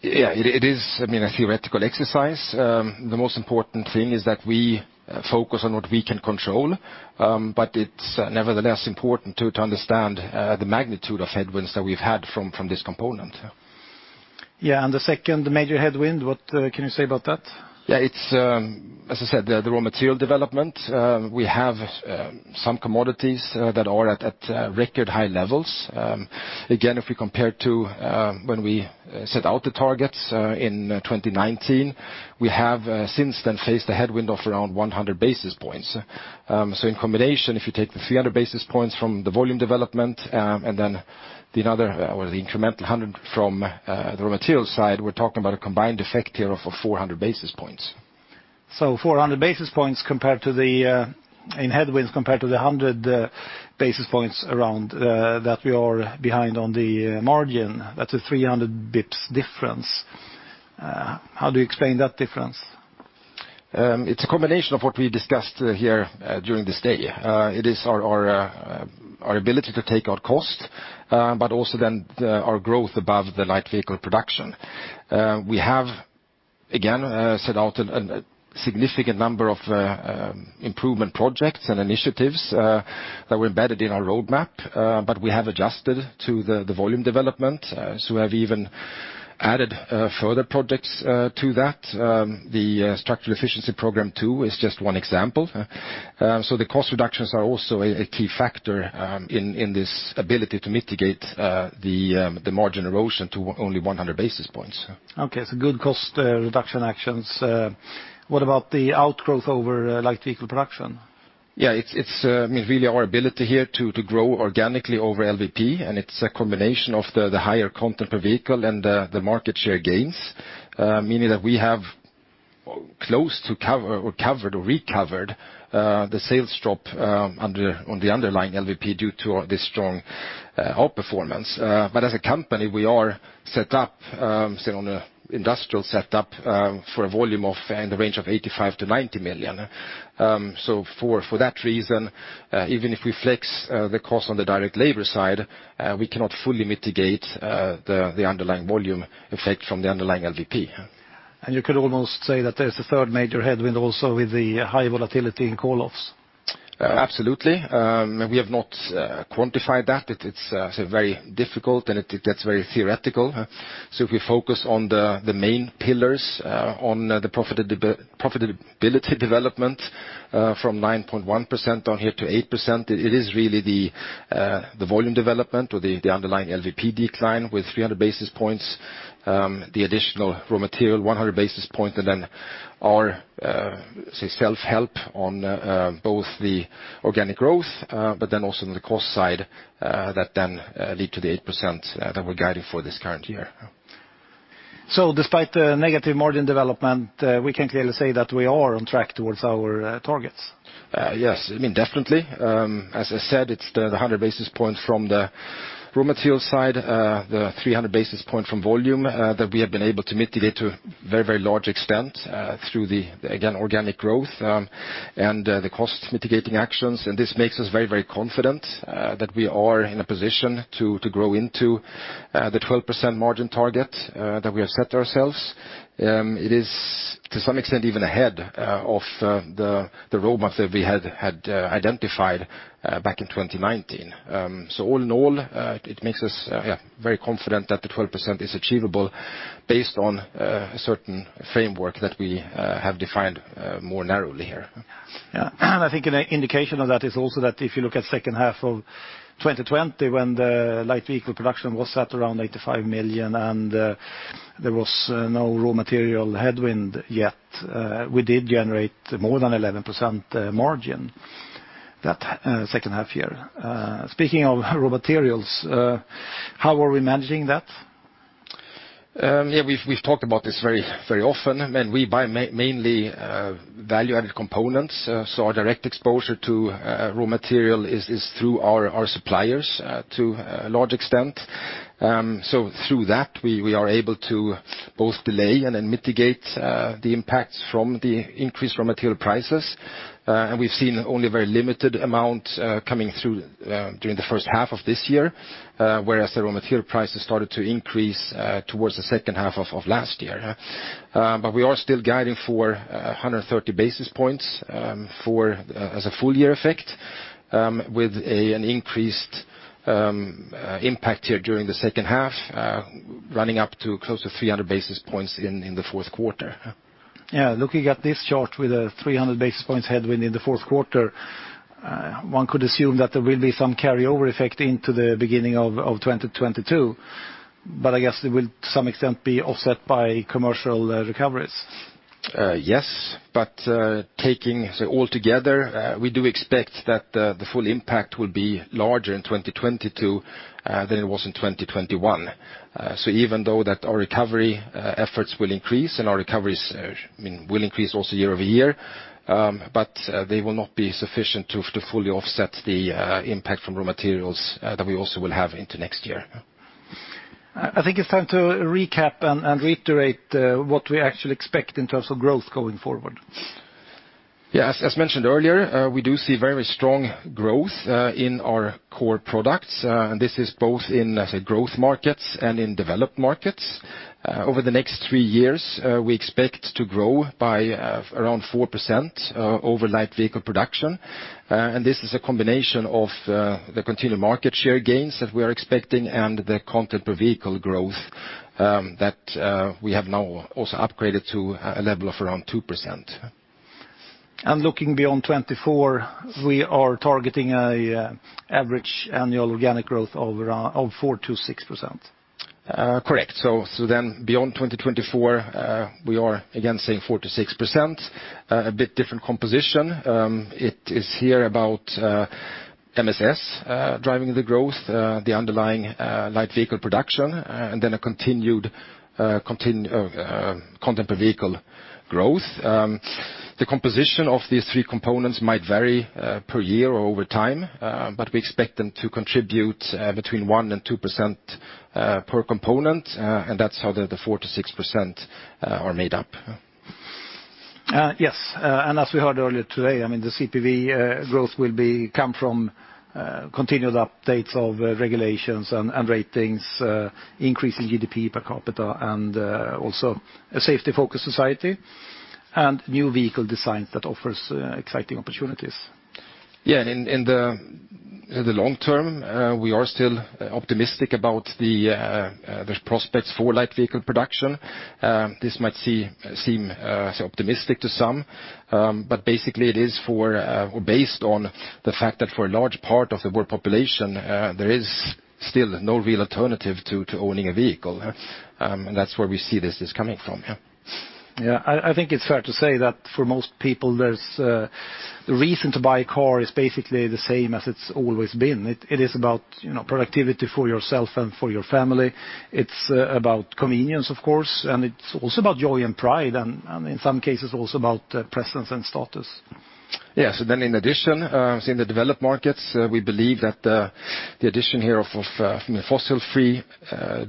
Yeah, it is, I mean, a theoretical exercise. The most important thing is that we focus on what we can control. It's nevertheless important to understand the magnitude of headwinds that we've had from this component. Yeah. The second major headwind, what can you say about that? Yeah, it's as I said, the raw material development. We have some commodities that are at record high levels. Again, if we compare to when we set out the targets in 2019, we have since then faced a headwind of around 100 basis points. In combination, if you take the 300 basis points from the volume development and then the other or the incremental 100 from the raw material side, we're talking about a combined effect here of 400 basis points. 400 basis points compared to the headwinds compared to the 100 basis points around that we are behind on the margin. That's a 300 basis points difference. How do you explain that difference? It's a combination of what we discussed here during this day. It is our ability to take out cost, but also our growth above the light vehicle production. We have again set out a significant number of improvement projects and initiatives that were embedded in our roadmap, but we have adjusted to the volume development. We have even added further projects to that. The Structural Efficiency Program 2 is just one example. The cost reductions are also a key factor in this ability to mitigate the margin erosion to only 100 basis points. Good cost reduction actions. What about the growth over light vehicle production? Yeah, it's really our ability here to grow organically over LVP, and it's a combination of the higher content per vehicle and the market share gains. Meaning that we have recovered the sales drop on the underlying LVP due to the strong outperformance. As a company, we are set up, say, on an industrial setup for a volume in the range of 85 million-90 million. For that reason, even if we flex the cost on the direct labor side, we cannot fully mitigate the underlying volume effect from the underlying LVP. You could almost say that there's a third major headwind also with the high volatility in call-offs. Absolutely. We have not quantified that. It's very difficult and it gets very theoretical. If we focus on the main pillars on the profitability development from 9.1% down here to 8%, it is really the volume development or the underlying LVP decline with 300 basis points, the additional raw material, 100 basis point, and then our self-help on both the organic growth, but then also on the cost side, that then lead to the 8% that we're guiding for this current year. Despite the negative margin development, we can clearly say that we are on track towards our targets? Yes. I mean, definitely. As I said, it's the 100 basis points from the raw material side, the 300 basis points from volume, that we have been able to mitigate to a very large extent, through the, again, organic growth, and the cost mitigating actions. This makes us very confident that we are in a position to grow into the 12% margin target that we have set ourselves. It is to some extent, even ahead of the roadmap that we had identified back in 2019. All in all, it makes us very confident that the 12% is achievable based on certain framework that we have defined more narrowly here. Yeah. I think an indication of that is also that if you look at second half of 2020 when the light vehicle production was at around 85 million and there was no raw material headwind yet, we did generate more than 11% margin that second half year. Speaking of raw materials, how are we managing that? We've talked about this very often. I mean, we buy mainly value-added components, so our direct exposure to raw material is through our suppliers to a large extent. Through that, we are able to both delay and then mitigate the impacts from the increasing raw material prices. We've seen only a very limited amount coming through during the first half of this year, whereas the raw material prices started to increase towards the second half of last year. We are still guiding for 100 basis points as a full year effect, with an increased impact here during the second half, running up to close to 300 basis points in the fourth quarter. Yeah. Looking at this chart with a 300 basis points headwind in the fourth quarter, one could assume that there will be some carryover effect into the beginning of 2022, but I guess it will to some extent be offset by commercial recoveries. Yes, but taking, say, all together, we do expect that the full impact will be larger in 2022 than it was in 2021. Even though our recovery efforts will increase and our recoveries, I mean, will increase also year over year, but they will not be sufficient to fully offset the impact from raw materials that we also will have into next year. I think it's time to recap and reiterate what we actually expect in terms of growth going forward. Yes, as mentioned earlier, we do see very strong growth in our core products. This is both in, let's say, growth markets and in developed markets. Over the next three years, we expect to grow by around 4% over light vehicle production. This is a combination of the continued market share gains that we are expecting and the content per vehicle growth that we have now also upgraded to a level of around 2%. Looking beyond 2024, we are targeting an average annual organic growth of around 4%-6%. Correct. Then beyond 2024, we are again saying 4%-6%. A bit different composition. It is here about MSS driving the growth, the underlying light vehicle production, and then a continued content per vehicle growth. The composition of these three components might vary per year or over time, but we expect them to contribute between 1% and 2% per component, and that's how the 4%-6% are made up. Yes. As we heard earlier today, I mean, the CPV growth will come from continued updates of regulations and ratings, increasing GDP per capita and also a safety-focused society and new vehicle designs that offers exciting opportunities. In the long term, we are still optimistic about the prospects for light vehicle production. This might seem so optimistic to some, but basically it is based on the fact that for a large part of the world population, there is still no real alternative to owning a vehicle. That's where we see this is coming from. Yeah. I think it's fair to say that for most people there's the reason to buy a car is basically the same as it's always been. It is about, you know, productivity for yourself and for your family. It's about convenience, of course, and it's also about joy and pride and in some cases also about precedence and status. Yes. In addition, in the developed markets, we believe that the addition here of fossil-free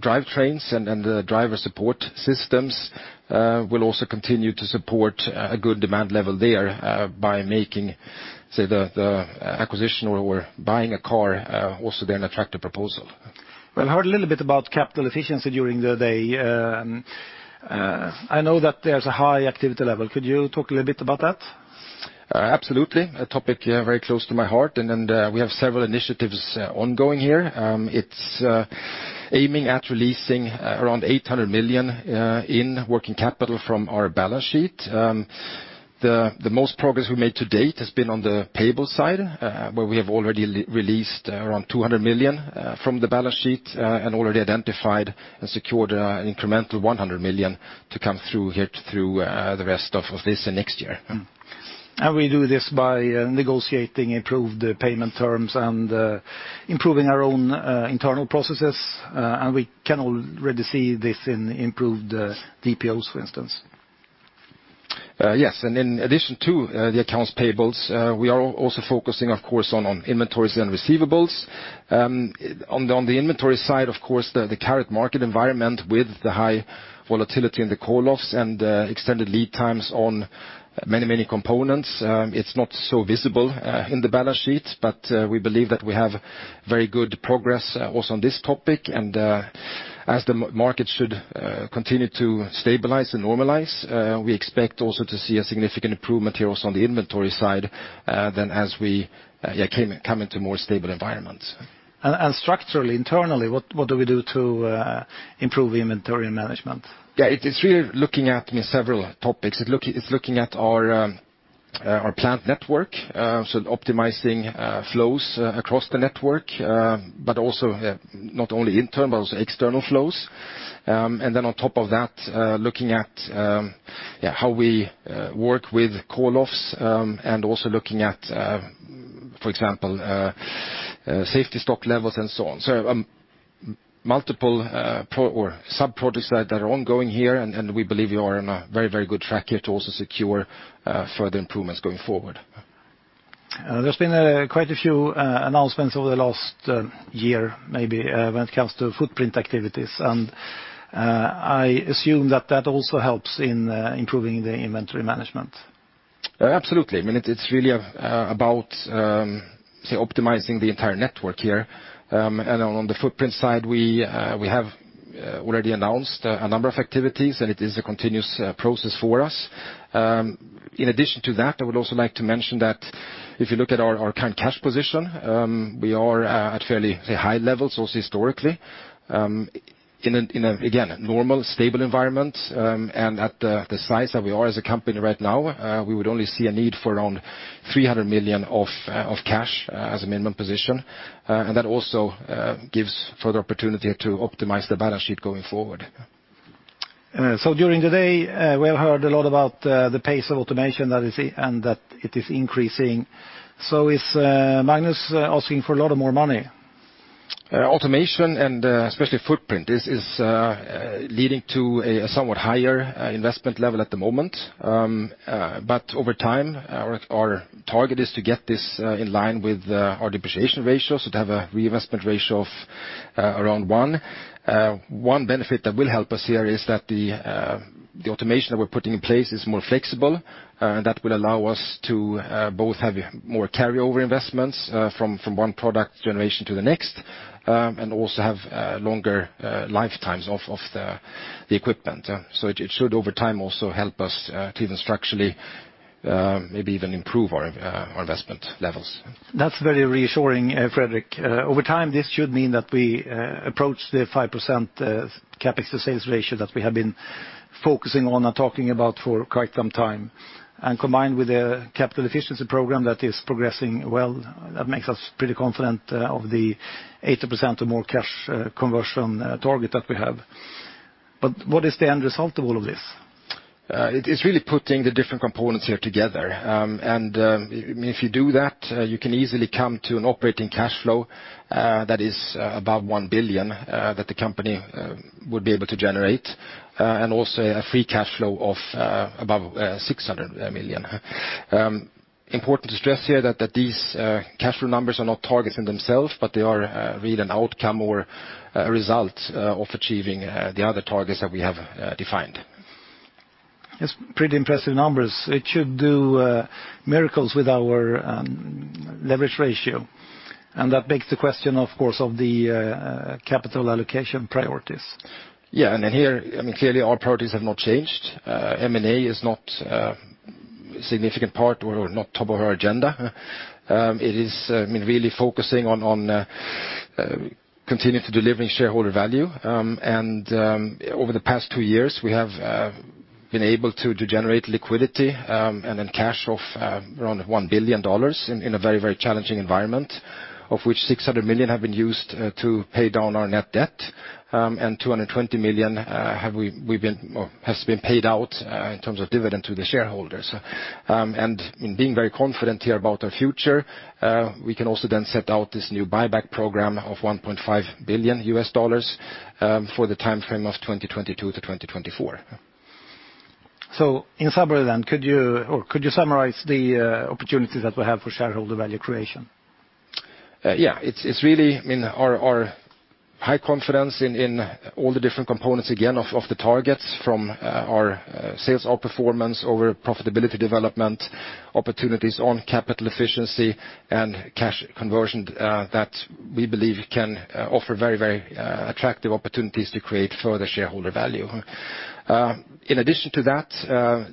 drivetrains and the driver support systems will also continue to support a good demand level there by making, say, the acquisition or buying a car also then an attractive proposal. We heard a little bit about capital efficiency during the day. I know that there's a high activity level. Could you talk a little bit about that? Absolutely. A topic, yeah, very close to my heart, and we have several initiatives ongoing here. It's aiming at releasing around $800 million in working capital from our balance sheet. The most progress we've made to date has been on the payable side, where we have already released around $200 million from the balance sheet, and already identified and secured an incremental $100 million to come through the rest of this and next year. We do this by negotiating improved payment terms and improving our own internal processes, and we can already see this in improved DPOs, for instance. Yes. In addition to the accounts payables, we are also focusing, of course, on inventories and receivables. On the inventory side, of course, the current market environment with the high volatility in the call-offs and extended lead times on many components, it's not so visible in the balance sheet, but we believe that we have very good progress also on this topic. As the market should continue to stabilize and normalize, we expect also to see a significant improvement here also on the inventory side, then as we come into more stable environments. Structurally, internally, what do we do to improve inventory management? Yeah. It is really looking at several topics. It's looking at our plant network, so optimizing flows across the network, but also not only internal, also external flows. Then on top of that, looking at yeah, how we work with call-offs, and also looking at, for example, safety stock levels and so on. Multiple or sub-projects that are ongoing here, and we believe we are on a very, very good track here to also secure further improvements going forward. There's been quite a few announcements over the last year, maybe, when it comes to footprint activities, and I assume that also helps in improving the inventory management. Absolutely. I mean, it's really about say optimizing the entire network here. On the footprint side, we have already announced a number of activities, and it is a continuous process for us. In addition to that, I would also like to mention that if you look at our current cash position, we are at fairly, say, high levels also historically. Again, normal stable environment, and at the size that we are as a company right now, we would only see a need for around $300 million of cash as a minimum position. That also gives further opportunity to optimize the balance sheet going forward. During the day, we have heard a lot about the pace of automation that is in, and that it is increasing. Is Magnus asking for a lot more money? Automation and especially footprint, this is leading to a somewhat higher investment level at the moment. Over time, our target is to get this in line with our depreciation ratio, so to have a reinvestment ratio of around one. One benefit that will help us here is that the automation that we're putting in place is more flexible, and that will allow us to both have more carryover investments from one product generation to the next, and also have longer lifetimes of the equipment. It should over time also help us to even structurally maybe even improve our investment levels. That's very reassuring, Fredrik. Over time, this should mean that we approach the 5% CapEx to sales ratio that we have been focusing on and talking about for quite some time. Combined with the capital efficiency program that is progressing well, that makes us pretty confident of the 80% or more cash conversion target that we have. What is the end result of all of this? It is really putting the different components here together. If you do that, you can easily come to an operating cash flow that is above $1 billion that the company would be able to generate, and also a free cash flow of above $600 million. Important to stress here that these cash flow numbers are not targets in themselves, but they are really an outcome or a result of achieving the other targets that we have defined. It's pretty impressive numbers. It should do miracles with our leverage ratio. That begs the question, of course, of the capital allocation priorities. Yeah. Here, I mean, clearly our priorities have not changed. M&A is not significant part or not top of our agenda. It is, I mean, really focusing on continuing to delivering shareholder value. Over the past two years, we have been able to generate liquidity and then cash of around $1 billion in a very challenging environment, of which $600 million have been used to pay down our net debt. $220 million have been paid out in terms of dividend to the shareholders. In being very confident here about our future, we can also then set out this new buyback program of $1.5 billion for the timeframe of 2022 to 2024. In summary then, could you summarize the opportunities that we have for shareholder value creation? Yeah. It's really, I mean, our high confidence in all the different components, again, of the targets from our sales outperformance over profitability development, opportunities on capital efficiency and cash conversion, that we believe can offer very attractive opportunities to create further shareholder value. In addition to that,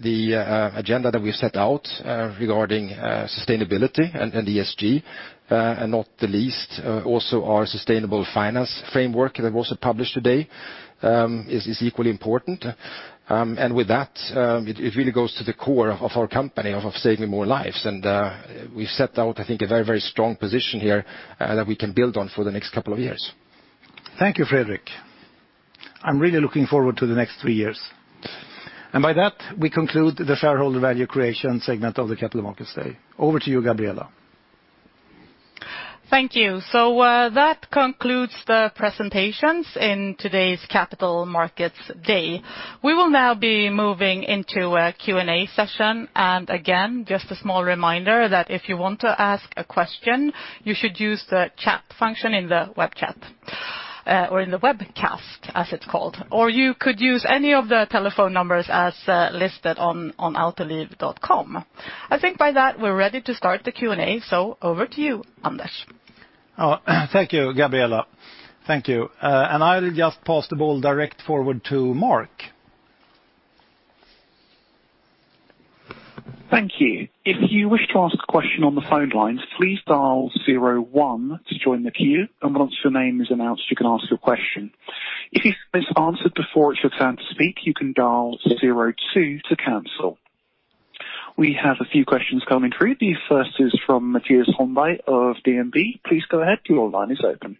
the agenda that we've set out regarding sustainability and ESG, and not the least, also our Sustainable Financing Framework that we also published today, is equally important. With that, it really goes to the core of our company of saving more lives. We've set out, I think, a very strong position here, that we can build on for the next couple of years. Thank you, Fredrik. I'm really looking forward to the next three years. By that, we conclude the shareholder value creation segment of the Capital Markets Day. Over to you, Gabriella. Thank you. That concludes the presentations in today's Capital Markets Day. We will now be moving into a Q&A session. Again, just a small reminder that if you want to ask a question, you should use the chat function in the web chat, or in the webcast, as it's called. Or you could use any of the telephone numbers as listed on autoliv.com. I think by that we're ready to start the Q&A. Over to you, Anders. Oh, thank you, Gabriella. Thank you. I'll just pass the ball direct forward to Mark. Thank you. If you wish to ask a question on the phone lines, please dial zero one to join the queue, and once your name is announced, you can ask your question. If you've misanswered before it's your turn to speak, you can dial zero two to cancel. We have a few questions coming through. The first is from Mattias Holmberg of DNB. Please go ahead. Your line is open.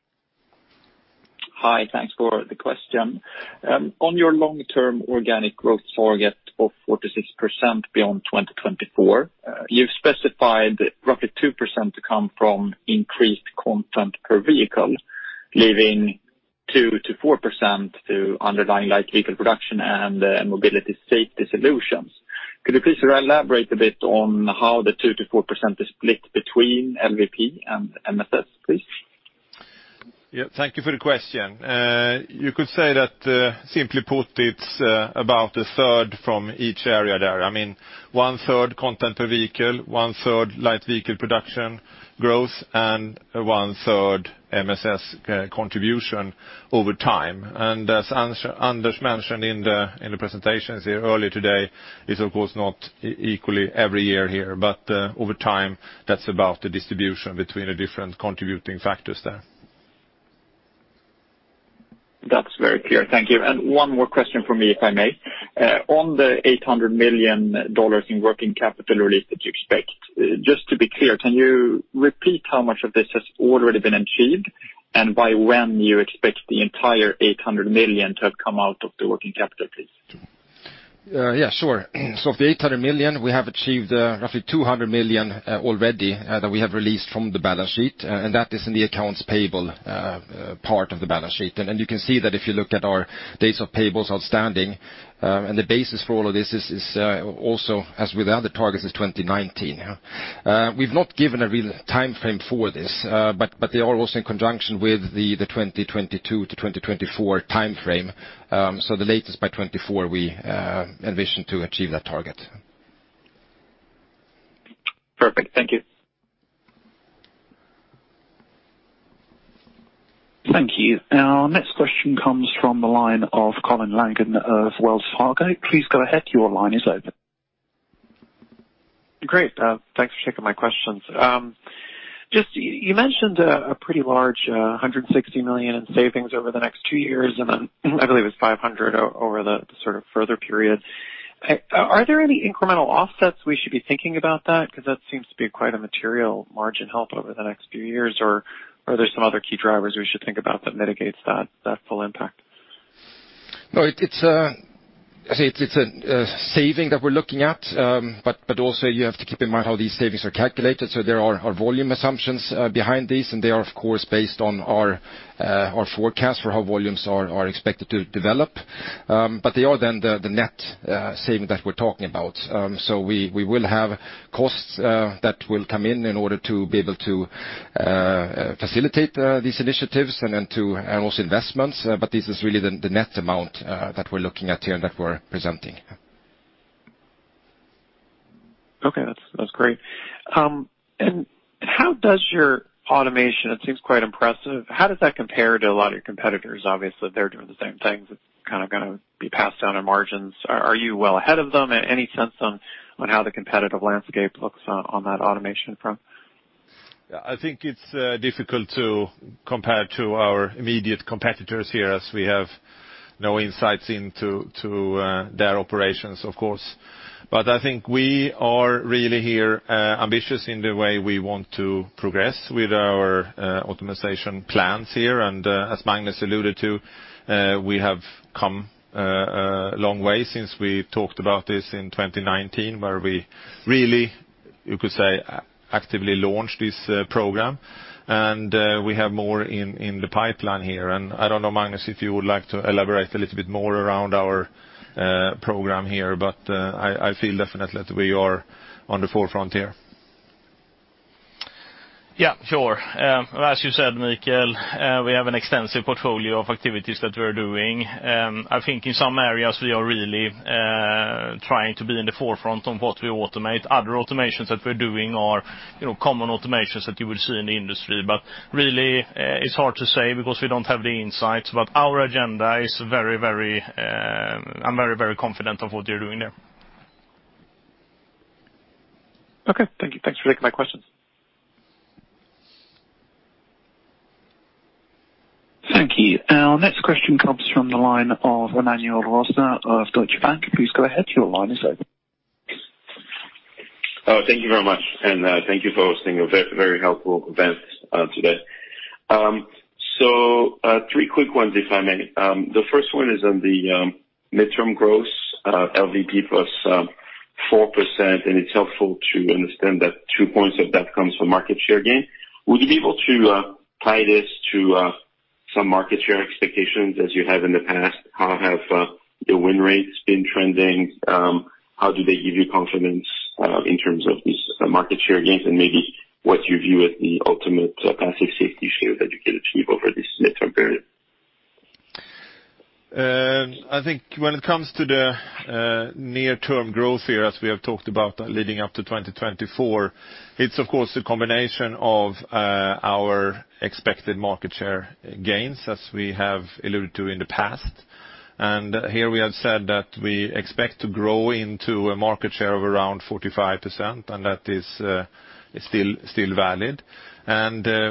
Hi. Thanks for the question. On your long-term organic growth target of 4%-6% beyond 2024, you've specified roughly 2% to come from increased content per vehicle, leaving 2%-4% to underlying light vehicle production and mobility safety solutions. Could you please elaborate a bit on how the 2%-4% is split between LVP and MSS, please? Yeah. Thank you for the question. You could say that, simply put, it's about 1/3 from each area there. I mean, 1/3 content per vehicle, 1/3 light vehicle production growth, and 1/3 MSS contribution over time. As Anders mentioned in the presentations here earlier today, it's of course not equally every year here, but over time, that's about the distribution between the different contributing factors there. That's very clear. Thank you. One more question from me, if I may. On the $800 million in working capital release that you expect, just to be clear, can you repeat how much of this has already been achieved and by when you expect the entire $800 million to have come out of the working capital, please? Yeah, sure. Of the $800 million, we have achieved roughly $200 million already that we have released from the balance sheet, and that is in the accounts payable part of the balance sheet. You can see that if you look at our days of payables outstanding, and the basis for all of this is also, as with the other targets, 2019. We've not given a real timeframe for this, but they are also in conjunction with the 2022-2024 timeframe. The latest by 2024 we envision to achieve that target. Perfect. Thank you. Thank you. Our next question comes from the line of Colin Langan of Wells Fargo. Please go ahead. Your line is open. Great. Thanks for taking my questions. Just you mentioned a pretty large $160 million in savings over the next two years, and then I believe it's $500 million over the sort of further period. Are there any incremental offsets we should be thinking about that? 'Cause that seems to be quite a material margin help over the next few years. Or are there some other key drivers we should think about that mitigates that full impact? No, I say it's a saving that we're looking at. Also you have to keep in mind how these savings are calculated. There are our volume assumptions behind these, and they are of course based on our forecast for how volumes are expected to develop. They are then the net saving that we're talking about. We will have costs that will come in in order to be able to facilitate these initiatives and then to handle those investments. This is really the net amount that we're looking at here and that we're presenting. Okay. That's great. How does your automation? It seems quite impressive. How does that compare to a lot of your competitors? Obviously, they're doing the same things. It's kinda gonna be passed down on margins. Are you well ahead of them? Any sense on how the competitive landscape looks on that automation front? Yeah, I think it's difficult to compare to our immediate competitors here, as we have no insights into to their operations, of course. I think we are really here ambitious in the way we want to progress with our optimization plans here. As Magnus alluded to, we have come a long way since we talked about this in 2019, where we really you could say actively launched this program. We have more in the pipeline here, and I don't know, Magnus, if you would like to elaborate a little bit more around our program here, but I feel definitely that we are on the forefront here. Yeah, sure. As you said, Mikael, we have an extensive portfolio of activities that we're doing. I think in some areas we are really trying to be in the forefront on what we automate. Other automations that we're doing are, you know, common automations that you would see in the industry. But really, it's hard to say because we don't have the insights, but I'm very confident of what we're doing there. Okay, thank you. Thanks for taking my questions. Thank you. Our next question comes from the line of Emmanuel Rosner of Deutsche Bank. Please go ahead. Your line is open. Oh, thank you very much, and thank you for hosting a very helpful event today. Three quick ones, if I may. The first one is on the midterm growth, LVP + 4%, and it's helpful to understand that two points of that comes from market share gain. Would you be able to tie this to some market share expectations as you have in the past? How have the win rates been trending? How do they give you confidence in terms of these market share gains? Maybe what you view as the ultimate passive safety share that you could achieve over this midterm period? I think when it comes to the near-term growth here, as we have talked about leading up to 2024, it's of course a combination of our expected market share gains, as we have alluded to in the past. Here we have said that we expect to grow into a market share of around 45%, and that is still valid.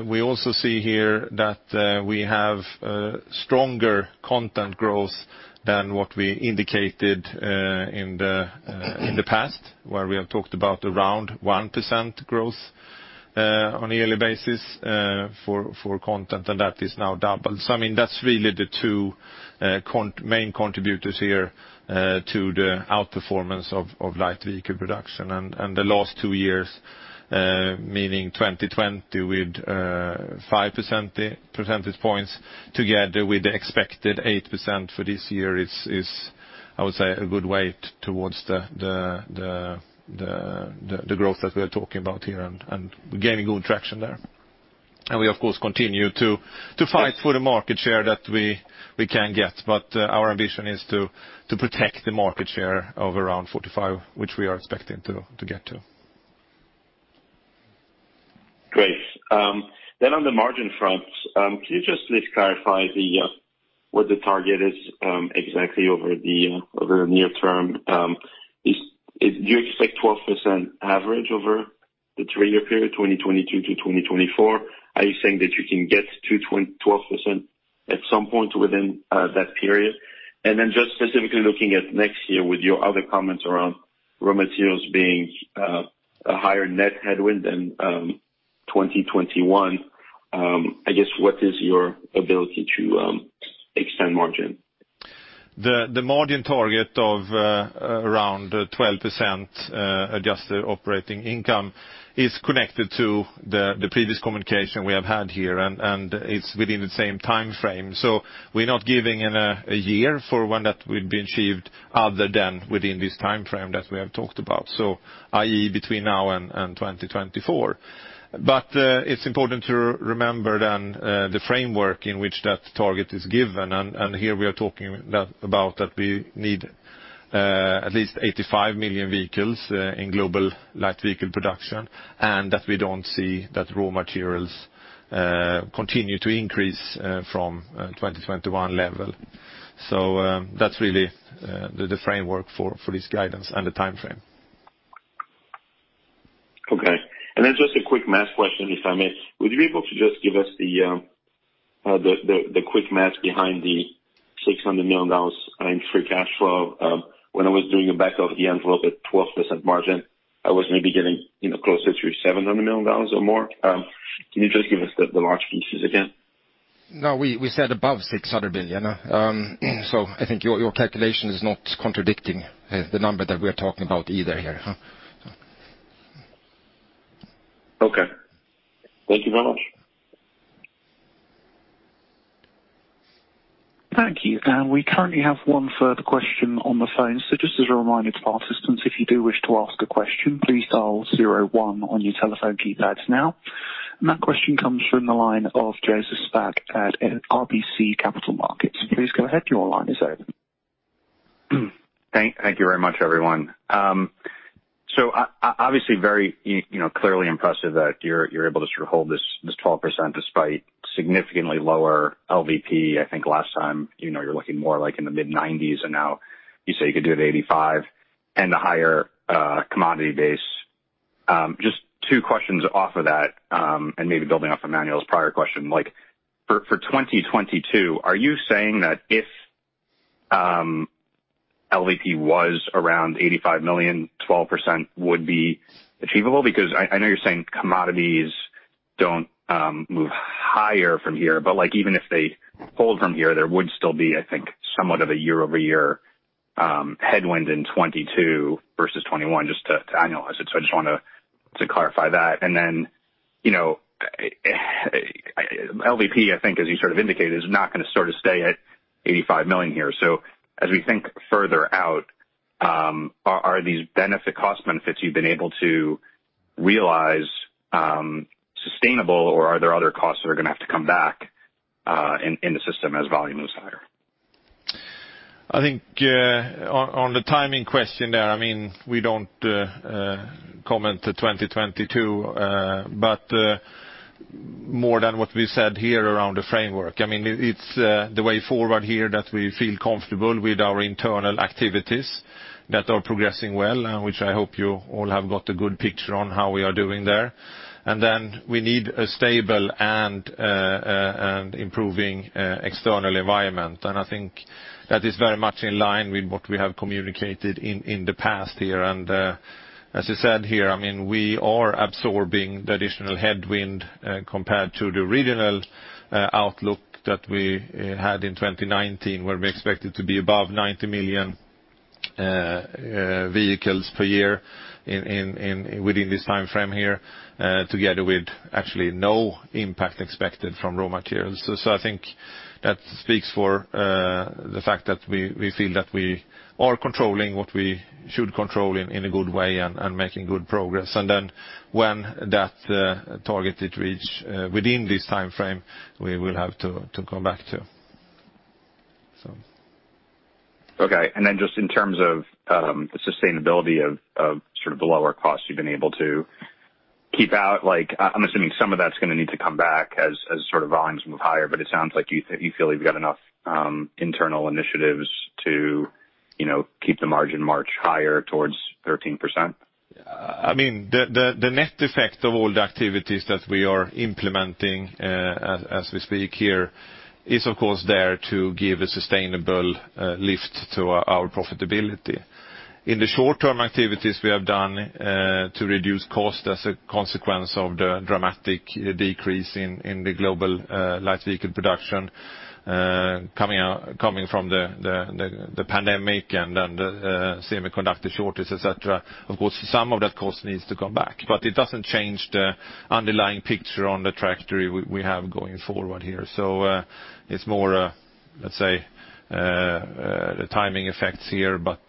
We also see here that we have stronger content growth than what we indicated in the past, where we have talked about around 1% growth on a yearly basis for content, and that is now double. I mean, that's really the two main contributors here to the outperformance of light vehicle production. The last two years, meaning 2020 with 5 percentage points together with the expected 8% for this year is, I would say, a good way towards the growth that we are talking about here and we're gaining good traction there. We of course continue to fight for the market share that we can get. Our ambition is to protect the market share of around 45%, which we are expecting to get to. Great. On the margin front, can you just please clarify what the target is exactly over the near term? Do you expect 12% average over the three-year period, 2022 to 2024? Are you saying that you can get to 12% at some point within that period? Just specifically looking at next year with your other comments around raw materials being a higher net headwind than 2021, I guess what is your ability to extend margin? The margin target of around 12%, adjusted operating income is connected to the previous communication we have had here, and it's within the same timeframe. We're not giving a year for when that will be achieved other than within this timeframe that we have talked about, i.e., between now and 2024. It's important to remember then the framework in which that target is given. Here we are talking about that we need at least 85 million vehicles in global light vehicle production, and that we don't see that raw materials continue to increase from 2021 level. That's really the framework for this guidance and the timeframe. Okay. Just a quick math question, if I may. Would you be able to just give us the quick math behind the $600 million in free cash flow? When I was doing a back of the envelope at 12% margin, I was maybe getting closer to $700 million or more. Can you just give us the large pieces again? No, we said above $600 million. I think your calculation is not contradicting the number that we're talking about either here. Okay. Thank you very much. Thank you. We currently have one further question on the phone. Just as a reminder to participants, if you do wish to ask a question, please dial zero one on your telephone keypads now. That question comes from the line of Joseph Spak at RBC Capital Markets. Please go ahead. Your line is open. Thank you very much, everyone. So obviously very, you know, clearly impressive that you're able to sort of hold this 12% despite significantly lower LVP. I think last time, you know, you're looking more like in the mid-90s, and now you say you could do it 85 million, and the higher commodity base. Just two questions off of that, and maybe building off of Emmanuel's prior question. Like, for 2022, are you saying that if LVP was around 85 million, 12% would be achievable? Because I know you're saying commodities don't move higher from here, but like even if they hold from here, there would still be, I think, somewhat of a year-over-year headwind in 2022 versus 2021 just to analyze it, so I just want to clarify that. You know, LVP, I think as you sort of indicated, is not gonna sort of stay at 85 million here. As we think further out, are these benefit cost benefits you've been able to realize, sustainable, or are there other costs that are gonna have to come back, in the system as volume moves higher? I think, on the timing question there, I mean, we don't comment on 2022, but more than what we said here around the framework. I mean, it's the way forward here that we feel comfortable with our internal activities that are progressing well, which I hope you all have got a good picture on how we are doing there. We need a stable and improving external environment. I think that is very much in line with what we have communicated in the past here. As I said here, I mean, we are absorbing the additional headwind compared to the original outlook that we had in 2019, where we expected to be above 90 million vehicles per year within this timeframe here, together with actually no impact expected from raw materials. I think that speaks for the fact that we feel that we are controlling what we should control in a good way and making good progress. When that target is reached within this timeframe, we will have to come back to. Okay. Just in terms of the sustainability of sort of the lower costs you've been able to keep out, like I'm assuming some of that's gonna need to come back as sort of volumes move higher, but it sounds like you feel you've got enough internal initiatives to, you know, keep the margin march higher towards 13%? I mean, the net effect of all the activities that we are implementing, as we speak here is of course there to give a sustainable lift to our profitability. In the short term activities we have done, to reduce cost as a consequence of the dramatic decrease in the global light vehicle production, coming from the pandemic and then the semiconductor shortage, et cetera. Of course, some of that cost needs to come back, but it doesn't change the underlying picture on the trajectory we have going forward here. It's more, let's say, the timing effects here, but,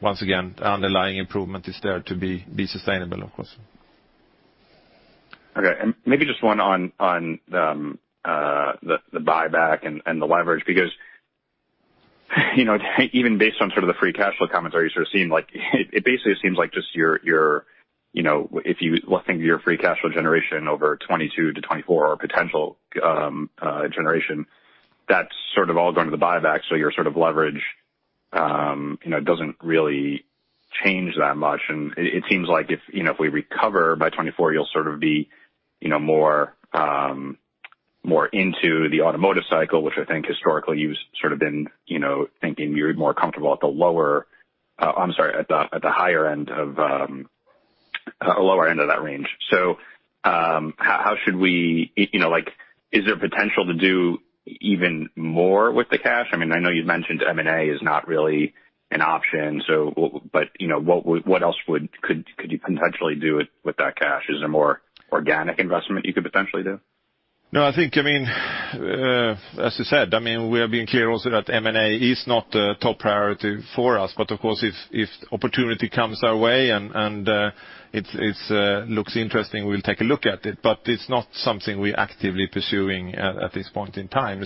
once again, underlying improvement is there to be sustainable, of course. Okay. Maybe just one on the buyback and the leverage because you know even based on sort of the free cash flow commentary sort of seem like. It basically seems like just your you know if you think of your free cash flow generation over 2022 to 2024 potential generation that's sort of all going to the buyback. Your sort of leverage you know doesn't really change that much. It seems like if you know if we recover by 2024 you'll sort of be you know more into the automotive cycle which I think historically you've sort of been you know thinking you're more comfortable at the lower. I'm sorry at the higher end of lower end of that range. How should we. You know, like, is there potential to do even more with the cash? I mean, I know you've mentioned M&A is not really an option, so, but you know, what else could you potentially do with that cash? Is there more organic investment you could potentially do? No, I think, I mean, as I said, I mean, we are being clear also that M&A is not a top priority for us. Of course, if opportunity comes our way and it looks interesting, we'll take a look at it. It's not something we're actively pursuing at this point in time.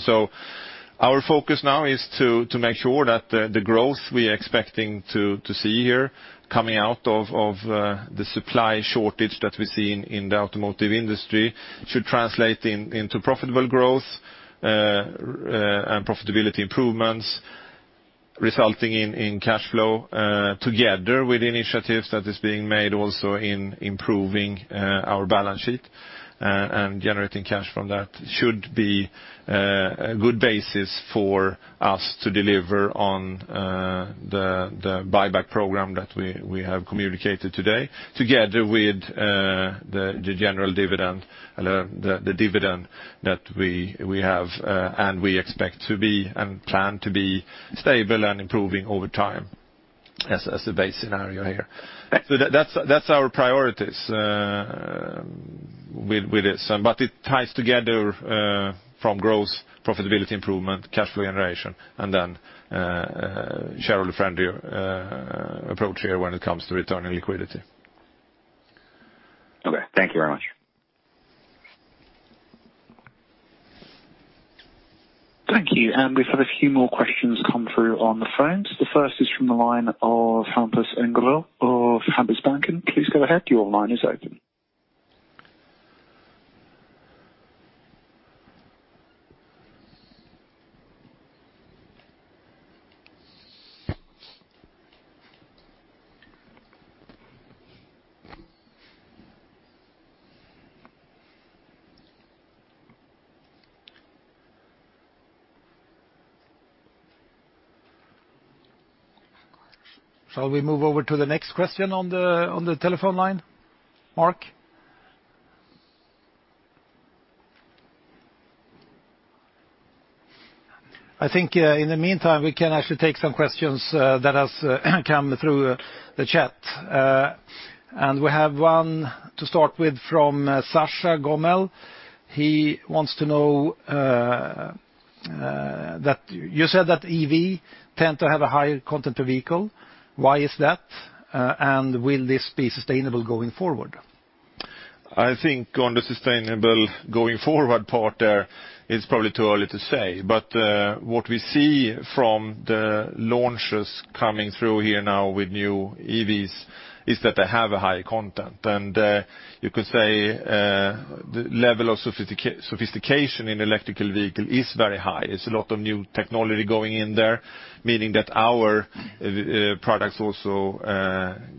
Our focus now is to make sure that the growth we are expecting to see here coming out of the supply shortage that we see in the automotive industry should translate into profitable growth and profitability improvements resulting in cash flow, together with initiatives that is being made also in improving our balance sheet and generating cash from that. That should be a good basis for us to deliver on the buyback program that we have communicated today, together with the general dividend, the dividend that we have, and we expect to be and plan to be stable and improving over time as a base scenario here. That's our priorities with this. It ties together from growth, profitability improvement, cash flow generation, and then shareholder-friendlier approach here when it comes to returning liquidity. Okay. Thank you very much. Thank you. We've had a few more questions come through on the phones. The first is from the line of Hampus Engellau of Handelsbanken. Please go ahead. Your line is open. Shall we move over to the next question on the telephone line, Mark? I think in the meantime we can actually take some questions that has come through the chat. We have one to start with from Sascha Gommel. He wants to know that. You said that EV tend to have a higher content per vehicle. Why is that? Will this be sustainable going forward? I think on the sustainable going forward part there, it's probably too early to say. What we see from the launches coming through here now with new EVs is that they have a high content. You could say the level of sophistication in electric vehicle is very high. It's a lot of new technology going in there, meaning that our EV products also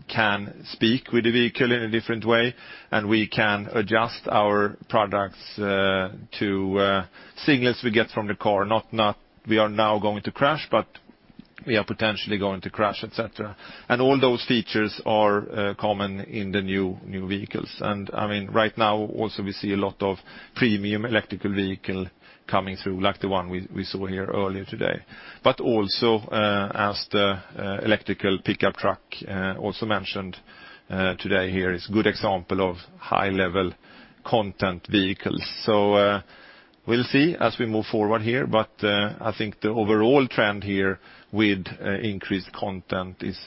can speak with the vehicle in a different way, and we can adjust our products to signals we get from the car. Not we are now going to crash, but we are potentially going to crash, et cetera. All those features are common in the new vehicles. I mean, right now also we see a lot of premium electric vehicle coming through, like the one we saw here earlier today. As the electric pickup truck also mentioned today here is a good example of high-level content vehicles. We'll see as we move forward here. I think the overall trend here with increased content is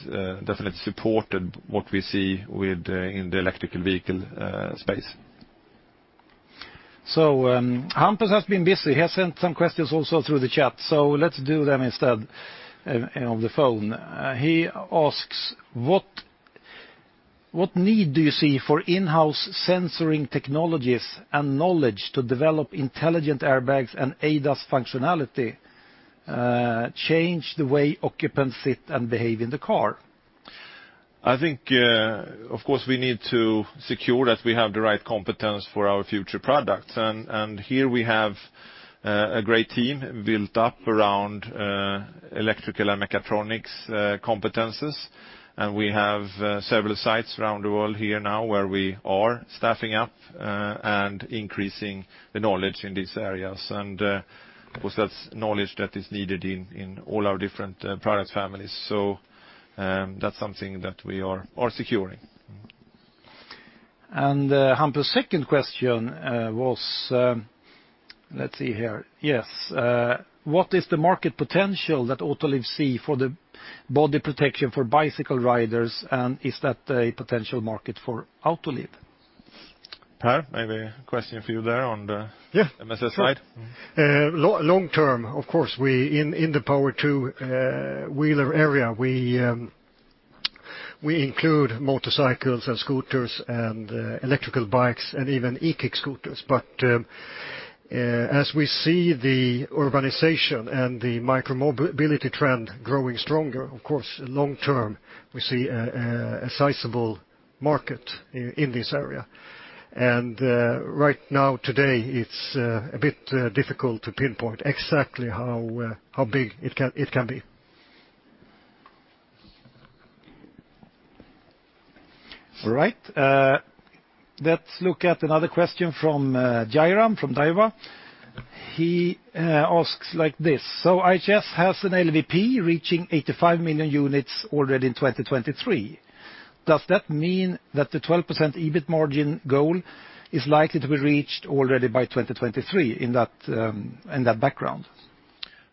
definitely supported by what we see within the electric vehicle space. Hampus has been busy. He has sent some questions also through the chat, so let's do them instead of the phone. He asks, what need do you see for in-house sensing technologies and knowledge to develop intelligent airbags and ADAS functionality, change the way occupants sit and behave in the car? I think, of course, we need to secure that we have the right competence for our future products. Here we have a great team built up around electrical and mechatronics competencies. We have several sites around the world here now where we are staffing up and increasing the knowledge in these areas. Of course, that's knowledge that is needed in all our different product families. That's something that we are securing. Hampus' second question was, let's see here. Yes. What is the market potential that Autoliv see for the body protection for bicycle riders, and is that a potential market for Autoliv? Per, maybe a question for you there on the- Yeah. MSS side. Long term, of course, we in the two-wheeler area include motorcycles and scooters and electric bikes and even e-kick scooters. As we see the urbanization and the micro-mobility trend growing stronger, of course, long term, we see a sizable market in this area. Right now today, it's a bit difficult to pinpoint exactly how big it can be. All right. Let's look at another question from Jairam from Daiwa. He asks like this: So IHS has an LVP reaching 85 million units already in 2023. Does that mean that the 12% EBIT margin goal is likely to be reached already by 2023 in that background?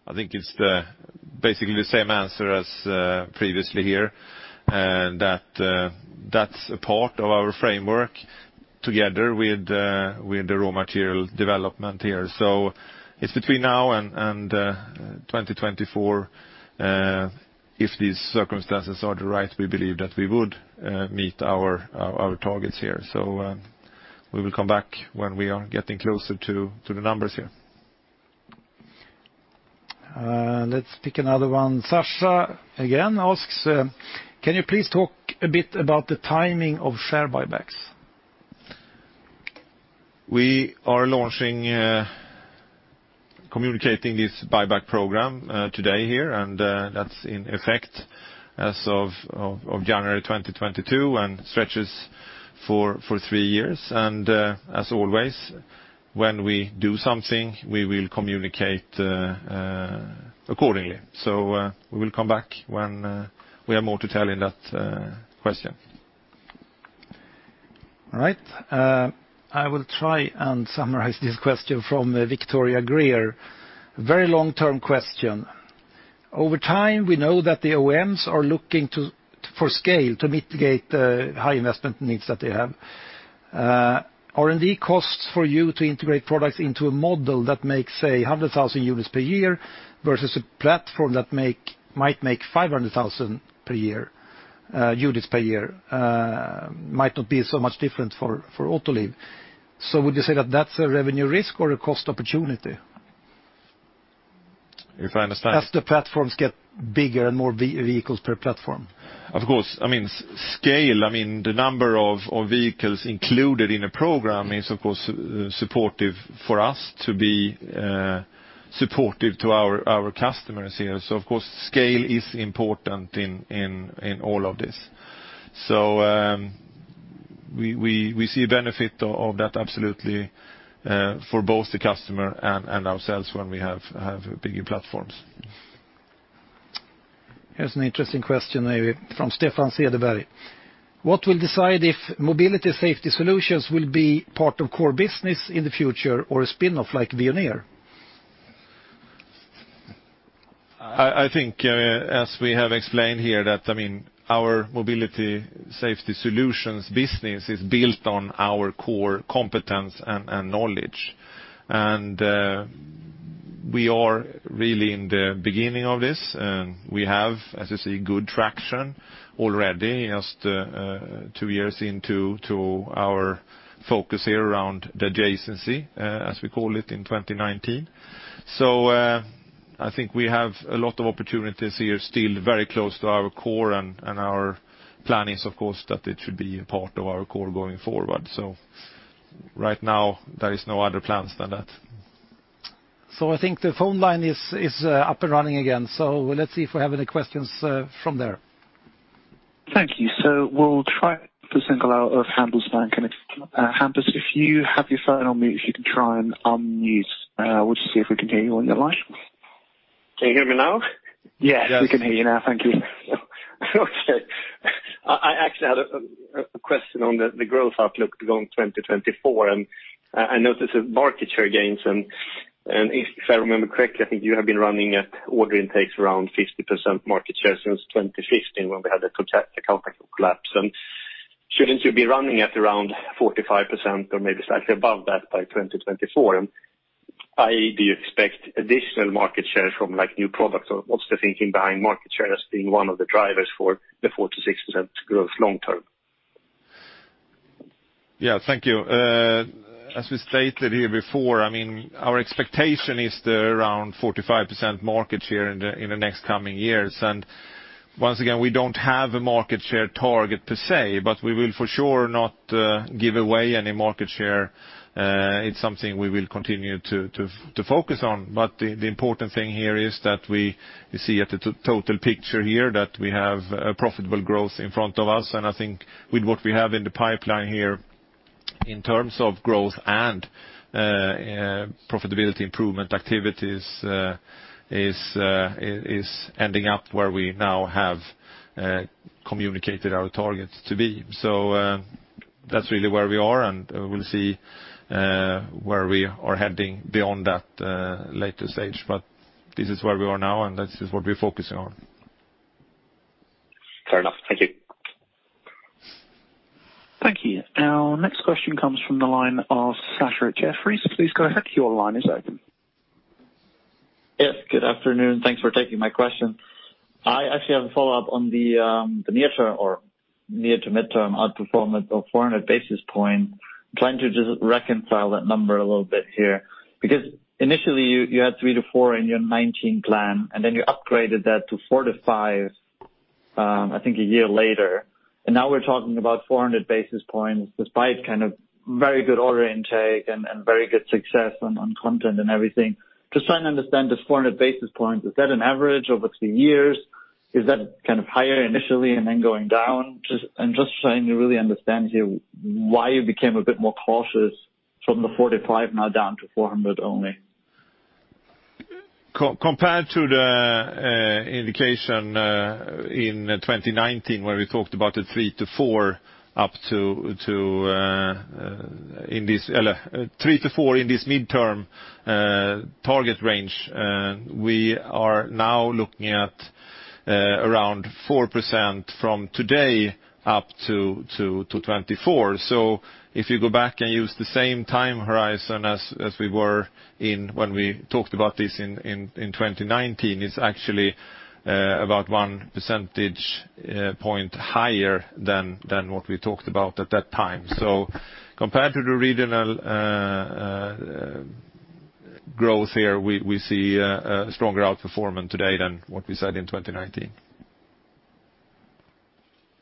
I think it's basically the same answer as previously here, and that's a part of our framework together with the raw material development here. It's between now and 2024, if these circumstances are right, we believe that we would meet our targets here. We will come back when we are getting closer to the numbers here. Let's pick another one. Sascha again asks: Can you please talk a bit about the timing of share buybacks? We are launching communicating this buyback program today here, and that's in effect as of January 2022 and stretches for three years. As always, when we do something, we will communicate accordingly. We will come back when we have more to tell in that question. All right. I will try and summarize this question from Victoria Greer. Very long-term question. Over time, we know that the OEMs are looking for scale to mitigate the high investment needs that they have. R&D costs for you to integrate products into a model that makes 100,000 units per year versus a platform that might make 500,000 units per year might not be so much different for Autoliv. Would you say that that's a revenue risk or a cost opportunity? If I understand. As the platforms get bigger and more vehicles per platform. Of course. I mean, scale, I mean, the number of vehicles included in a program is of course supportive for us to be supportive to our customers here. Of course, scale is important in all of this. We see a benefit of that absolutely for both the customer and ourselves when we have bigger platforms. Here's an interesting question maybe from Stefan Cederberg. What will decide if mobility safety solutions will be part of core business in the future or a spinoff like Veoneer? I think as we have explained here that I mean our mobility safety solutions business is built on our core competence and knowledge. We are really in the beginning of this and we have as you say good traction already as to two years into our focus here around the adjacency as we call it in 2019. I think we have a lot of opportunities here still very close to our core and our planning is of course that it should be a part of our core going forward. Right now there is no other plans than that. I think the phone line is up and running again. Let's see if we have any questions from there. Thank you. We'll try to single out Hampus from Handelsbanken. Hampus, if you have your phone on mute, if you can try and unmute. We'll just see if we can hear you on your line. Can you hear me now? Yes, we can hear you now. Thank you. Okay. I actually had a question on the growth outlook going 2024, and I noticed the market share gains, and if I remember correctly, I think you have been running at order intakes around 50% market share since 2015 when we had the contract collapse. Shouldn't you be running at around 45% or maybe slightly above that by 2024? I do expect additional market share from like new products. What's the thinking behind market share as being one of the drivers for the 4%-6% growth long term? Yeah, thank you. As we stated here before, I mean, our expectation is around 45% market share in the next coming years. Once again, we don't have a market share target per se, but we will for sure not give away any market share. It's something we will continue to focus on. The important thing here is that we see the total picture here that we have a profitable growth in front of us. I think with what we have in the pipeline here in terms of growth and profitability improvement activities is ending up where we now have communicated our targets to be. That's really where we are, and we'll see where we are heading beyond that later stage. This is where we are now, and this is what we're focusing on. Fair enough. Thank you. Thank you. Our next question comes from the line of Sascha at Jefferies. Please go ahead. Your line is open. Yes, good afternoon. Thanks for taking my question. I actually have a follow-up on the near term or near to midterm outperformance of 400 basis points. I'm trying to just reconcile that number a little bit here. Because initially you had 3%-4% in your 2019 plan, and then you upgraded that to 4%-5%, I think a year later. Now we're talking about 400 basis points despite kind of very good order intake and very good success on content and everything. Just trying to understand this 400 basis points, is that an average over three years? Is that kind of higher initially and then going down? Just trying to really understand here why you became a bit more cautious from the 4%-5%, now down to 400 only. Compared to the indication in 2019, where we talked about the 3%-4% in this midterm target range, we are now looking at around 4% from today up to 2024. If you go back and use the same time horizon as we were in when we talked about this in 2019, it's actually about 1 percentage point higher than what we talked about at that time. Compared to the regional growth here, we see a stronger outperformance today than what we said in 2019.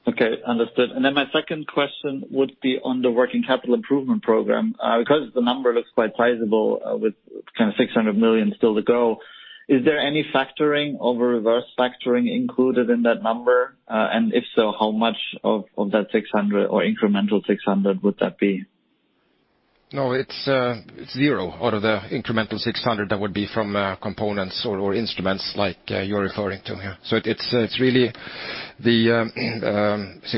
Okay. Understood. My second question would be on the working capital improvement program. Because the number looks quite sizable, with kind of $600 million still to go, is there any factoring or reverse factoring included in that number? If so, how much of that $600 million or incremental $600 million would that be? No, it's zero out of the incremental $600 million that would be from components or instruments like you're referring to here. It's really the,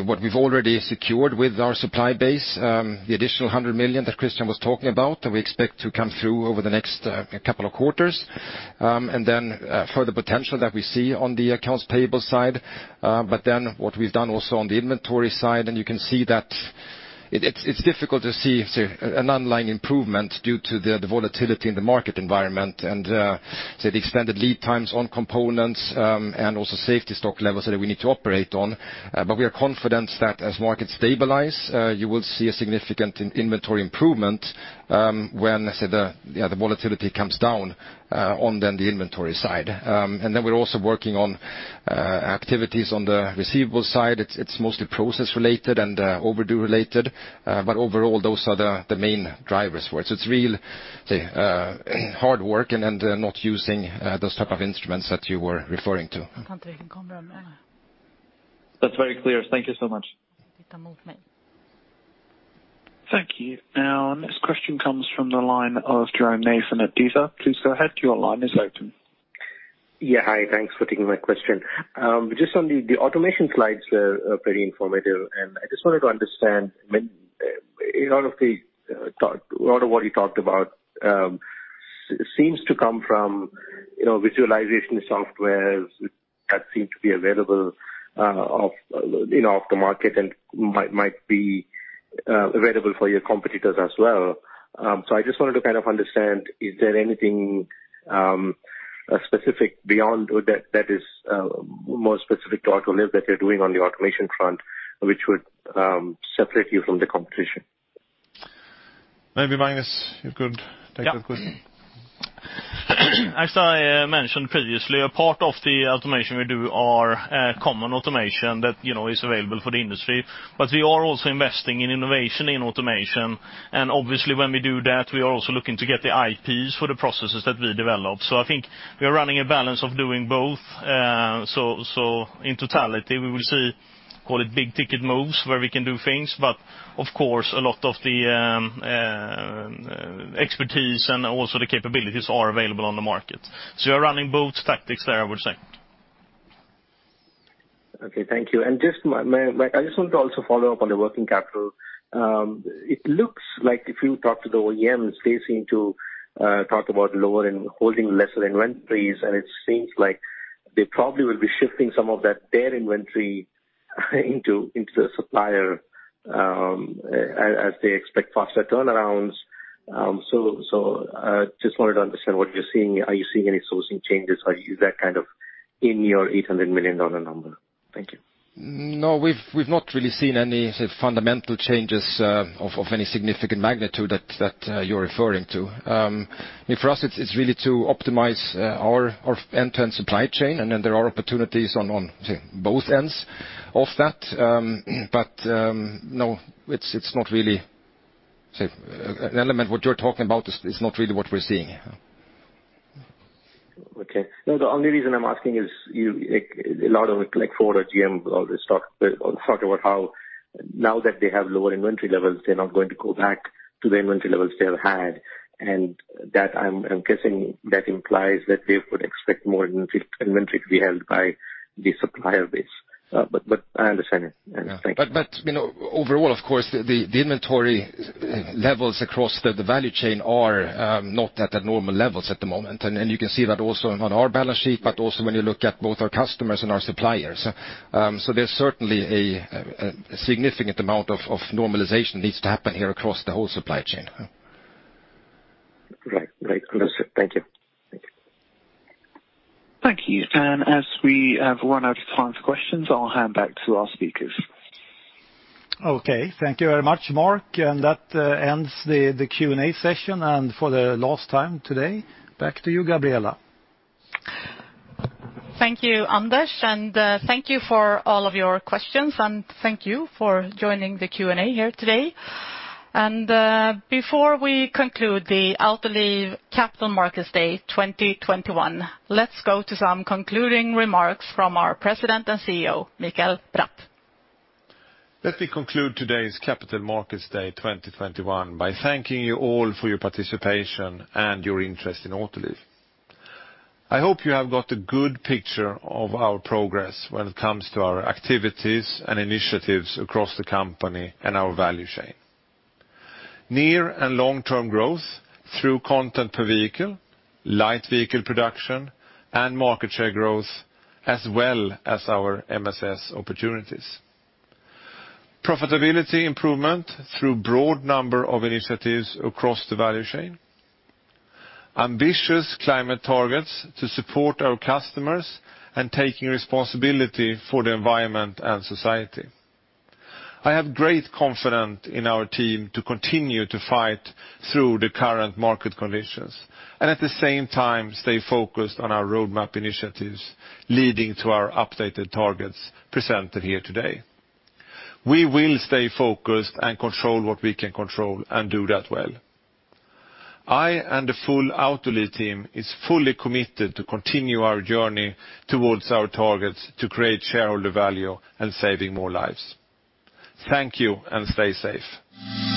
what we've already secured with our supply base, the additional $100 million that Christian was talking about that we expect to come through over the next couple of quarters. For the potential that we see on the accounts payable side. What we've done also on the inventory side, and you can see that it's difficult to see an underlying improvement due to the volatility in the market environment and the expanded lead times on components, and also safety stock levels that we need to operate on. We are confident that as markets stabilize, you will see a significant inventory improvement, when the volatility comes down on the inventory side. We're also working on activities on the receivable side. It's mostly process related and overdue related. Overall, those are the main drivers for it. It's real hard work and not using those type of instruments that you were referring to. That's very clear. Thank you so much. Thank you. Now, next question comes from the line of Jairam Nathan at Daiwa. Please go ahead, your line is open. Yeah. Hi, thanks for taking my question. Just on the automation slides were pretty informative, and I just wanted to understand when a lot of the talk, a lot of what you talked about seems to come from, you know, visualization softwares that seem to be available, you know, off the market and might be available for your competitors as well. So I just wanted to kind of understand, is there anything specific beyond that is more specific to Autoliv that you're doing on the automation front, which would separate you from the competition? Maybe, Magnus, you could take that question. Yeah. As I mentioned previously, a part of the automation we do are common automation that, you know, is available for the industry. We are also investing in innovation in automation, and obviously when we do that, we are also looking to get the IPs for the processes that we develop. I think we are running a balance of doing both. In totality, we will see, call it big ticket moves where we can do things. Of course, a lot of the expertise and also the capabilities are available on the market. We're running both tactics there, I would say. Okay, thank you. Just, may I? I just want to also follow up on the working capital. It looks like if you talk to the OEMs, they seem to talk about lowering and holding lesser inventories, and it seems like they probably will be shifting some of that, their inventory into the supplier, as they expect faster turnarounds. Just wanted to understand what you're seeing. Are you seeing any sourcing changes? Is that kind of in your $800 million number? Thank you. No, we've not really seen any say fundamental changes of any significant magnitude that you're referring to. I mean, for us, it's really to optimize our end-to-end supply chain, and then there are opportunities on say both ends of that. No, it's not really, say, an element what you're talking about is not really what we're seeing. Okay. No, the only reason I'm asking is you like a lot of like Ford or GM always talk about how now that they have lower inventory levels, they're not going to go back to the inventory levels they have had. That I'm guessing that implies that they would expect more inventory to be held by the supplier base. But I understand it and thank you. You know, overall, of course, the inventory levels across the value chain are not at the normal levels at the moment. You can see that also on our balance sheet, but also when you look at both our customers and our suppliers. There's certainly a significant amount of normalization that needs to happen here across the whole supply chain. Right. Great. Understood. Thank you. Thank you. Thank you. As we have run out of time for questions, I'll hand back to our speakers. Okay. Thank you very much, Mark. That ends the Q&A session. For the last time today, back to you, Gabriella. Thank you, Anders, and thank you for all of your questions, and thank you for joining the Q&A here today. Before we conclude the Autoliv Capital Markets Day 2021, let's go to some concluding remarks from our President and CEO, Mikael Bratt. Let me conclude today's Capital Markets Day 2021 by thanking you all for your participation and your interest in Autoliv. I hope you have got a good picture of our progress when it comes to our activities and initiatives across the company and our value chain. Near and long-term growth through content per vehicle, light vehicle production, and market share growth, as well as our MSS opportunities. Profitability improvement through broad number of initiatives across the value chain. Ambitious climate targets to support our customers and taking responsibility for the environment and society. I have great confidence in our team to continue to fight through the current market conditions and at the same time stay focused on our roadmap initiatives leading to our updated targets presented here today. We will stay focused and control what we can control and do that well. I and the full Autoliv team is fully committed to continue our journey towards our targets to create shareholder value and saving more lives. Thank you, and stay safe.